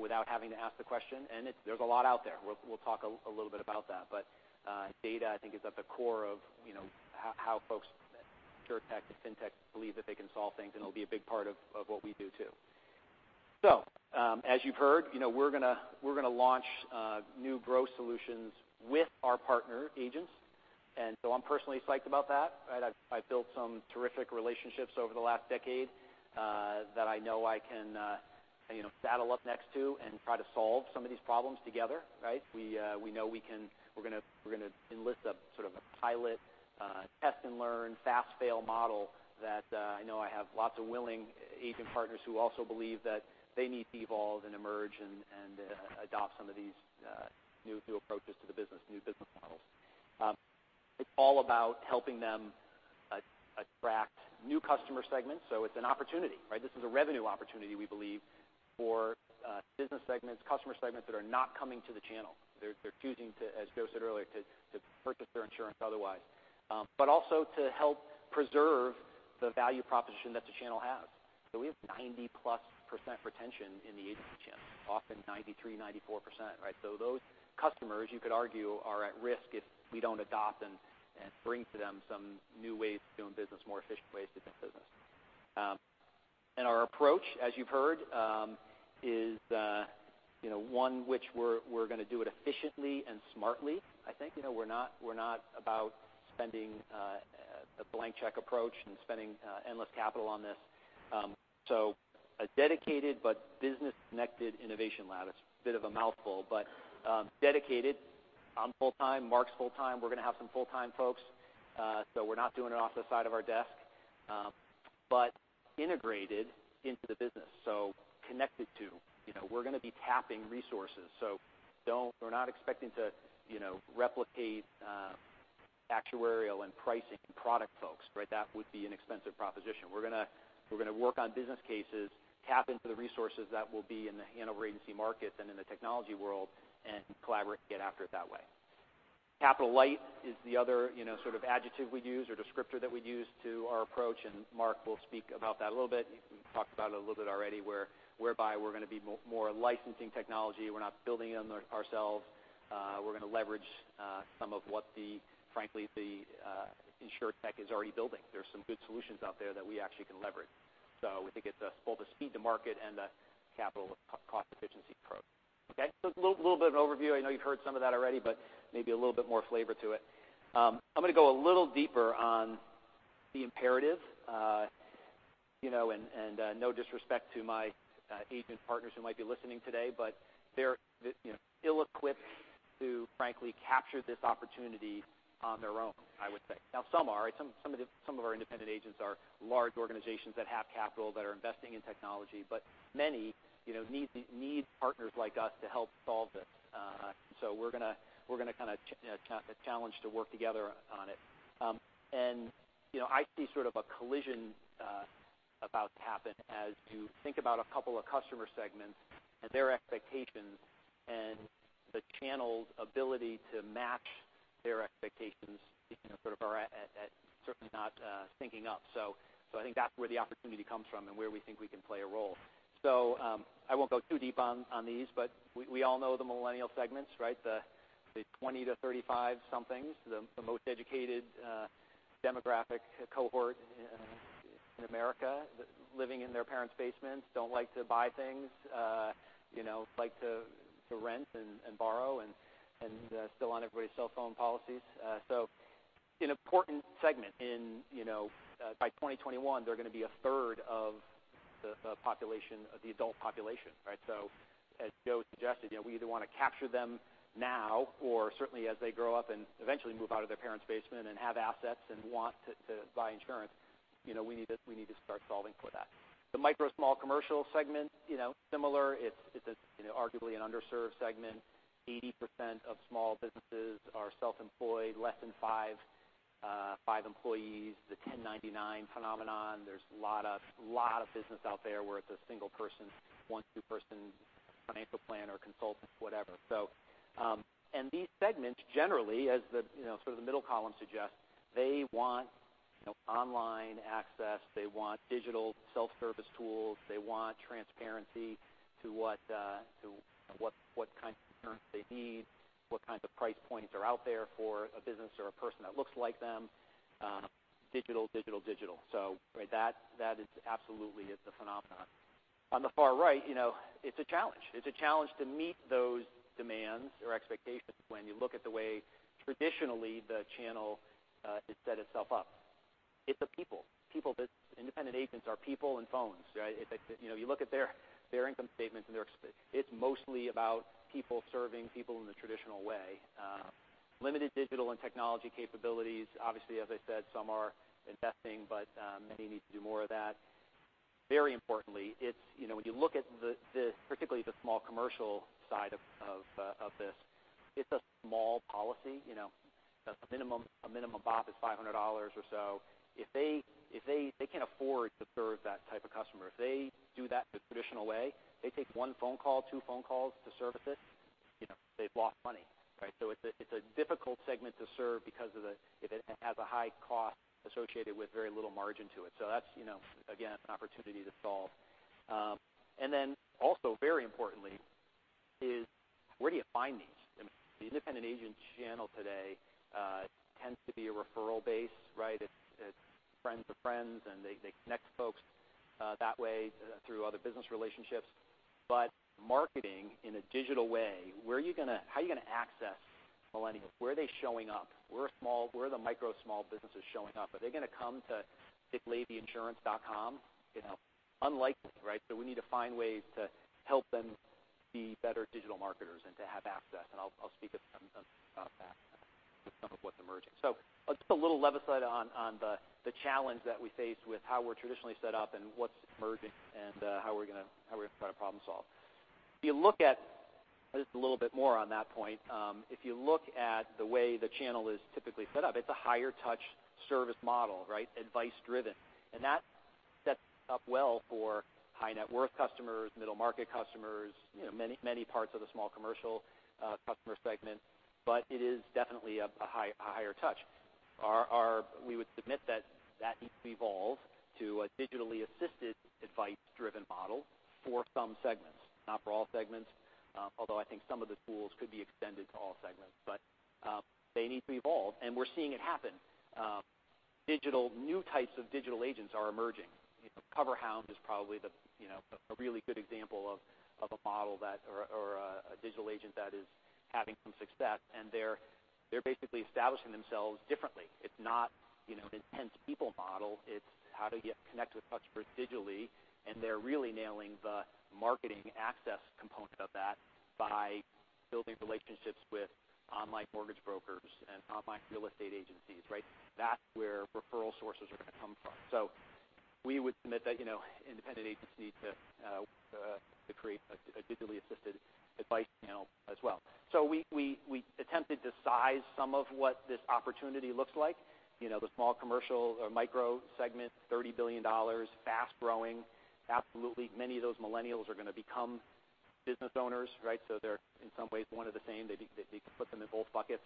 without having to ask the question? There's a lot out there. We'll talk a little bit about that. Data, I think, is at the core of how folks at Insurtech and Fintech believe that they can solve things, and it'll be a big part of what we do, too. As you've heard, we're going to launch new growth solutions with our partner agents. I'm personally psyched about that. I've built some terrific relationships over the last decade that I know I can saddle up next to and try to solve some of these problems together, right? We know we're going to enlist a sort of a pilot test and learn fast fail model that I know I have lots of willing agent partners who also believe that they need to evolve and emerge and adopt some of these new approaches to the business, new business models. It's all about helping them attract new customer segments. It's an opportunity, right? This is a revenue opportunity, we believe, for business segments, customer segments that are not coming to the channel. They're choosing to, as Joe said earlier, to purchase their insurance otherwise. Also to help preserve the value proposition that the channel has. We have 90+% retention in the agency channel, often 93%, 94%. Those customers, you could argue, are at risk if we don't adopt and bring to them some new ways of doing business, more efficient ways to do business. Our approach, as you've heard, is one which we're going to do it efficiently and smartly, I think. We're not about spending a blank check approach and spending endless capital on this. A dedicated but business connected innovation lab. It's a bit of a mouthful, but dedicated. I'm full-time, Mark's full-time. We're going to have some full-time folks. We're not doing it off the side of our desk. Integrated into the business, connected to. We're going to be tapping resources. We're not expecting to replicate actuarial and pricing product folks. That would be an expensive proposition. We're going to work on business cases, tap into the resources that will be in the Hanover Agency Markets and in the technology world, and collaborate to get after it that way. Capital light is the other sort of adjective we use or descriptor that we use to our approach, and Mark will speak about that a little bit. He talked about it a little bit already, whereby we're going to be more licensing technology. We're not building it ourselves. We're going to leverage some of what frankly the Insurtech is already building. There's some good solutions out there that we actually can leverage. We think it's both the speed to market and the capital cost efficiency approach. A little bit of overview. I know you've heard some of that already, but maybe a little bit more flavor to it. I'm going to go a little deeper on the imperative. No disrespect to my agent partners who might be listening today, but they're ill-equipped to frankly capture this opportunity on their own, I would say. Now some are. Some of our independent agents are large organizations that have capital, that are investing in technology, but many need partners like us to help solve this. We're going to challenge to work together on it. I see sort of a collision about to happen as you think about a couple of customer segments and their expectations and the channel's ability to match their expectations are certainly not syncing up. I think that's where the opportunity comes from and where we think we can play a role. I won't go too deep on these, but we all know the millennial segments, right? The 20-35-somethings, the most educated demographic cohort in America, living in their parents' basement, don't like to buy things, like to rent and borrow and still on everybody's cell phone policies. An important segment. By 2021, they're going to be a third of the adult population. As Joe suggested, we either want to capture them now or certainly as they grow up and eventually move out of their parents' basement and have assets and want to buy insurance. We need to start solving for that. The micro small commercial segment, similar. It's arguably an underserved segment. 80% of small businesses are self-employed, less than five employees. The 1099 phenomenon. There's a lot of business out there where it's a single person, one, two person, financial planner, consultant, whatever. These segments, generally, as the middle column suggests, they want online access. They want digital self-service tools. They want transparency to what kind of insurance they need, what kinds of price points are out there for a business or a person that looks like them. Digital, digital. That absolutely is the phenomenon. On the far right, it's a challenge. It's a challenge to meet those demands or expectations when you look at the way traditionally the channel has set itself up. It's a people. Independent agents are people and phones, right? If you look at their income statements, it's mostly about people serving people in the traditional way. Limited digital and technology capabilities. Obviously, as I said, some are investing, but many need to do more of that. Very importantly, when you look at particularly the small commercial side of this, it's a small policy. A minimum BOP is $500 or so. They can't afford to serve that type of customer. If they do that the traditional way, they take one phone call, two phone calls to service this, they've lost money, right? It's a difficult segment to serve because it has a high cost associated with very little margin to it. That's, again, an opportunity to solve. Also very importantly is where do you find these? The independent agent channel today tends to be a referral base, right? It's friends of friends, and they connect folks that way through other business relationships. Marketing in a digital way, how are you going to access millennials? Where are they showing up? Where are the micro small businesses showing up? Are they going to come to dickleeinsurance.com? Unlikely, right? We need to find ways to help them be better digital marketers and to have access. I'll speak to some of what's emerging. Just a little aside on the challenge that we face with how we're traditionally set up and what's emerging and how we're going to try to problem solve. Just a little bit more on that point. If you look at the way the channel is typically set up, it's a higher touch service model, right? Advice driven. That sets up well for high net worth customers, middle market customers, many parts of the small commercial customer segment. It is definitely a higher touch. We would submit that that needs to evolve to a digitally assisted advice-driven model for some segments. Not for all segments. Although I think some of the tools could be extended to all segments, but they need to evolve, and we're seeing it happen. New types of digital agents are emerging. CoverHound is probably a really good example of a model or a digital agent that is having some success, and they're basically establishing themselves differently. It's not an intense people model. It's how do you connect with customers digitally, and they're really nailing the marketing access component of that by building relationships with online mortgage brokers and online real estate agencies, right? That's where referral sources are going to come from. We would submit that independent agents need to create a digitally assisted advice channel as well. We attempted to size some of what this opportunity looks like. The small commercial or micro segment, $30 billion, fast-growing. Absolutely many of those millennials are going to become business owners, right? They're in some ways one and the same. You can put them in both buckets.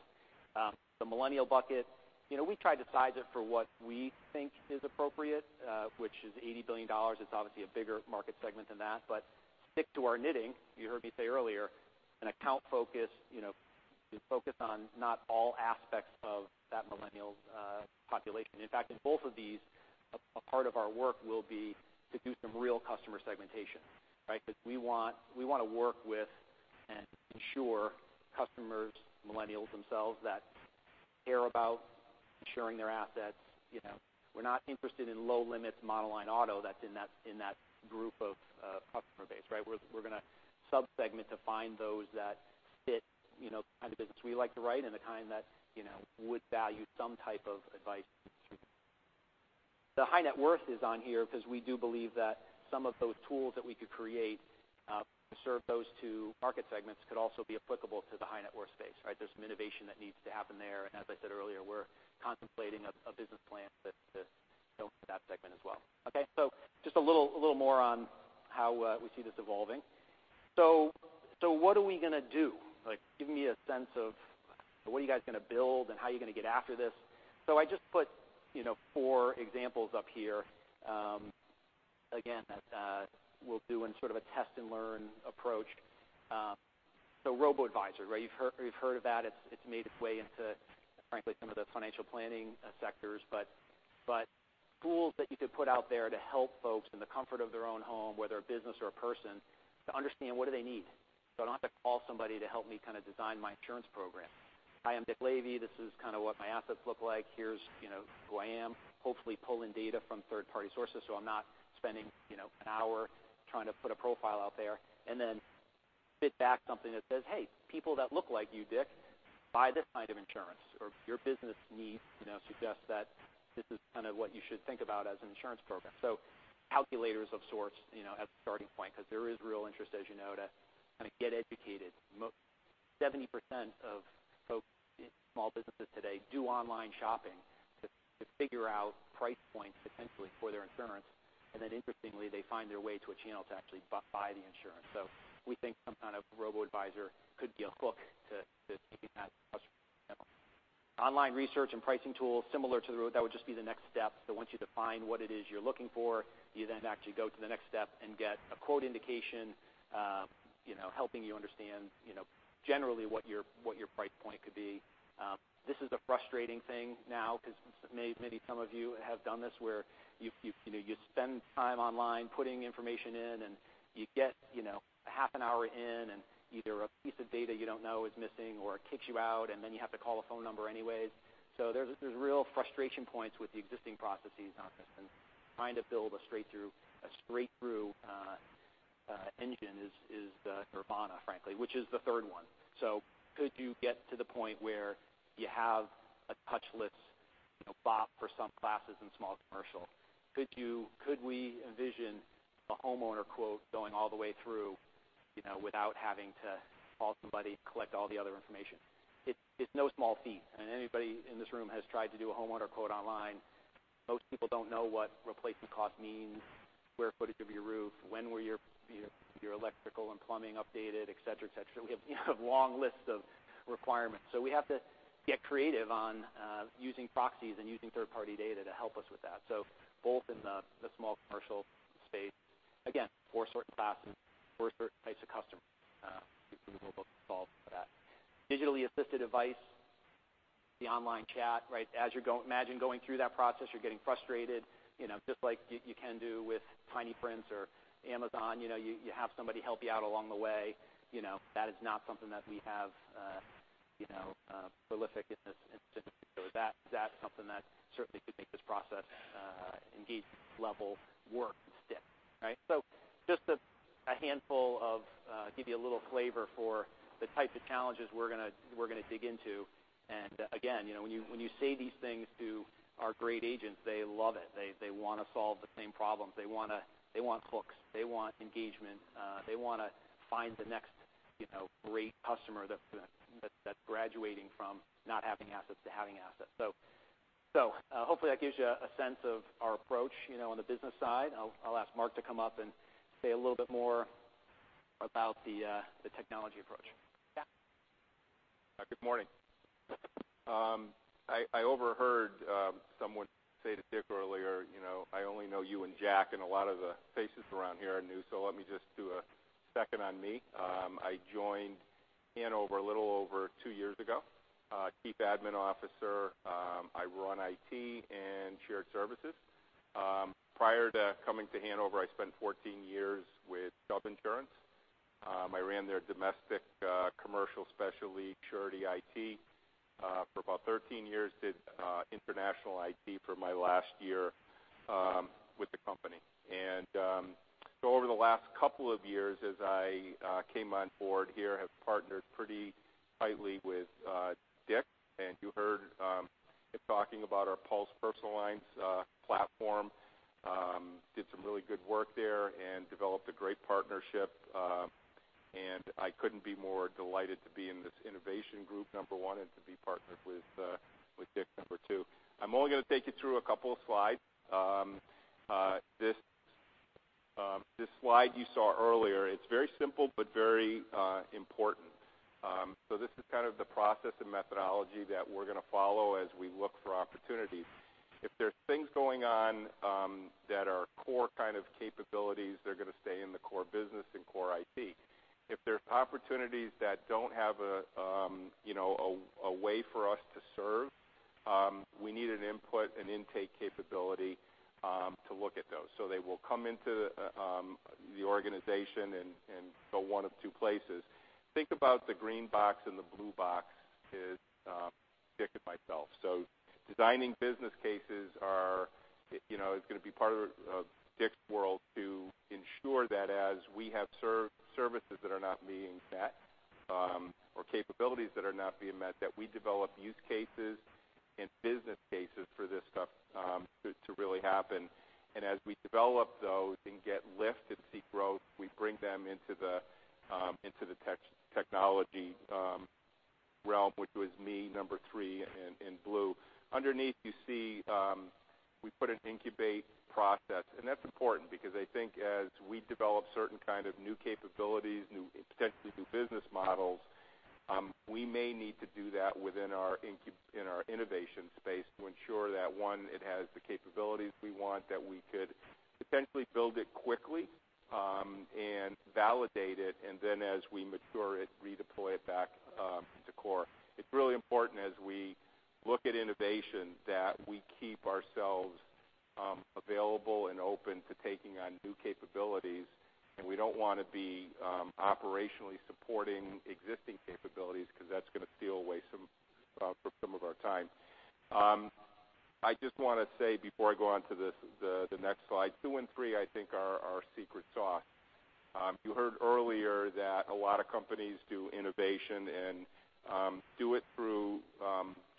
The millennial bucket, we try to size it for what we think is appropriate, which is $80 billion. It's obviously a bigger market segment than that, but stick to our knitting. You heard me say earlier, an account focus We focus on not all aspects of that millennial population. In fact, in both of these, a part of our work will be to do some real customer segmentation. We want to work with and insure customers, millennials themselves, that care about insuring their assets. We're not interested in low limits model line auto that's in that group of customer base. We're going to sub-segment to find those that fit the kind of business we like to write and the kind that would value some type of advice. The high net worth is on here because we do believe that some of those tools that we could create to serve those two market segments could also be applicable to the high net worth space. There's some innovation that needs to happen there, and as I said earlier, we're contemplating a business plan that builds that segment as well. Just a little more on how we see this evolving. What are we going to do? Give me a sense of what are you guys going to build and how you're going to get after this. I just put four examples up here. Again, that we'll do in sort of a test and learn approach. Robo-advisor. You've heard of that. It's made its way into, frankly, some of the financial planning sectors. Tools that you could put out there to help folks in the comfort of their own home, whether a business or a person, to understand what do they need. I don't have to call somebody to help me design my insurance program. I am Dick Lavey. This is kind of what my assets look like. Here's who I am. Hopefully pull in data from third-party sources so I'm not spending an hour trying to put a profile out there. Then spit back something that says, "Hey, people that look like you, Dick, buy this kind of insurance," or your business needs suggest that this is kind of what you should think about as an insurance program. Calculators of sorts as a starting point, because there is real interest, as you know, to kind of get educated. 70% of folks in small businesses today do online shopping to figure out price points potentially for their insurance. Then interestingly, they find their way to a channel to actually buy the insurance. We think some kind of robo-advisor could be a hook to that customer. Online research and pricing tools, similar to that would just be the next step. Once you define what it is you're looking for, you then actually go to the next step and get a quote indication, helping you understand generally what your price point could be. This is a frustrating thing now, because maybe some of you have done this, where you spend time online putting information in and you get a half an hour in and either a piece of data you don't know is missing or it kicks you out and then you have to call a phone number anyway. There's real frustration points with the existing processes, and trying to build a straight-through engine is the nirvana, frankly. Which is the third one. Could you get to the point where you have a touchless BOP for some classes in small commercial? Could we envision a homeowner quote going all the way through without having to call somebody to collect all the other information? It's no small feat. Anybody in this room has tried to do a homeowner quote online. Most people don't know what replacement cost means, square footage of your roof, when were your electrical and plumbing updated, et cetera. We have long lists of requirements. We have to get creative on using proxies and using third-party data to help us with that. Both in the small commercial space, again, for certain classes, for certain types of customers, we can resolve that. Digitally assisted device, the online chat. Imagine going through that process, you're getting frustrated, just like you can do with Tiny Prints or Amazon. You have somebody help you out along the way. That is not something that we have prolific in this. That's something that certainly could make this process indeed level work stick. Just to give you a little flavor for the types of challenges we're going to dig into. Again, when you say these things to our great agents, they love it. They want to solve the same problems. They want hooks. They want engagement. They want to find the next great customer that's graduating from not having assets to having assets. Hopefully that gives you a sense of our approach on the business side. I'll ask Mark to come up and say a little bit more about the technology approach. Yeah. Good morning. I overheard someone say to Dick earlier, I only know you and Jack, and a lot of the faces around here are new, let me just do a second on me. I joined Hanover a little over 2 years ago. Chief Admin Officer. I run IT and shared services. Prior to coming to Hanover, I spent 14 years with Chubb Insurance. I ran their domestic commercial specialty surety IT for about 13 years, did international IT for my last year with the company. Over the last couple of years, as I came on board here, have partnered pretty tightly with Dick. You heard him talking about our Pulse personal lines platform. Did some really good work there and developed a great partnership. I couldn't be more delighted to be in this innovation group, number 1, and to be partnered with Dick, number 2. I'm only going to take you through a couple of slides. This slide you saw earlier, it's very simple but very important. This is kind of the process and methodology that we're going to follow as we look for opportunities. If there are things going on that are core kind of capabilities, they're going to stay in the core business and core IT. If there's opportunities that don't have a way for us to serve, we need an input and intake capability to look at those. They will come into the organization and go one of two places. Think about the green box and the blue box is Dick and myself. Designing business cases is going to be part of Dick's world to ensure that as we have services that are not being met or capabilities that are not being met, that we develop use cases and business cases for this stuff to really happen. As we develop those and get lift and see growth, we bring them into the technology realm, which was me, number three in blue. Underneath you see we put an incubate process, and that's important because I think as we develop certain kind of new capabilities, potentially new business models, we may need to do that within our innovation space to ensure that one, it has the capabilities we want, that we could potentially build it quickly, and validate it, and then as we mature it, redeploy it back to core. It's really important as we look at innovation, that we keep ourselves available and open to taking on new capabilities, and we don't want to be operationally supporting existing capabilities because that's going to steal away some of our time. I just want to say before I go on to the next slide, two and three, I think are our secret sauce. You heard earlier that a lot of companies do innovation and do it through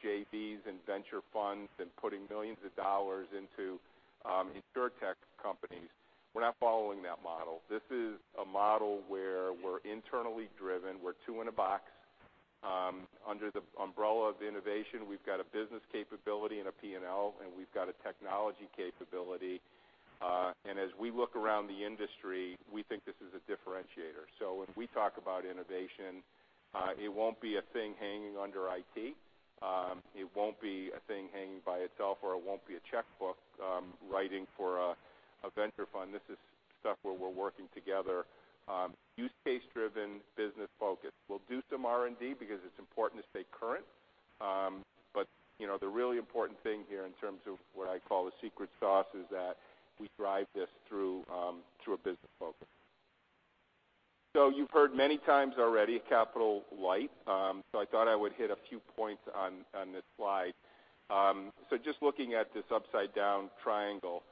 JVs and venture funds and putting millions of dollars into Insurtech companies. We're not following that model. This is a model where we're internally driven. We're two in a box under the umbrella of the innovation. We've got a business capability and a P&L, and we've got a technology capability. As we look around the industry, we think this is a differentiator. If we talk about innovation, it won't be a thing hanging under IT. It won't be a thing hanging by itself, or it won't be a checkbook writing for a venture fund. This is stuff where we're working together, use case driven, business focused. We'll do some R&D because it's important to stay current. But the really important thing here in terms of what I call the secret sauce is that we drive this through a business focus. You've heard many times already capital light. I thought I would hit a few points on this slide. Just looking at this upside down triangle,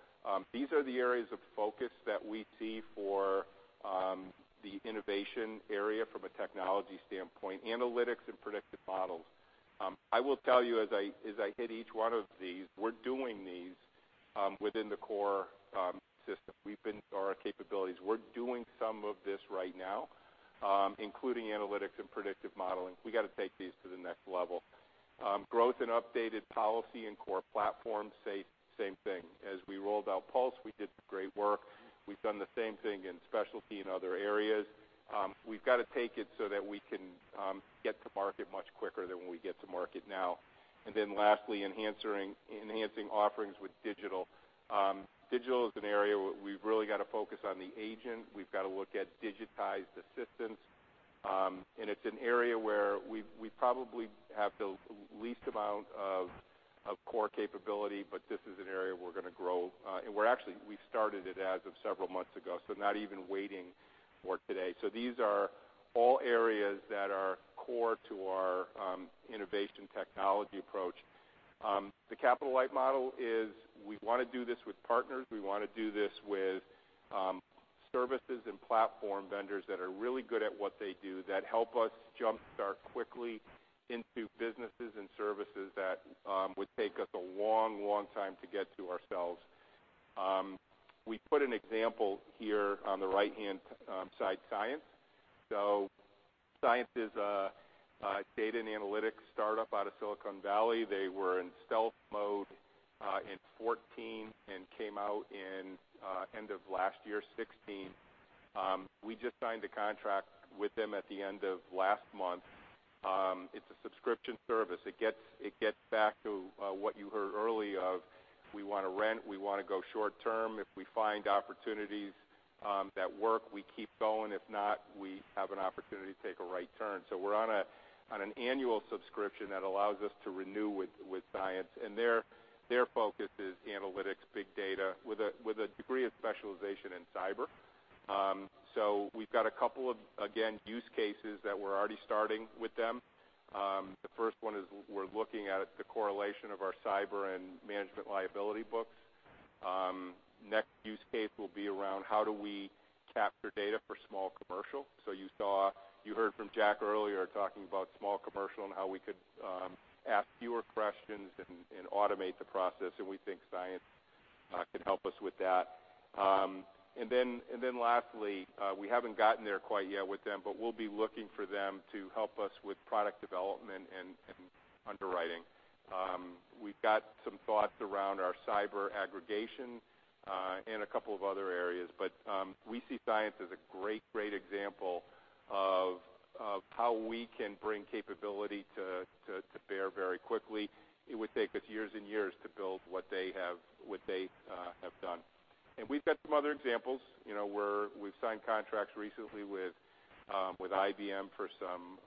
these are the areas of focus that we see for the innovation area from a technology standpoint, analytics and predictive models. I will tell you as I hit each one of these, we're doing these within the core system. Our capabilities. We're doing some of this right now, including analytics and predictive modeling. We got to take these to the next level. Growth and updated policy and core platform, same thing. As we rolled out Pulse, we did great work. We've done the same thing in specialty and other areas. We've got to take it so that we can get to market much quicker than when we get to market now. Then lastly, enhancing offerings with digital. Digital is an area where we've really got to focus on the agent. We've got to look at digitized assistance. It's an area where we probably have the least amount of core capability, but this is an area we're going to grow. We're actually, we started it as of several months ago, not even waiting for today. These are all areas that are core to our innovation technology approach. The capital light model is we want to do this with partners. We want to do this with services and platform vendors that are really good at what they do, that help us jumpstart quickly into businesses and services that would take us a long time to get to ourselves. We put an example here on the right-hand side, Cyence. Cyence is a data and analytics startup out of Silicon Valley. They were in stealth mode in 2014 and came out in end of last year, 2016. We just signed a contract with them at the end of last month. It's a subscription service. It gets back to what you heard earlier of, we want to rent, we want to go short term. If we find opportunities that work, we keep going. If not, we have an opportunity to take a right turn. We're on an annual subscription that allows us to renew with Cyence. Their focus is analytics, big data with a degree of specialization in cyber. We've got a couple of, again, use cases that we're already starting with them. The first one is we're looking at the correlation of our cyber and management liability books. Next use case will be around how do we capture data for small commercial. You heard from Jack earlier talking about small commercial and how we could ask fewer questions and automate the process, and we think Cyence can help us with that. Lastly, we haven't gotten there quite yet with them, but we'll be looking for them to help us with product development and underwriting. We've got some thoughts around our cyber aggregation, and a couple of other areas, but we see Cyence as a great example of how we can bring capability to bear very quickly. It would take us years and years to build what they have done. We've got some other examples. We've signed contracts recently with IBM for some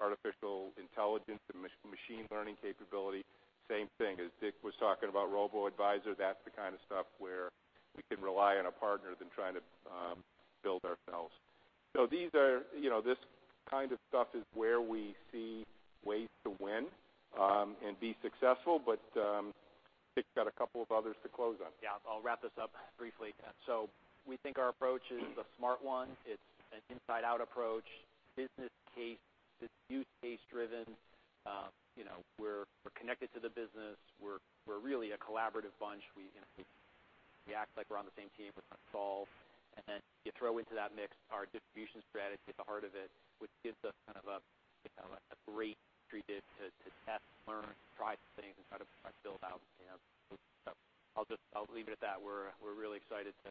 artificial intelligence and machine learning capability. Same thing as Dick was talking about robo-adviser, that's the kind of stuff where we can rely on a partner than trying to build ourselves. This kind of stuff is where we see ways to win and be successful. Dick's got a couple of others to close on. Yeah, I'll wrap this up briefly. We think our approach is a smart one. It's an inside-out approach, business case, it's use case driven. We're connected to the business. We're really a collaborative bunch. We act like we're on the same team. We're going to solve. You throw into that mix our distribution strategy at the heart of it, which gives us kind of a great treat to test, learn, try some things, and try to build out. I'll leave it at that. We're really excited to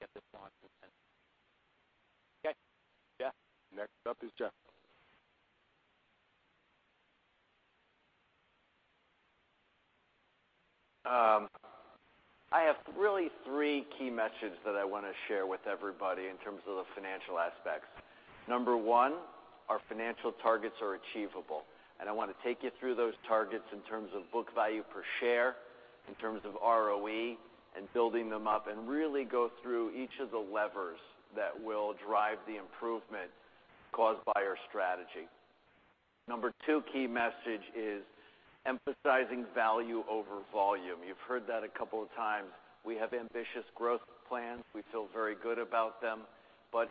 get this going. Okay. Yeah. Next up is Jeff. I have really three key messages that I want to share with everybody in terms of the financial aspects. Number one, our financial targets are achievable. I want to take you through those targets in terms of book value per share, in terms of ROE and building them up, really go through each of the levers that will drive the improvement caused by our strategy. Number two key message is emphasizing value over volume. You've heard that a couple of times. We have ambitious growth plans. We feel very good about them,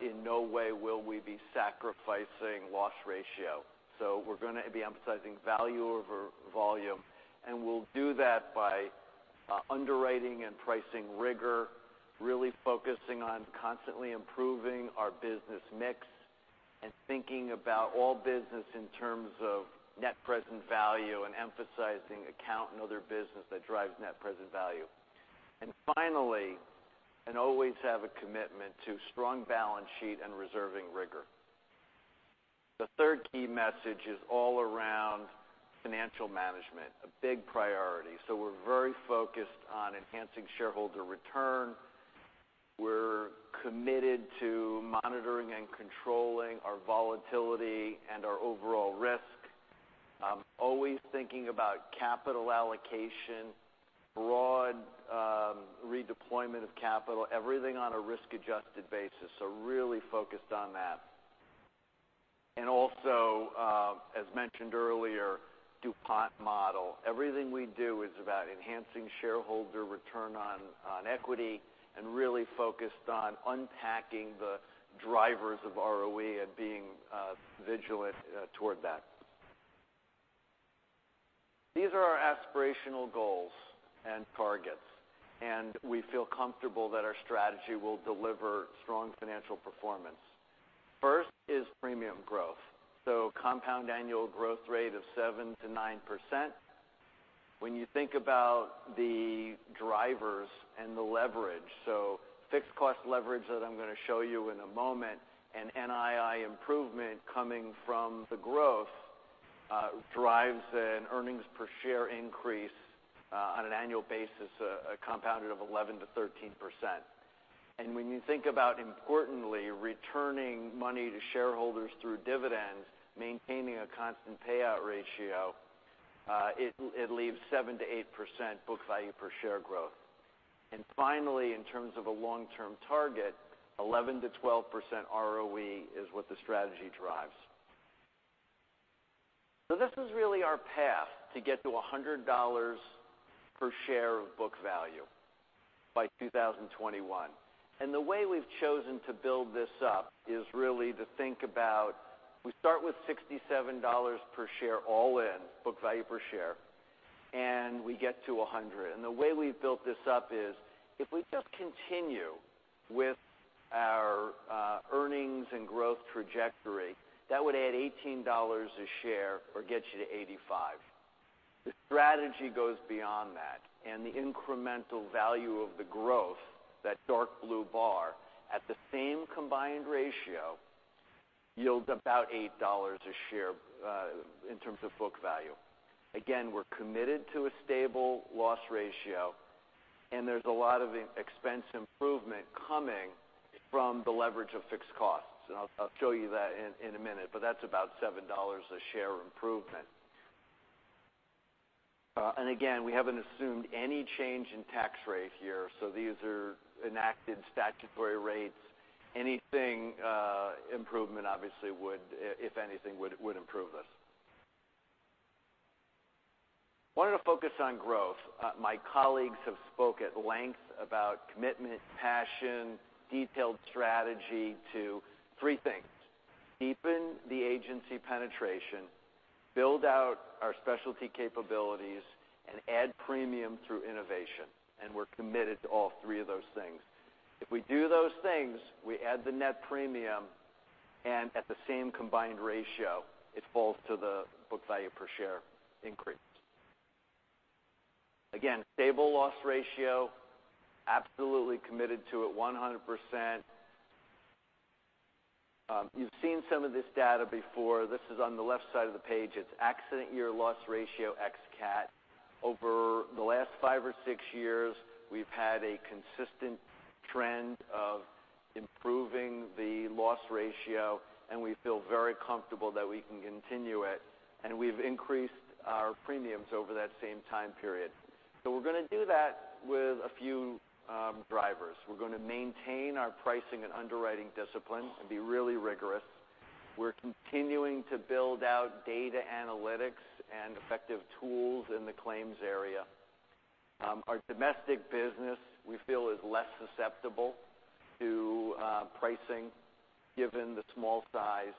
in no way will we be sacrificing loss ratio. We're going to be emphasizing value over volume, we'll do that by underwriting and pricing rigor, really focusing on constantly improving our business mix, thinking about all business in terms of net present value and emphasizing account and other business that drives net present value. Finally, always have a commitment to strong balance sheet and reserving rigor. The third key message is all around financial management, a big priority. We're very focused on enhancing shareholder return. We're committed to monitoring and controlling our volatility and our overall risk. Always thinking about capital allocation, broad redeployment of capital, everything on a risk-adjusted basis. Really focused on that. Also, as mentioned earlier, DuPont model. Everything we do is about enhancing shareholder return on equity and really focused on unpacking the drivers of ROE and being vigilant toward that. These are our aspirational goals and targets, we feel comfortable that our strategy will deliver strong financial performance. First is premium growth, compound annual growth rate of 7% to 9%. When you think about the drivers and the leverage, fixed cost leverage that I'm going to show you in a moment, NII improvement coming from the growth, drives an earnings per share increase on an annual basis, a compound rate of 11% to 13%. When you think about, importantly, returning money to shareholders through dividends, maintaining a constant payout ratio, it leaves 7% to 8% book value per share growth. Finally, in terms of a long-term target, 11% to 12% ROE is what the strategy drives. This is really our path to get to $100 per share of book value by 2021. The way we've chosen to build this up is really to think about, we start with $67 per share all-in, book value per share, we get to $100. The way we've built this up is if we just continue with our earnings and growth trajectory, that would add $18 a share or get you to $85. The strategy goes beyond that, the incremental value of the growth, that dark blue bar, at the same combined ratio, yields about $8 a share in terms of book value. We're committed to a stable loss ratio, there's a lot of expense improvement coming from the leverage of fixed costs. I'll show you that in a minute, but that's about $7 a share improvement. We haven't assumed any change in tax rate here, so these are enacted statutory rates. Anything improvement obviously would, if anything, would improve this. Wanted to focus on growth. My colleagues have spoken at length about commitment, passion, detailed strategy to three things, deepen the agency penetration, build out our specialty capabilities, add premium through innovation, we're committed to all three of those things. If we do those things, we add the net premium, at the same combined ratio, it falls to the book value per share increase. Stable loss ratio, absolutely committed to it 100%. You've seen some of this data before. This is on the left side of the page. It's accident year loss ratio ex cat. Over the last five or six years, we've had a consistent trend of improving the loss ratio, we feel very comfortable that we can continue it, we've increased our premiums over that same time period. We're going to do that with a few drivers. We're going to maintain our pricing and underwriting discipline, be really rigorous. We're continuing to build out data analytics, effective tools in the claims area. Our domestic business, we feel, is less susceptible to pricing given the small size,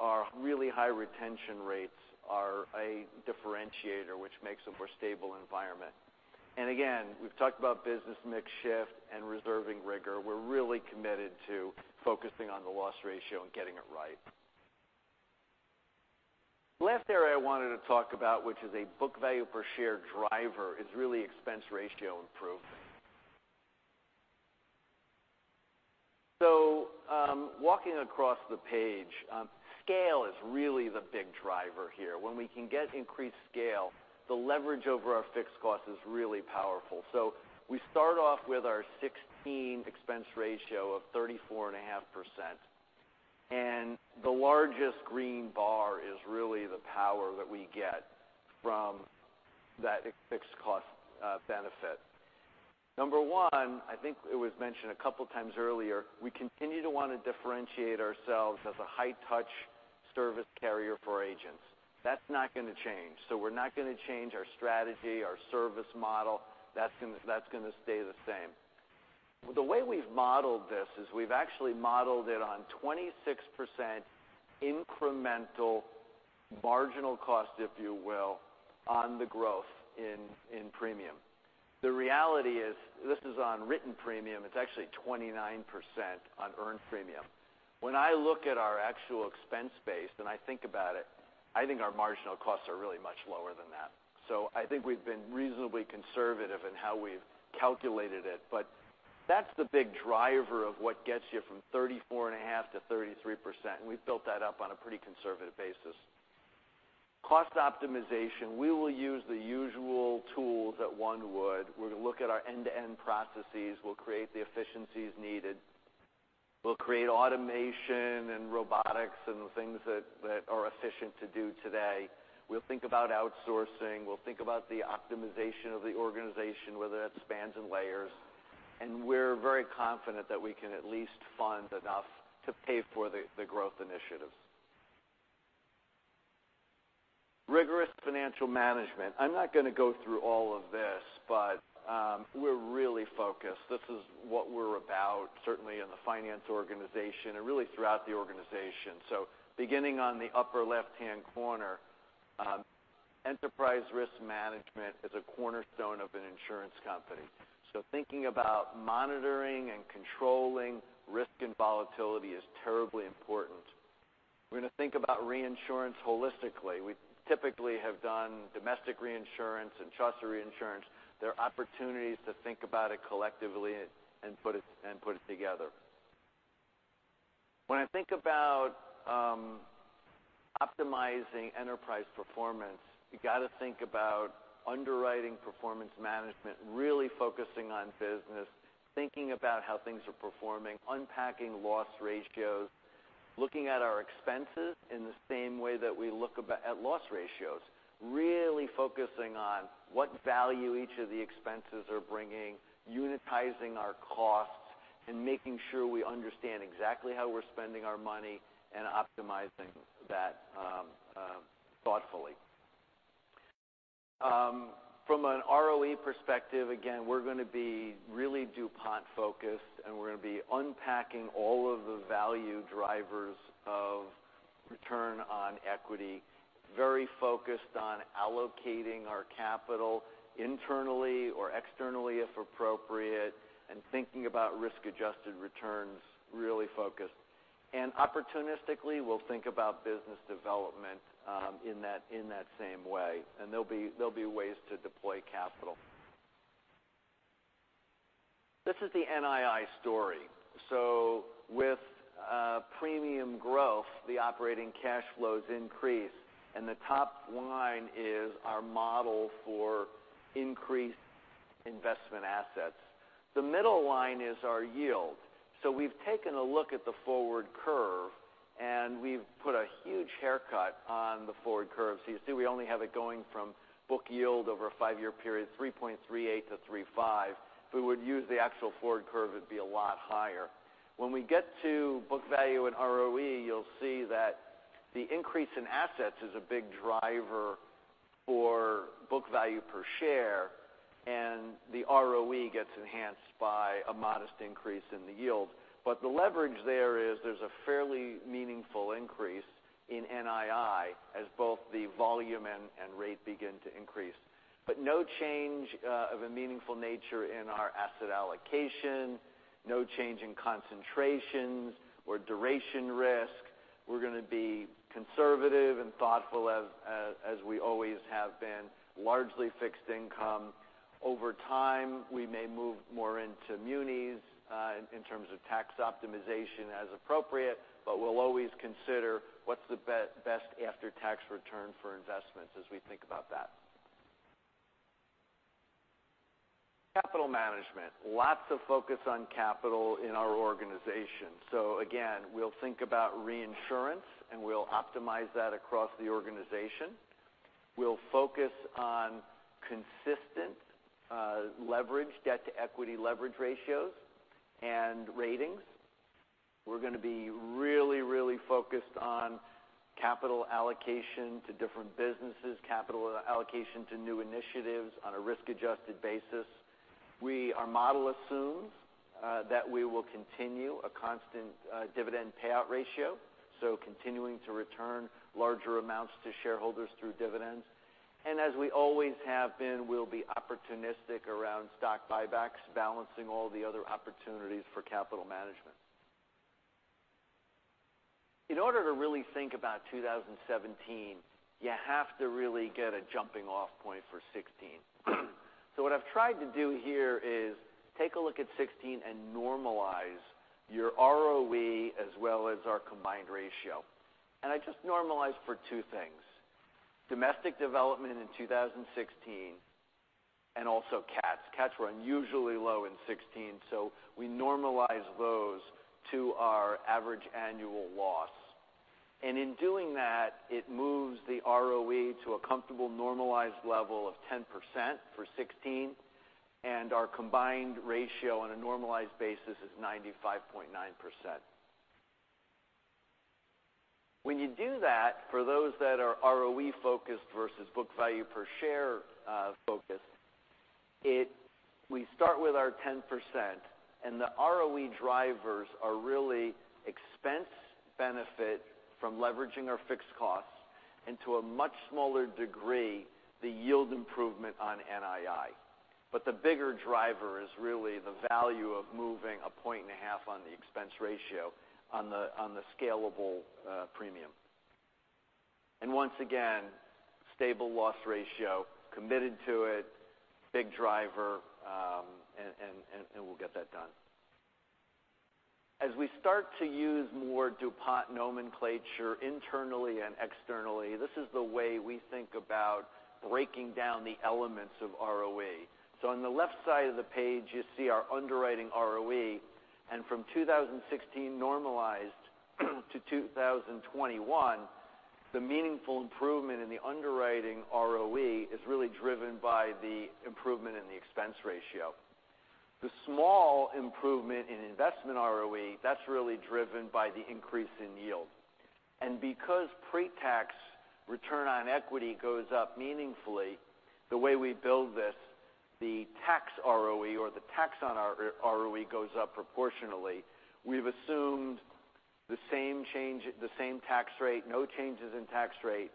our really high retention rates are a differentiator, which makes a more stable environment. We've talked about business mix shift, reserving rigor. We're really committed to focusing on the loss ratio, getting it right. Last area I wanted to talk about, which is a book value per share driver, is really expense ratio improvement. Walking across the page, scale is really the big driver here. When we can get increased scale, the leverage over our fixed cost is really powerful. We start off with our 2016 expense ratio of 34.5%, the largest green bar is really the power that we get from that fixed cost benefit. Number one, I think it was mentioned a couple times earlier, we continue to want to differentiate ourselves as a high touch service carrier for agents. That's not going to change. We're not going to change our strategy, our service model. That's going to stay the same. The way we've modeled this is we've actually modeled it on 26% incremental marginal cost, if you will, on the growth in premium. The reality is, this is on written premium, it's actually 29% on earned premium. When I look at our actual expense base, I think about it, I think our marginal costs are really much lower than that. I think we've been reasonably conservative in how we've calculated it, but that's the big driver of what gets you from 34.5%-33%, and we've built that up on a pretty conservative basis. Cost optimization, we will use the usual tools that one would. We're going to look at our end-to-end processes. We'll create the efficiencies needed. We'll create automation and robotics and the things that are efficient to do today. We'll think about outsourcing. We'll think about the optimization of the organization, whether that's spans and layers. We're very confident that we can at least fund enough to pay for the growth initiatives. Rigorous financial management. I'm not going to go through all of this, but we're really focused. This is what we're about, certainly in the finance organization and really throughout the organization. Beginning on the upper left-hand corner, enterprise risk management is a cornerstone of an insurance company. Thinking about monitoring and controlling risk and volatility is terribly important. We're going to think about reinsurance holistically. We typically have done domestic reinsurance and Chaucer reinsurance. There are opportunities to think about it collectively and put it together. When I think about optimizing enterprise performance, you got to think about underwriting performance management, really focusing on business, thinking about how things are performing, unpacking loss ratios, looking at our expenses in the same way that we look at loss ratios. Really focusing on what value each of the expenses are bringing, unitizing our costs, and making sure we understand exactly how we're spending our money and optimizing that thoughtfully. From an ROE perspective, again, we're going to be really DuPont focused, and we're going to be unpacking all of the value drivers of return on equity. Very focused on allocating our capital internally or externally if appropriate, and thinking about risk-adjusted returns, really focused. Opportunistically, we'll think about business development in that same way, and there'll be ways to deploy capital. This is the NII story. With premium growth, the operating cash flows increase, and the top line is our model for increased investment assets. The middle line is our yield. We've taken a look at the forward curve, and we've put a huge haircut on the forward curve. You see, we only have it going from book yield over a five-year period, 3.38%-3.5%. If we would use the actual forward curve, it'd be a lot higher. When we get to book value in ROE, you'll see that the increase in assets is a big driver for book value per share, and the ROE gets enhanced by a modest increase in the yield. The leverage there is there's a fairly meaningful increase in NII as both the volume and rate begin to increase. No change of a meaningful nature in our asset allocation, no change in concentrations or duration risk. We're going to be conservative and thoughtful as we always have been, largely fixed income. Over time, we may move more into munis in terms of tax optimization as appropriate, but we'll always consider what's the best after-tax return for investments as we think about that. Capital management, lots of focus on capital in our organization. Again, we'll think about reinsurance, and we'll optimize that across the organization. We'll focus on consistent leverage, debt to equity leverage ratios, and ratings. We're going to be really focused on capital allocation to different businesses, capital allocation to new initiatives on a risk-adjusted basis. Our model assumes that we will continue a constant dividend payout ratio, so continuing to return larger amounts to shareholders through dividends. As we always have been, we'll be opportunistic around stock buybacks, balancing all the other opportunities for capital management. In order to really think about 2017, you have to really get a jumping-off point for 2016. What I've tried to do here is take a look at 2016 and normalize your ROE as well as our combined ratio. I just normalized for two things, domestic development in 2016 and also cats. Cats were unusually low in 2016, so we normalize those to our average annual loss. In doing that, it moves the ROE to a comfortable normalized level of 10% for 2016. Our combined ratio on a normalized basis is 95.9%. When you do that, for those that are ROE focused versus book value per share focused, we start with our 10%, and the ROE drivers are really expense benefit from leveraging our fixed costs, and to a much smaller degree, the yield improvement on NII. The bigger driver is really the value of moving a point and a half on the expense ratio on the scalable premium. Once again, stable loss ratio, committed to it, big driver, and we'll get that done. As we start to use more DuPont nomenclature internally and externally, this is the way we think about breaking down the elements of ROE. On the left side of the page, you see our underwriting ROE. From 2016 normalized to 2021, the meaningful improvement in the underwriting ROE is really driven by the improvement in the expense ratio. The small improvement in investment ROE, that's really driven by the increase in yield. Because pre-tax return on equity goes up meaningfully, the way we build this, the tax ROE or the tax on our ROE goes up proportionally. We've assumed the same tax rate, no changes in tax rate,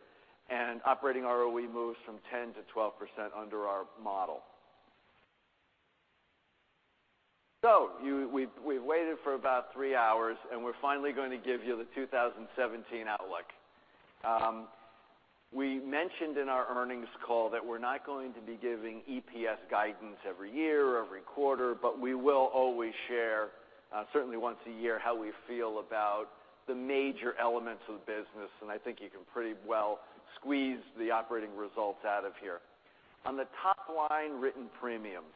and operating ROE moves from 10% to 12% under our model. We've waited for about three hours, and we're finally going to give you the 2017 outlook. We mentioned in our earnings call that we're not going to be giving EPS guidance every year or every quarter, but we will always share certainly once a year how we feel about the major elements of the business, and I think you can pretty well squeeze the operating results out of here. On the top line, written premiums.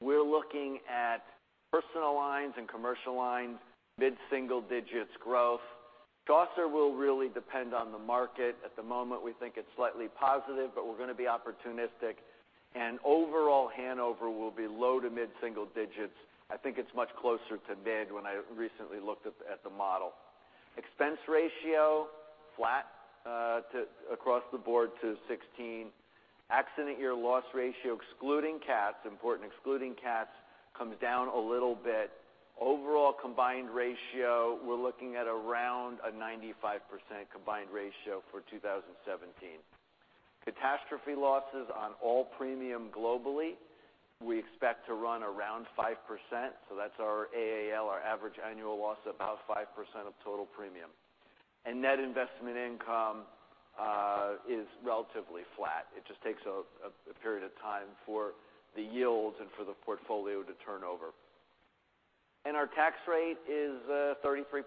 We're looking at personal lines and commercial lines, mid-single digits growth. Chaucer will really depend on the market. At the moment, we think it's slightly positive, but we're going to be opportunistic, and overall, Hanover will be low to mid-single digits. I think it's much closer to mid when I recently looked at the model. Expense ratio, flat across the board to 2016. Accident year loss ratio excluding cats, important, excluding cats, comes down a little bit. Overall combined ratio, we're looking at around a 95% combined ratio for 2017. Catastrophe losses on all premium globally, we expect to run around 5%, so that's our AAL, our average annual loss, about 5% of total premium. Net investment income is relatively flat. It just takes a period of time for the yields and for the portfolio to turn over. Our tax rate is 33%.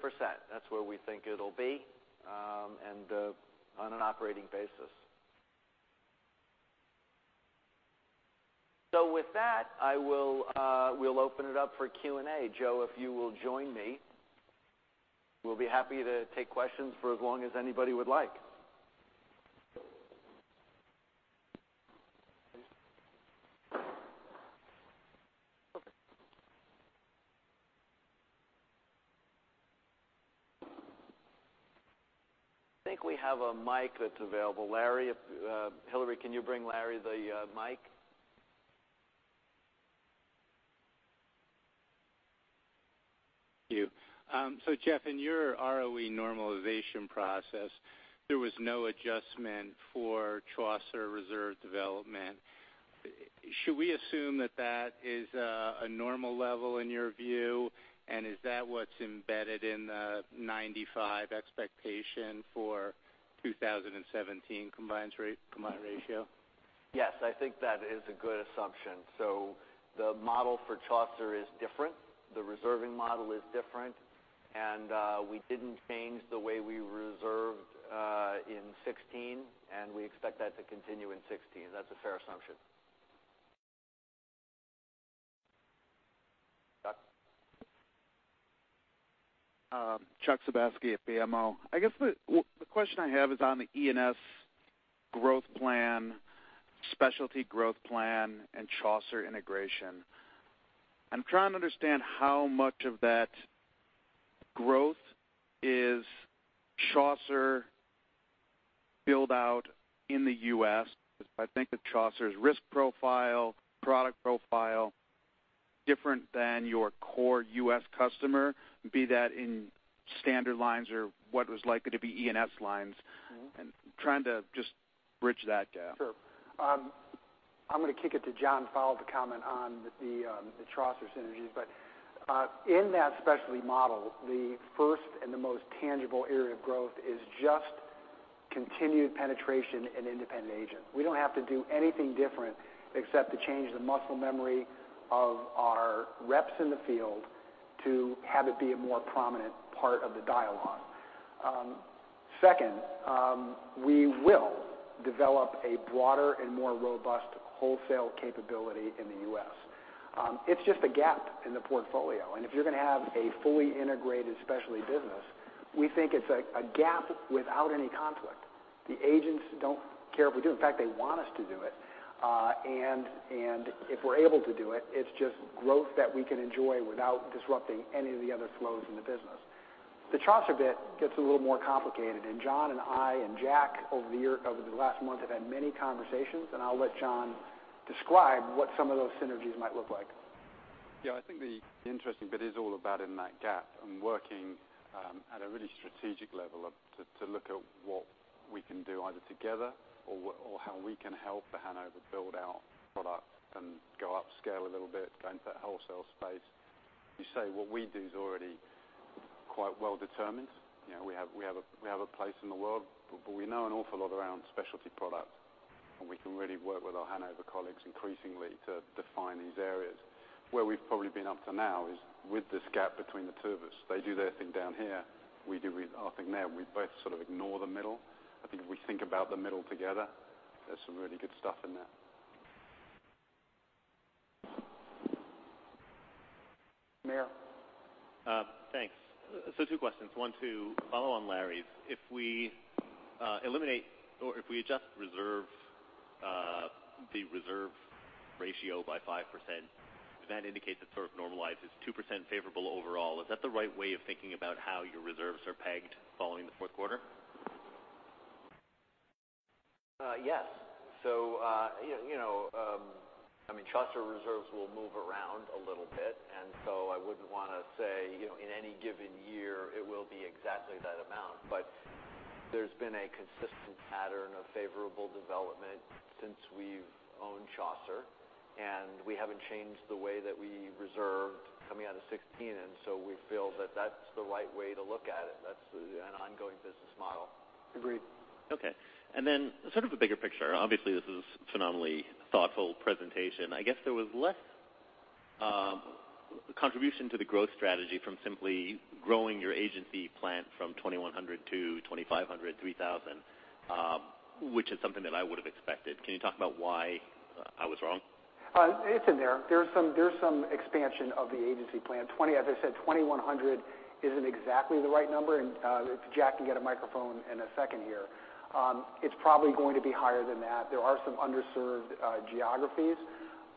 That's where we think it'll be on an operating basis. With that, we'll open it up for Q&A. Joe, if you will join me. We'll be happy to take questions for as long as anybody would like. I think we have a mic that's available. Hillary, can you bring Larry the mic? Thank you. Jeff, in your ROE normalization process, there was no adjustment for Chaucer reserve development. Should we assume that is a normal level in your view? Is that what's embedded in the 95% expectation for 2017 combined ratio? Yes, I think that is a good assumption. The model for Chaucer is different, the reserving model is different, and we didn't change the way we reserved in 2016, and we expect that to continue in 2016. That's a fair assumption. Chuck? Chuck Sobeski at BMO. I guess the question I have is on the E&S growth plan, specialty growth plan, and Chaucer integration. I'm trying to understand how much of that growth is Chaucer build-out in the U.S., because I think that Chaucer's risk profile, product profile, different than your core U.S. customer, be that in standard lines or what was likely to be E&S lines. I'm trying to just bridge that gap. Sure. I'm going to kick it to John Fowle to comment on the Chaucer synergies. In that specialty model, the first and the most tangible area of growth is just continued penetration in independent agents. We don't have to do anything different except to change the muscle memory of our reps in the field to have it be a more prominent part of the dialogue. Second, we will develop a broader and more robust wholesale capability in the U.S. It's just a gap in the portfolio, and if you're going to have a fully integrated specialty business, we think it's a gap without any conflict. The agents don't care if we do it. In fact, they want us to do it. If we're able to do it's just growth that we can enjoy without disrupting any of the other flows in the business. The Chaucer bit gets a little more complicated. John and I, and Jack over the last month have had many conversations, and I'll let John describe what some of those synergies might look like. Yeah, I think the interesting bit is all about in that gap and working at a really strategic level to look at what we can do either together or how we can help The Hanover build out product and go upscale a little bit, go into that wholesale space. You say what we do is already quite well determined. We have a place in the world, but we know an awful lot around specialty product, and we can really work with our Hanover colleagues increasingly to define these areas. Where we've probably been up to now is with this gap between the two of us. They do their thing down here. We do our thing there. We both sort of ignore the middle. I think if we think about the middle together, there's some really good stuff in there. Meyer. Thanks. Two questions. One to follow on Larry's. If we adjust the reserve ratio by 5%, does that indicate that sort of normalizes 2% favorable overall? Is that the right way of thinking about how your reserves are pegged following the fourth quarter? Yes. Chaucer reserves will move around a little bit. I wouldn't want to say, in any given year it will be exactly that amount. There's been a consistent pattern of favorable development since we've owned Chaucer, and we haven't changed the way that we reserved coming out of 2016. We feel that's the right way to look at it. That's an ongoing business model. Agreed. Okay. Sort of a bigger picture. Obviously, this is a phenomenally thoughtful presentation. I guess there was less contribution to the growth strategy from simply growing your agency plan from 2,100 to 2,500, 3,000, which is something that I would have expected. Can you talk about why I was wrong? It's in there. There's some expansion of the agency plan. As I said, 2,100 isn't exactly the right number. If Jack can get a microphone in a second here, it's probably going to be higher than that. There are some underserved geographies.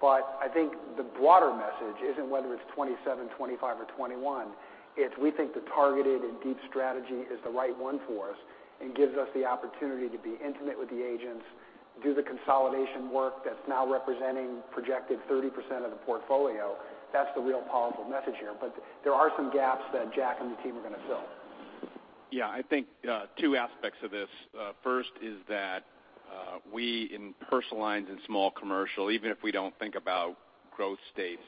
I think the broader message isn't whether it's 27, 25, or 21. It's we think the targeted and deep strategy is the right one for us and gives us the opportunity to be intimate with the agents, do the consolidation work that's now representing projected 30% of the portfolio. That's the real powerful message here. There are some gaps that Jack and the team are going to fill. I think two aspects of this. First is that we in personal lines and small commercial, even if we don't think about growth states,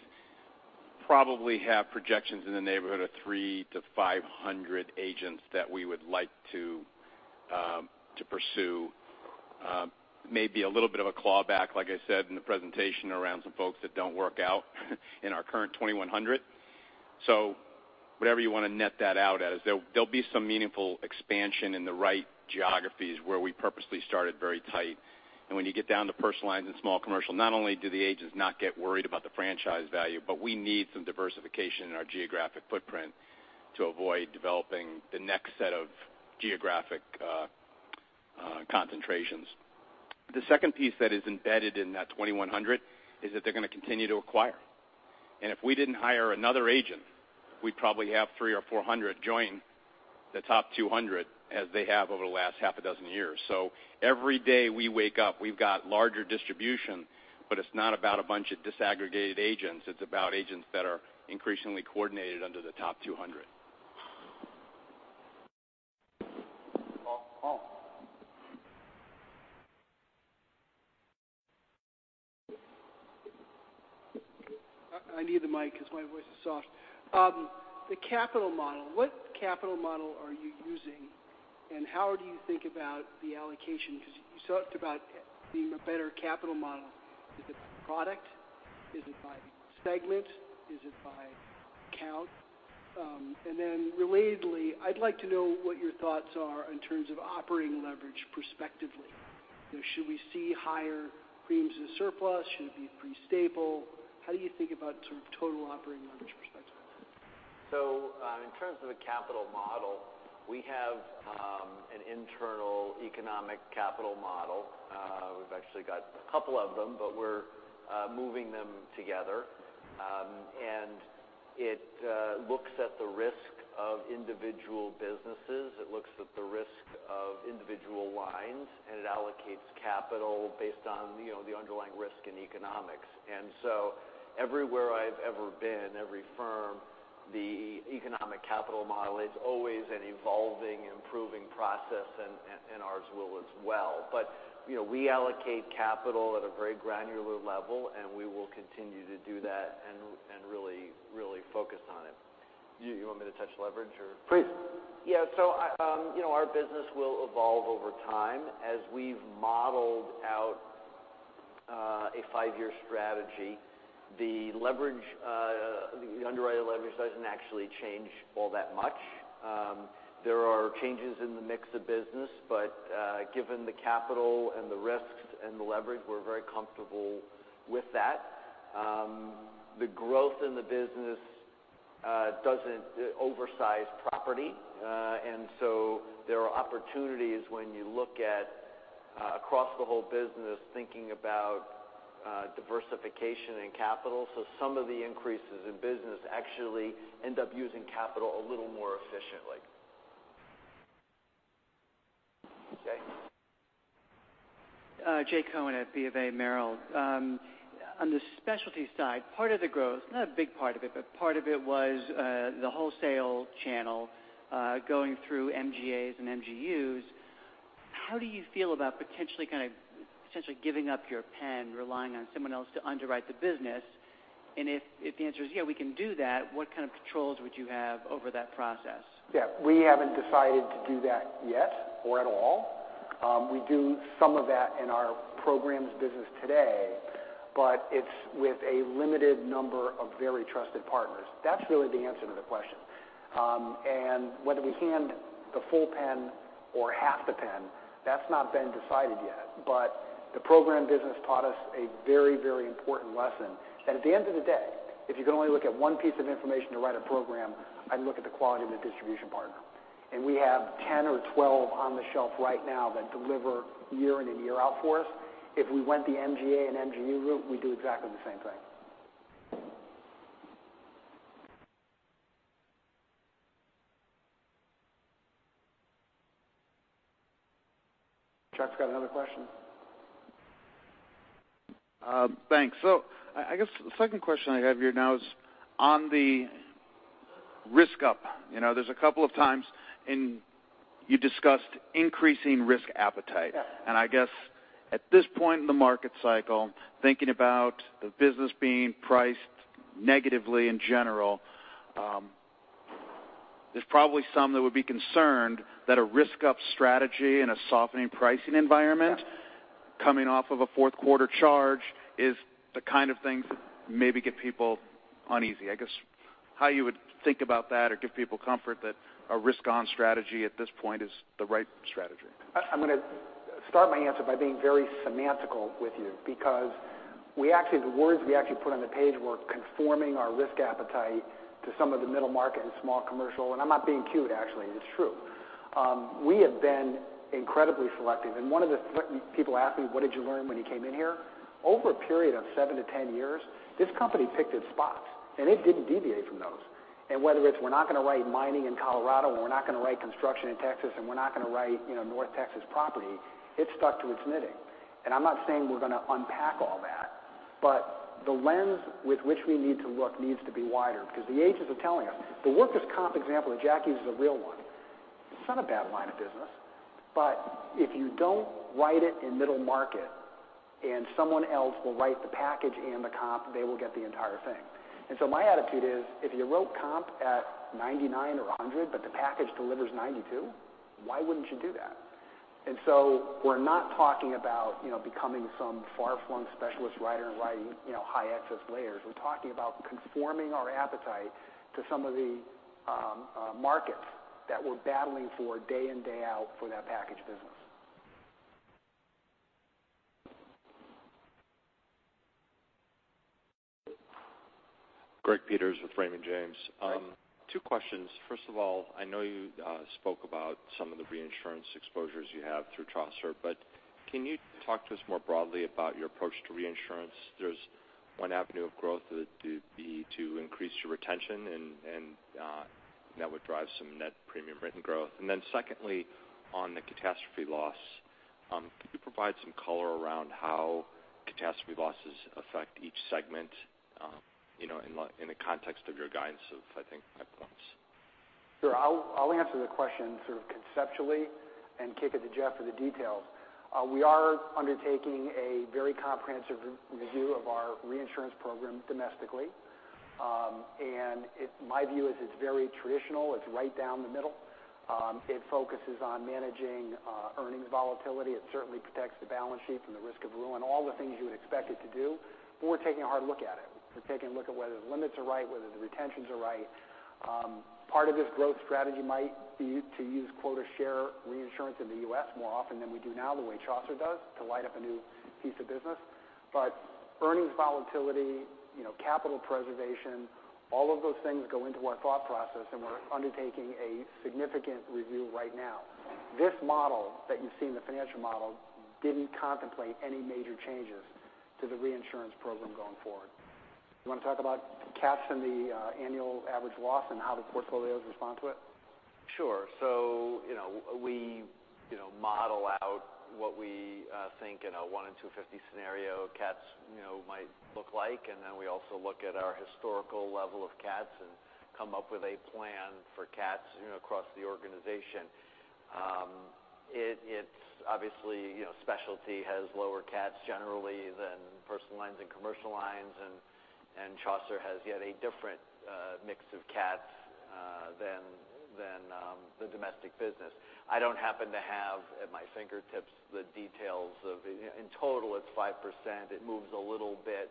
probably have projections in the neighborhood of 300 to 500 agents that we would like to pursue. Maybe a little bit of a claw back, like I said in the presentation around some folks that don't work out in our current 2,100. Whatever you want to net that out as, there'll be some meaningful expansion in the right geographies where we purposely started very tight. When you get down to personal lines and small commercial, not only do the agents not get worried about the franchise value, we need some diversification in our geographic footprint to avoid developing the next set of geographic concentrations. The second piece that is embedded in that 2,100 is that they're going to continue to acquire. If we didn't hire another agent, we'd probably have 300 or 400 join the top 200 as they have over the last half a dozen years. Every day we wake up, we've got larger distribution, but it's not about a bunch of disaggregated agents. It's about agents that are increasingly coordinated under the top 200. I need the mic because my voice is soft. The capital model, what capital model are you using and how do you think about the allocation? You talked about needing a better capital model. Is it by product, is it by segment, is it by count? Then relatedly, I'd like to know what your thoughts are in terms of operating leverage perspectively. Should we see higher premiums than surplus? Should it be pretty stable? How do you think about total operating leverage perspective? In terms of the capital model, we have an internal economic capital model. We've actually got a couple of them, but we're moving them together. It looks at the risk of individual businesses, it looks at the risk of individual lines, and it allocates capital based on the underlying risk and economics. Everywhere I've ever been, every firm, the economic capital model is always an evolving, improving process and ours will as well. We allocate capital at a very granular level, and we will continue to do that and really focus on it. You want me to touch leverage or- Please. Yeah. Our business will evolve over time. As we've modeled out a 5-year strategy, the underwriter leverage doesn't actually change all that much. There are changes in the mix of business, but given the capital and the risks and the leverage, we're very comfortable with that. The growth in the business doesn't oversize property. There are opportunities when you look at across the whole business, thinking about diversification and capital. Some of the increases in business actually end up using capital a little more efficiently. Jay. Jay Cohen at B of A Merrill. On the specialty side, part of the growth, not a big part of it, but part of it was the wholesale channel going through MGAs and MGUs. How do you feel about potentially giving up your pen, relying on someone else to underwrite the business? If the answer is, yeah, we can do that, what kind of controls would you have over that process? Yeah. We haven't decided to do that yet or at all. We do some of that in our programs business today, but it's with a limited number of very trusted partners. That's really the answer to the question. Whether we hand the full pen or half the pen, that's not been decided yet. The program business taught us a very important lesson. That at the end of the day, if you can only look at one piece of information to write a program, I'd look at the quality of the distribution partner. We have 10 or 12 on the shelf right now that deliver year in and year out for us. If we went the MGA and MGU route, we'd do exactly the same thing. Chuck's got another question. Thanks. I guess the second question I have here now is on the risk up. There's a couple of times and you discussed increasing risk appetite. Yeah. I guess at this point in the market cycle, thinking about the business being priced negatively in general, there's probably some that would be concerned that a risk up strategy in a softening pricing environment- Yeah coming off of a fourth quarter charge is the kind of thing that maybe get people uneasy. I guess, how you would think about that or give people comfort that a risk on strategy at this point is the right strategy. I'm going to start my answer by being very semantical with you because the words we actually put on the page were conforming our risk appetite to some of the middle market and small commercial. I'm not being cute, actually, it's true. We have been incredibly selective, and people ask me, what did you learn when you came in here? Over a period of seven to 10 years, this company picked its spots and it didn't deviate from those. Whether it's we're not going to write mining in Colorado, or we're not going to write construction in Texas, or we're not going to write North Texas property, it stuck to its knitting. I'm not saying we're going to unpack all that, but the lens with which we need to look needs to be wider because the agents are telling us. The workers' comp example that Jack used is a real one. It's not a bad line of business, but if you don't write it in middle market and someone else will write the package and the comp, they will get the entire thing. My attitude is, if you wrote comp at 99 or 100, but the package delivers 92, why wouldn't you do that? We're not talking about becoming some far-flung specialist writer and writing high excess layers. We're talking about conforming our appetite to some of the markets that we're battling for day in, day out for that package business. Greg Peters with Raymond James. Hi. Two questions. First of all, I know you spoke about some of the reinsurance exposures you have through Chaucer, but can you talk to us more broadly about your approach to reinsurance? There's one avenue of growth would be to increase your retention, and that would drive some net premium written growth. Secondly, on the catastrophe loss Can you provide some color around how catastrophe losses affect each segment in the context of your guidance of, I think, by lines? Sure. I'll answer the question conceptually and kick it to Jeff for the details. We are undertaking a very comprehensive review of our reinsurance program domestically. My view is it's very traditional. It's right down the middle. It focuses on managing earnings volatility. It certainly protects the balance sheet from the risk of ruin, all the things you would expect it to do. We're taking a hard look at it. We're taking a look at whether the limits are right, whether the retentions are right. Part of this growth strategy might be to use quota share reinsurance in the U.S. more often than we do now, the way Chaucer does, to light up a new piece of business. Earnings volatility, capital preservation, all of those things go into our thought process, and we're undertaking a significant review right now. This model that you see in the financial model didn't contemplate any major changes to the reinsurance program going forward. You want to talk about cats and the annual average loss and how the portfolios respond to it? We model out what we think in a 1 in 250 scenario, cats might look like, and then we also look at our historical level of cats and come up with a plan for cats across the organization. Obviously, specialty has lower cats generally than personal lines and commercial lines, and Chaucer has yet a different mix of cats than the domestic business. I don't happen to have at my fingertips the details of it. In total, it's 5%. It moves a little bit,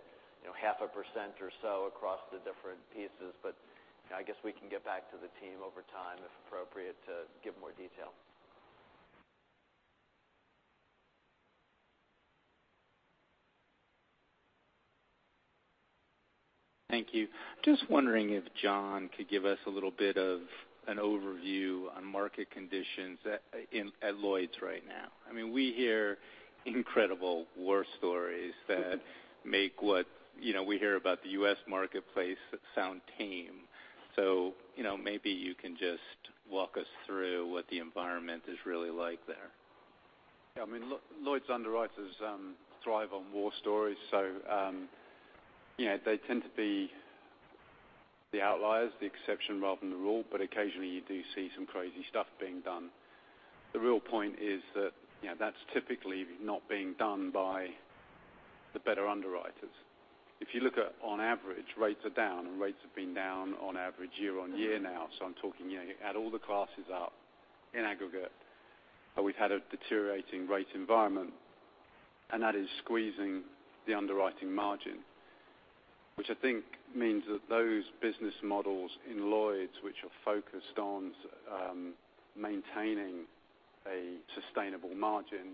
half a percent or so across the different pieces. I guess we can get back to the team over time, if appropriate, to give more detail. Thank you. Just wondering if John could give us a little bit of an overview on market conditions at Lloyd's right now. We hear incredible war stories that make what we hear about the U.S. marketplace sound tame. Maybe you can just walk us through what the environment is really like there. Yeah. Lloyd's underwriters thrive on war stories, they tend to be the outliers, the exception rather than the rule, occasionally you do see some crazy stuff being done. The real point is that that's typically not being done by the better underwriters. If you look at on average, rates are down, and rates have been down on average year-over-year now. I'm talking, add all the classes up in aggregate, we've had a deteriorating rate environment. That is squeezing the underwriting margin, which I think means that those business models in Lloyd's which are focused on maintaining a sustainable margin,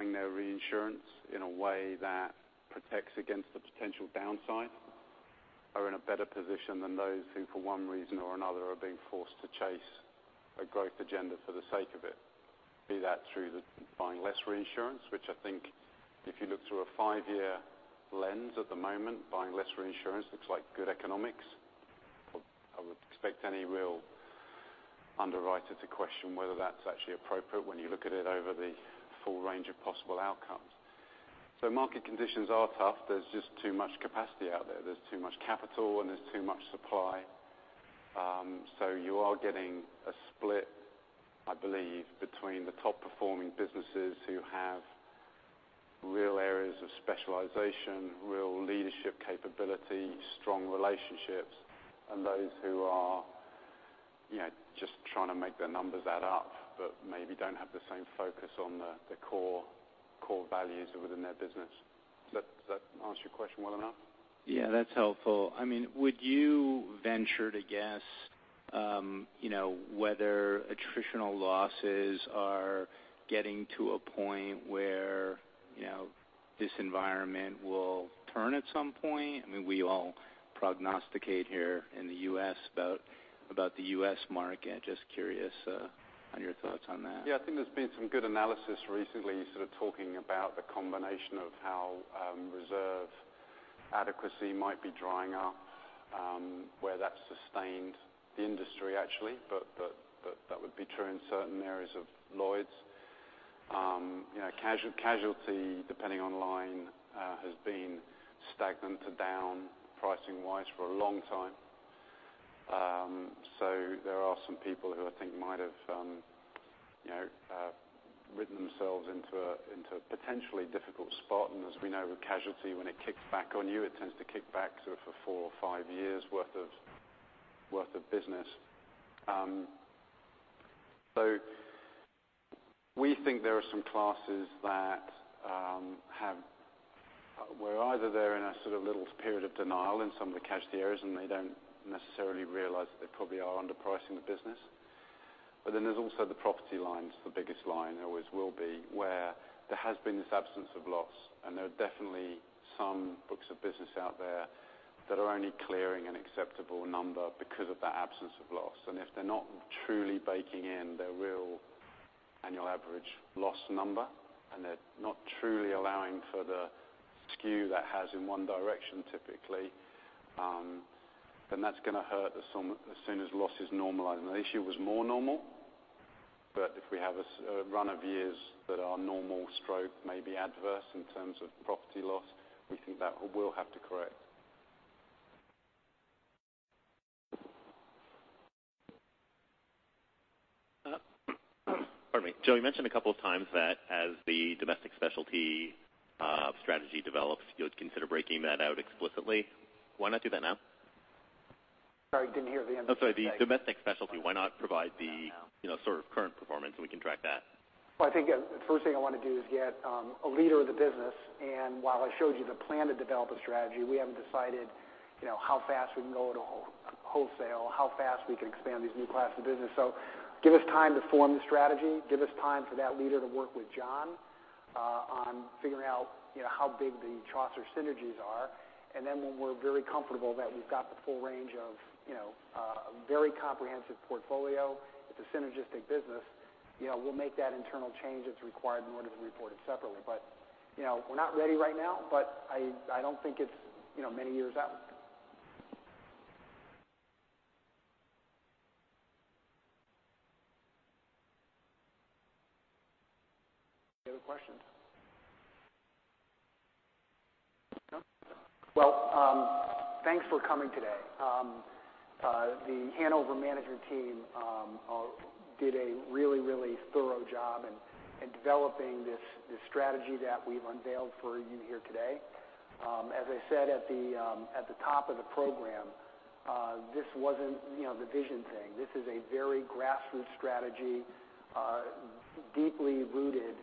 having their reinsurance in a way that protects against the potential downside are in a better position than those who, for one reason or another, are being forced to chase a growth agenda for the sake of it. Be that through buying less reinsurance, which I think if you look through a five-year lens at the moment, buying less reinsurance looks like good economics. I would expect any real underwriter to question whether that's actually appropriate when you look at it over the full range of possible outcomes. Market conditions are tough. There's just too much capacity out there. There's too much capital, there's too much supply. You are getting a split, I believe, between the top performing businesses who have real areas of specialization, real leadership capability, strong relationships, and those who are just trying to make their numbers add up, maybe don't have the same focus on the core values within their business. Does that answer your question well enough? Yeah, that's helpful. Would you venture to guess whether attritional losses are getting to a point where this environment will turn at some point? We all prognosticate here in the U.S. about the U.S. market. Just curious on your thoughts on that. Yeah, I think there's been some good analysis recently talking about the combination of how reserve adequacy might be drying up, where that's sustained the industry actually, but that would be true in certain areas of Lloyd's. Casualty, depending on the line, has been stagnant to down pricing-wise for a long time. There are some people who I think might have ridden themselves into a potentially difficult spot. As we know with casualty, when it kicks back on you, it tends to kick back for four or five years worth of business. We think there are some classes where either they're in a little period of denial in some of the casualty areas, and they don't necessarily realize that they probably are underpricing the business. There's also the property lines, the biggest line, and always will be, where there has been this absence of loss, and there are definitely some books of business out there that are only clearing an acceptable number because of that absence of loss. If they're not truly baking in their real annual average loss number, and they're not truly allowing for the skew that has in one direction typically, then that's going to hurt as soon as losses normalize. This year was more normal, but if we have a run of years that are normal/maybe adverse in terms of property loss, we think that will have to correct. Pardon me. Joe, you mentioned a couple of times that as the domestic specialty strategy develops, you would consider breaking that out explicitly. Why not do that now? Sorry, didn't hear the end of that. I'm sorry, the domestic specialty, why not provide the sort of current performance so we can track that? I think the first thing I want to do is get a leader of the business, while I showed you the plan to develop a strategy, we haven't decided how fast we can go to wholesale, how fast we can expand these new classes of business. Give us time to form the strategy, give us time for that leader to work with John on figuring out how big the Chaucer synergies are, then when we're very comfortable that we've got the full range of a very comprehensive portfolio, it's a synergistic business, we'll make that internal change that's required in order to report it separately. We're not ready right now, I don't think it's many years out. Any other questions? No? Thanks for coming today. The Hanover management team did a really thorough job in developing this strategy that we've unveiled for you here today. As I said at the top of the program, this wasn't the vision thing. This is a very grassroots strategy, deeply rooted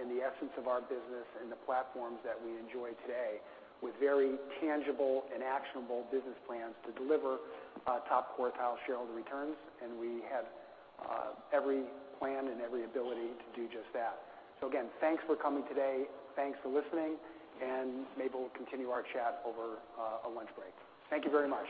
in the essence of our business and the platforms that we enjoy today, with very tangible and actionable business plans to deliver top quartile shareholder returns, we have every plan and every ability to do just that. Again, thanks for coming today. Thanks for listening, maybe we'll continue our chat over a lunch break. Thank you very much.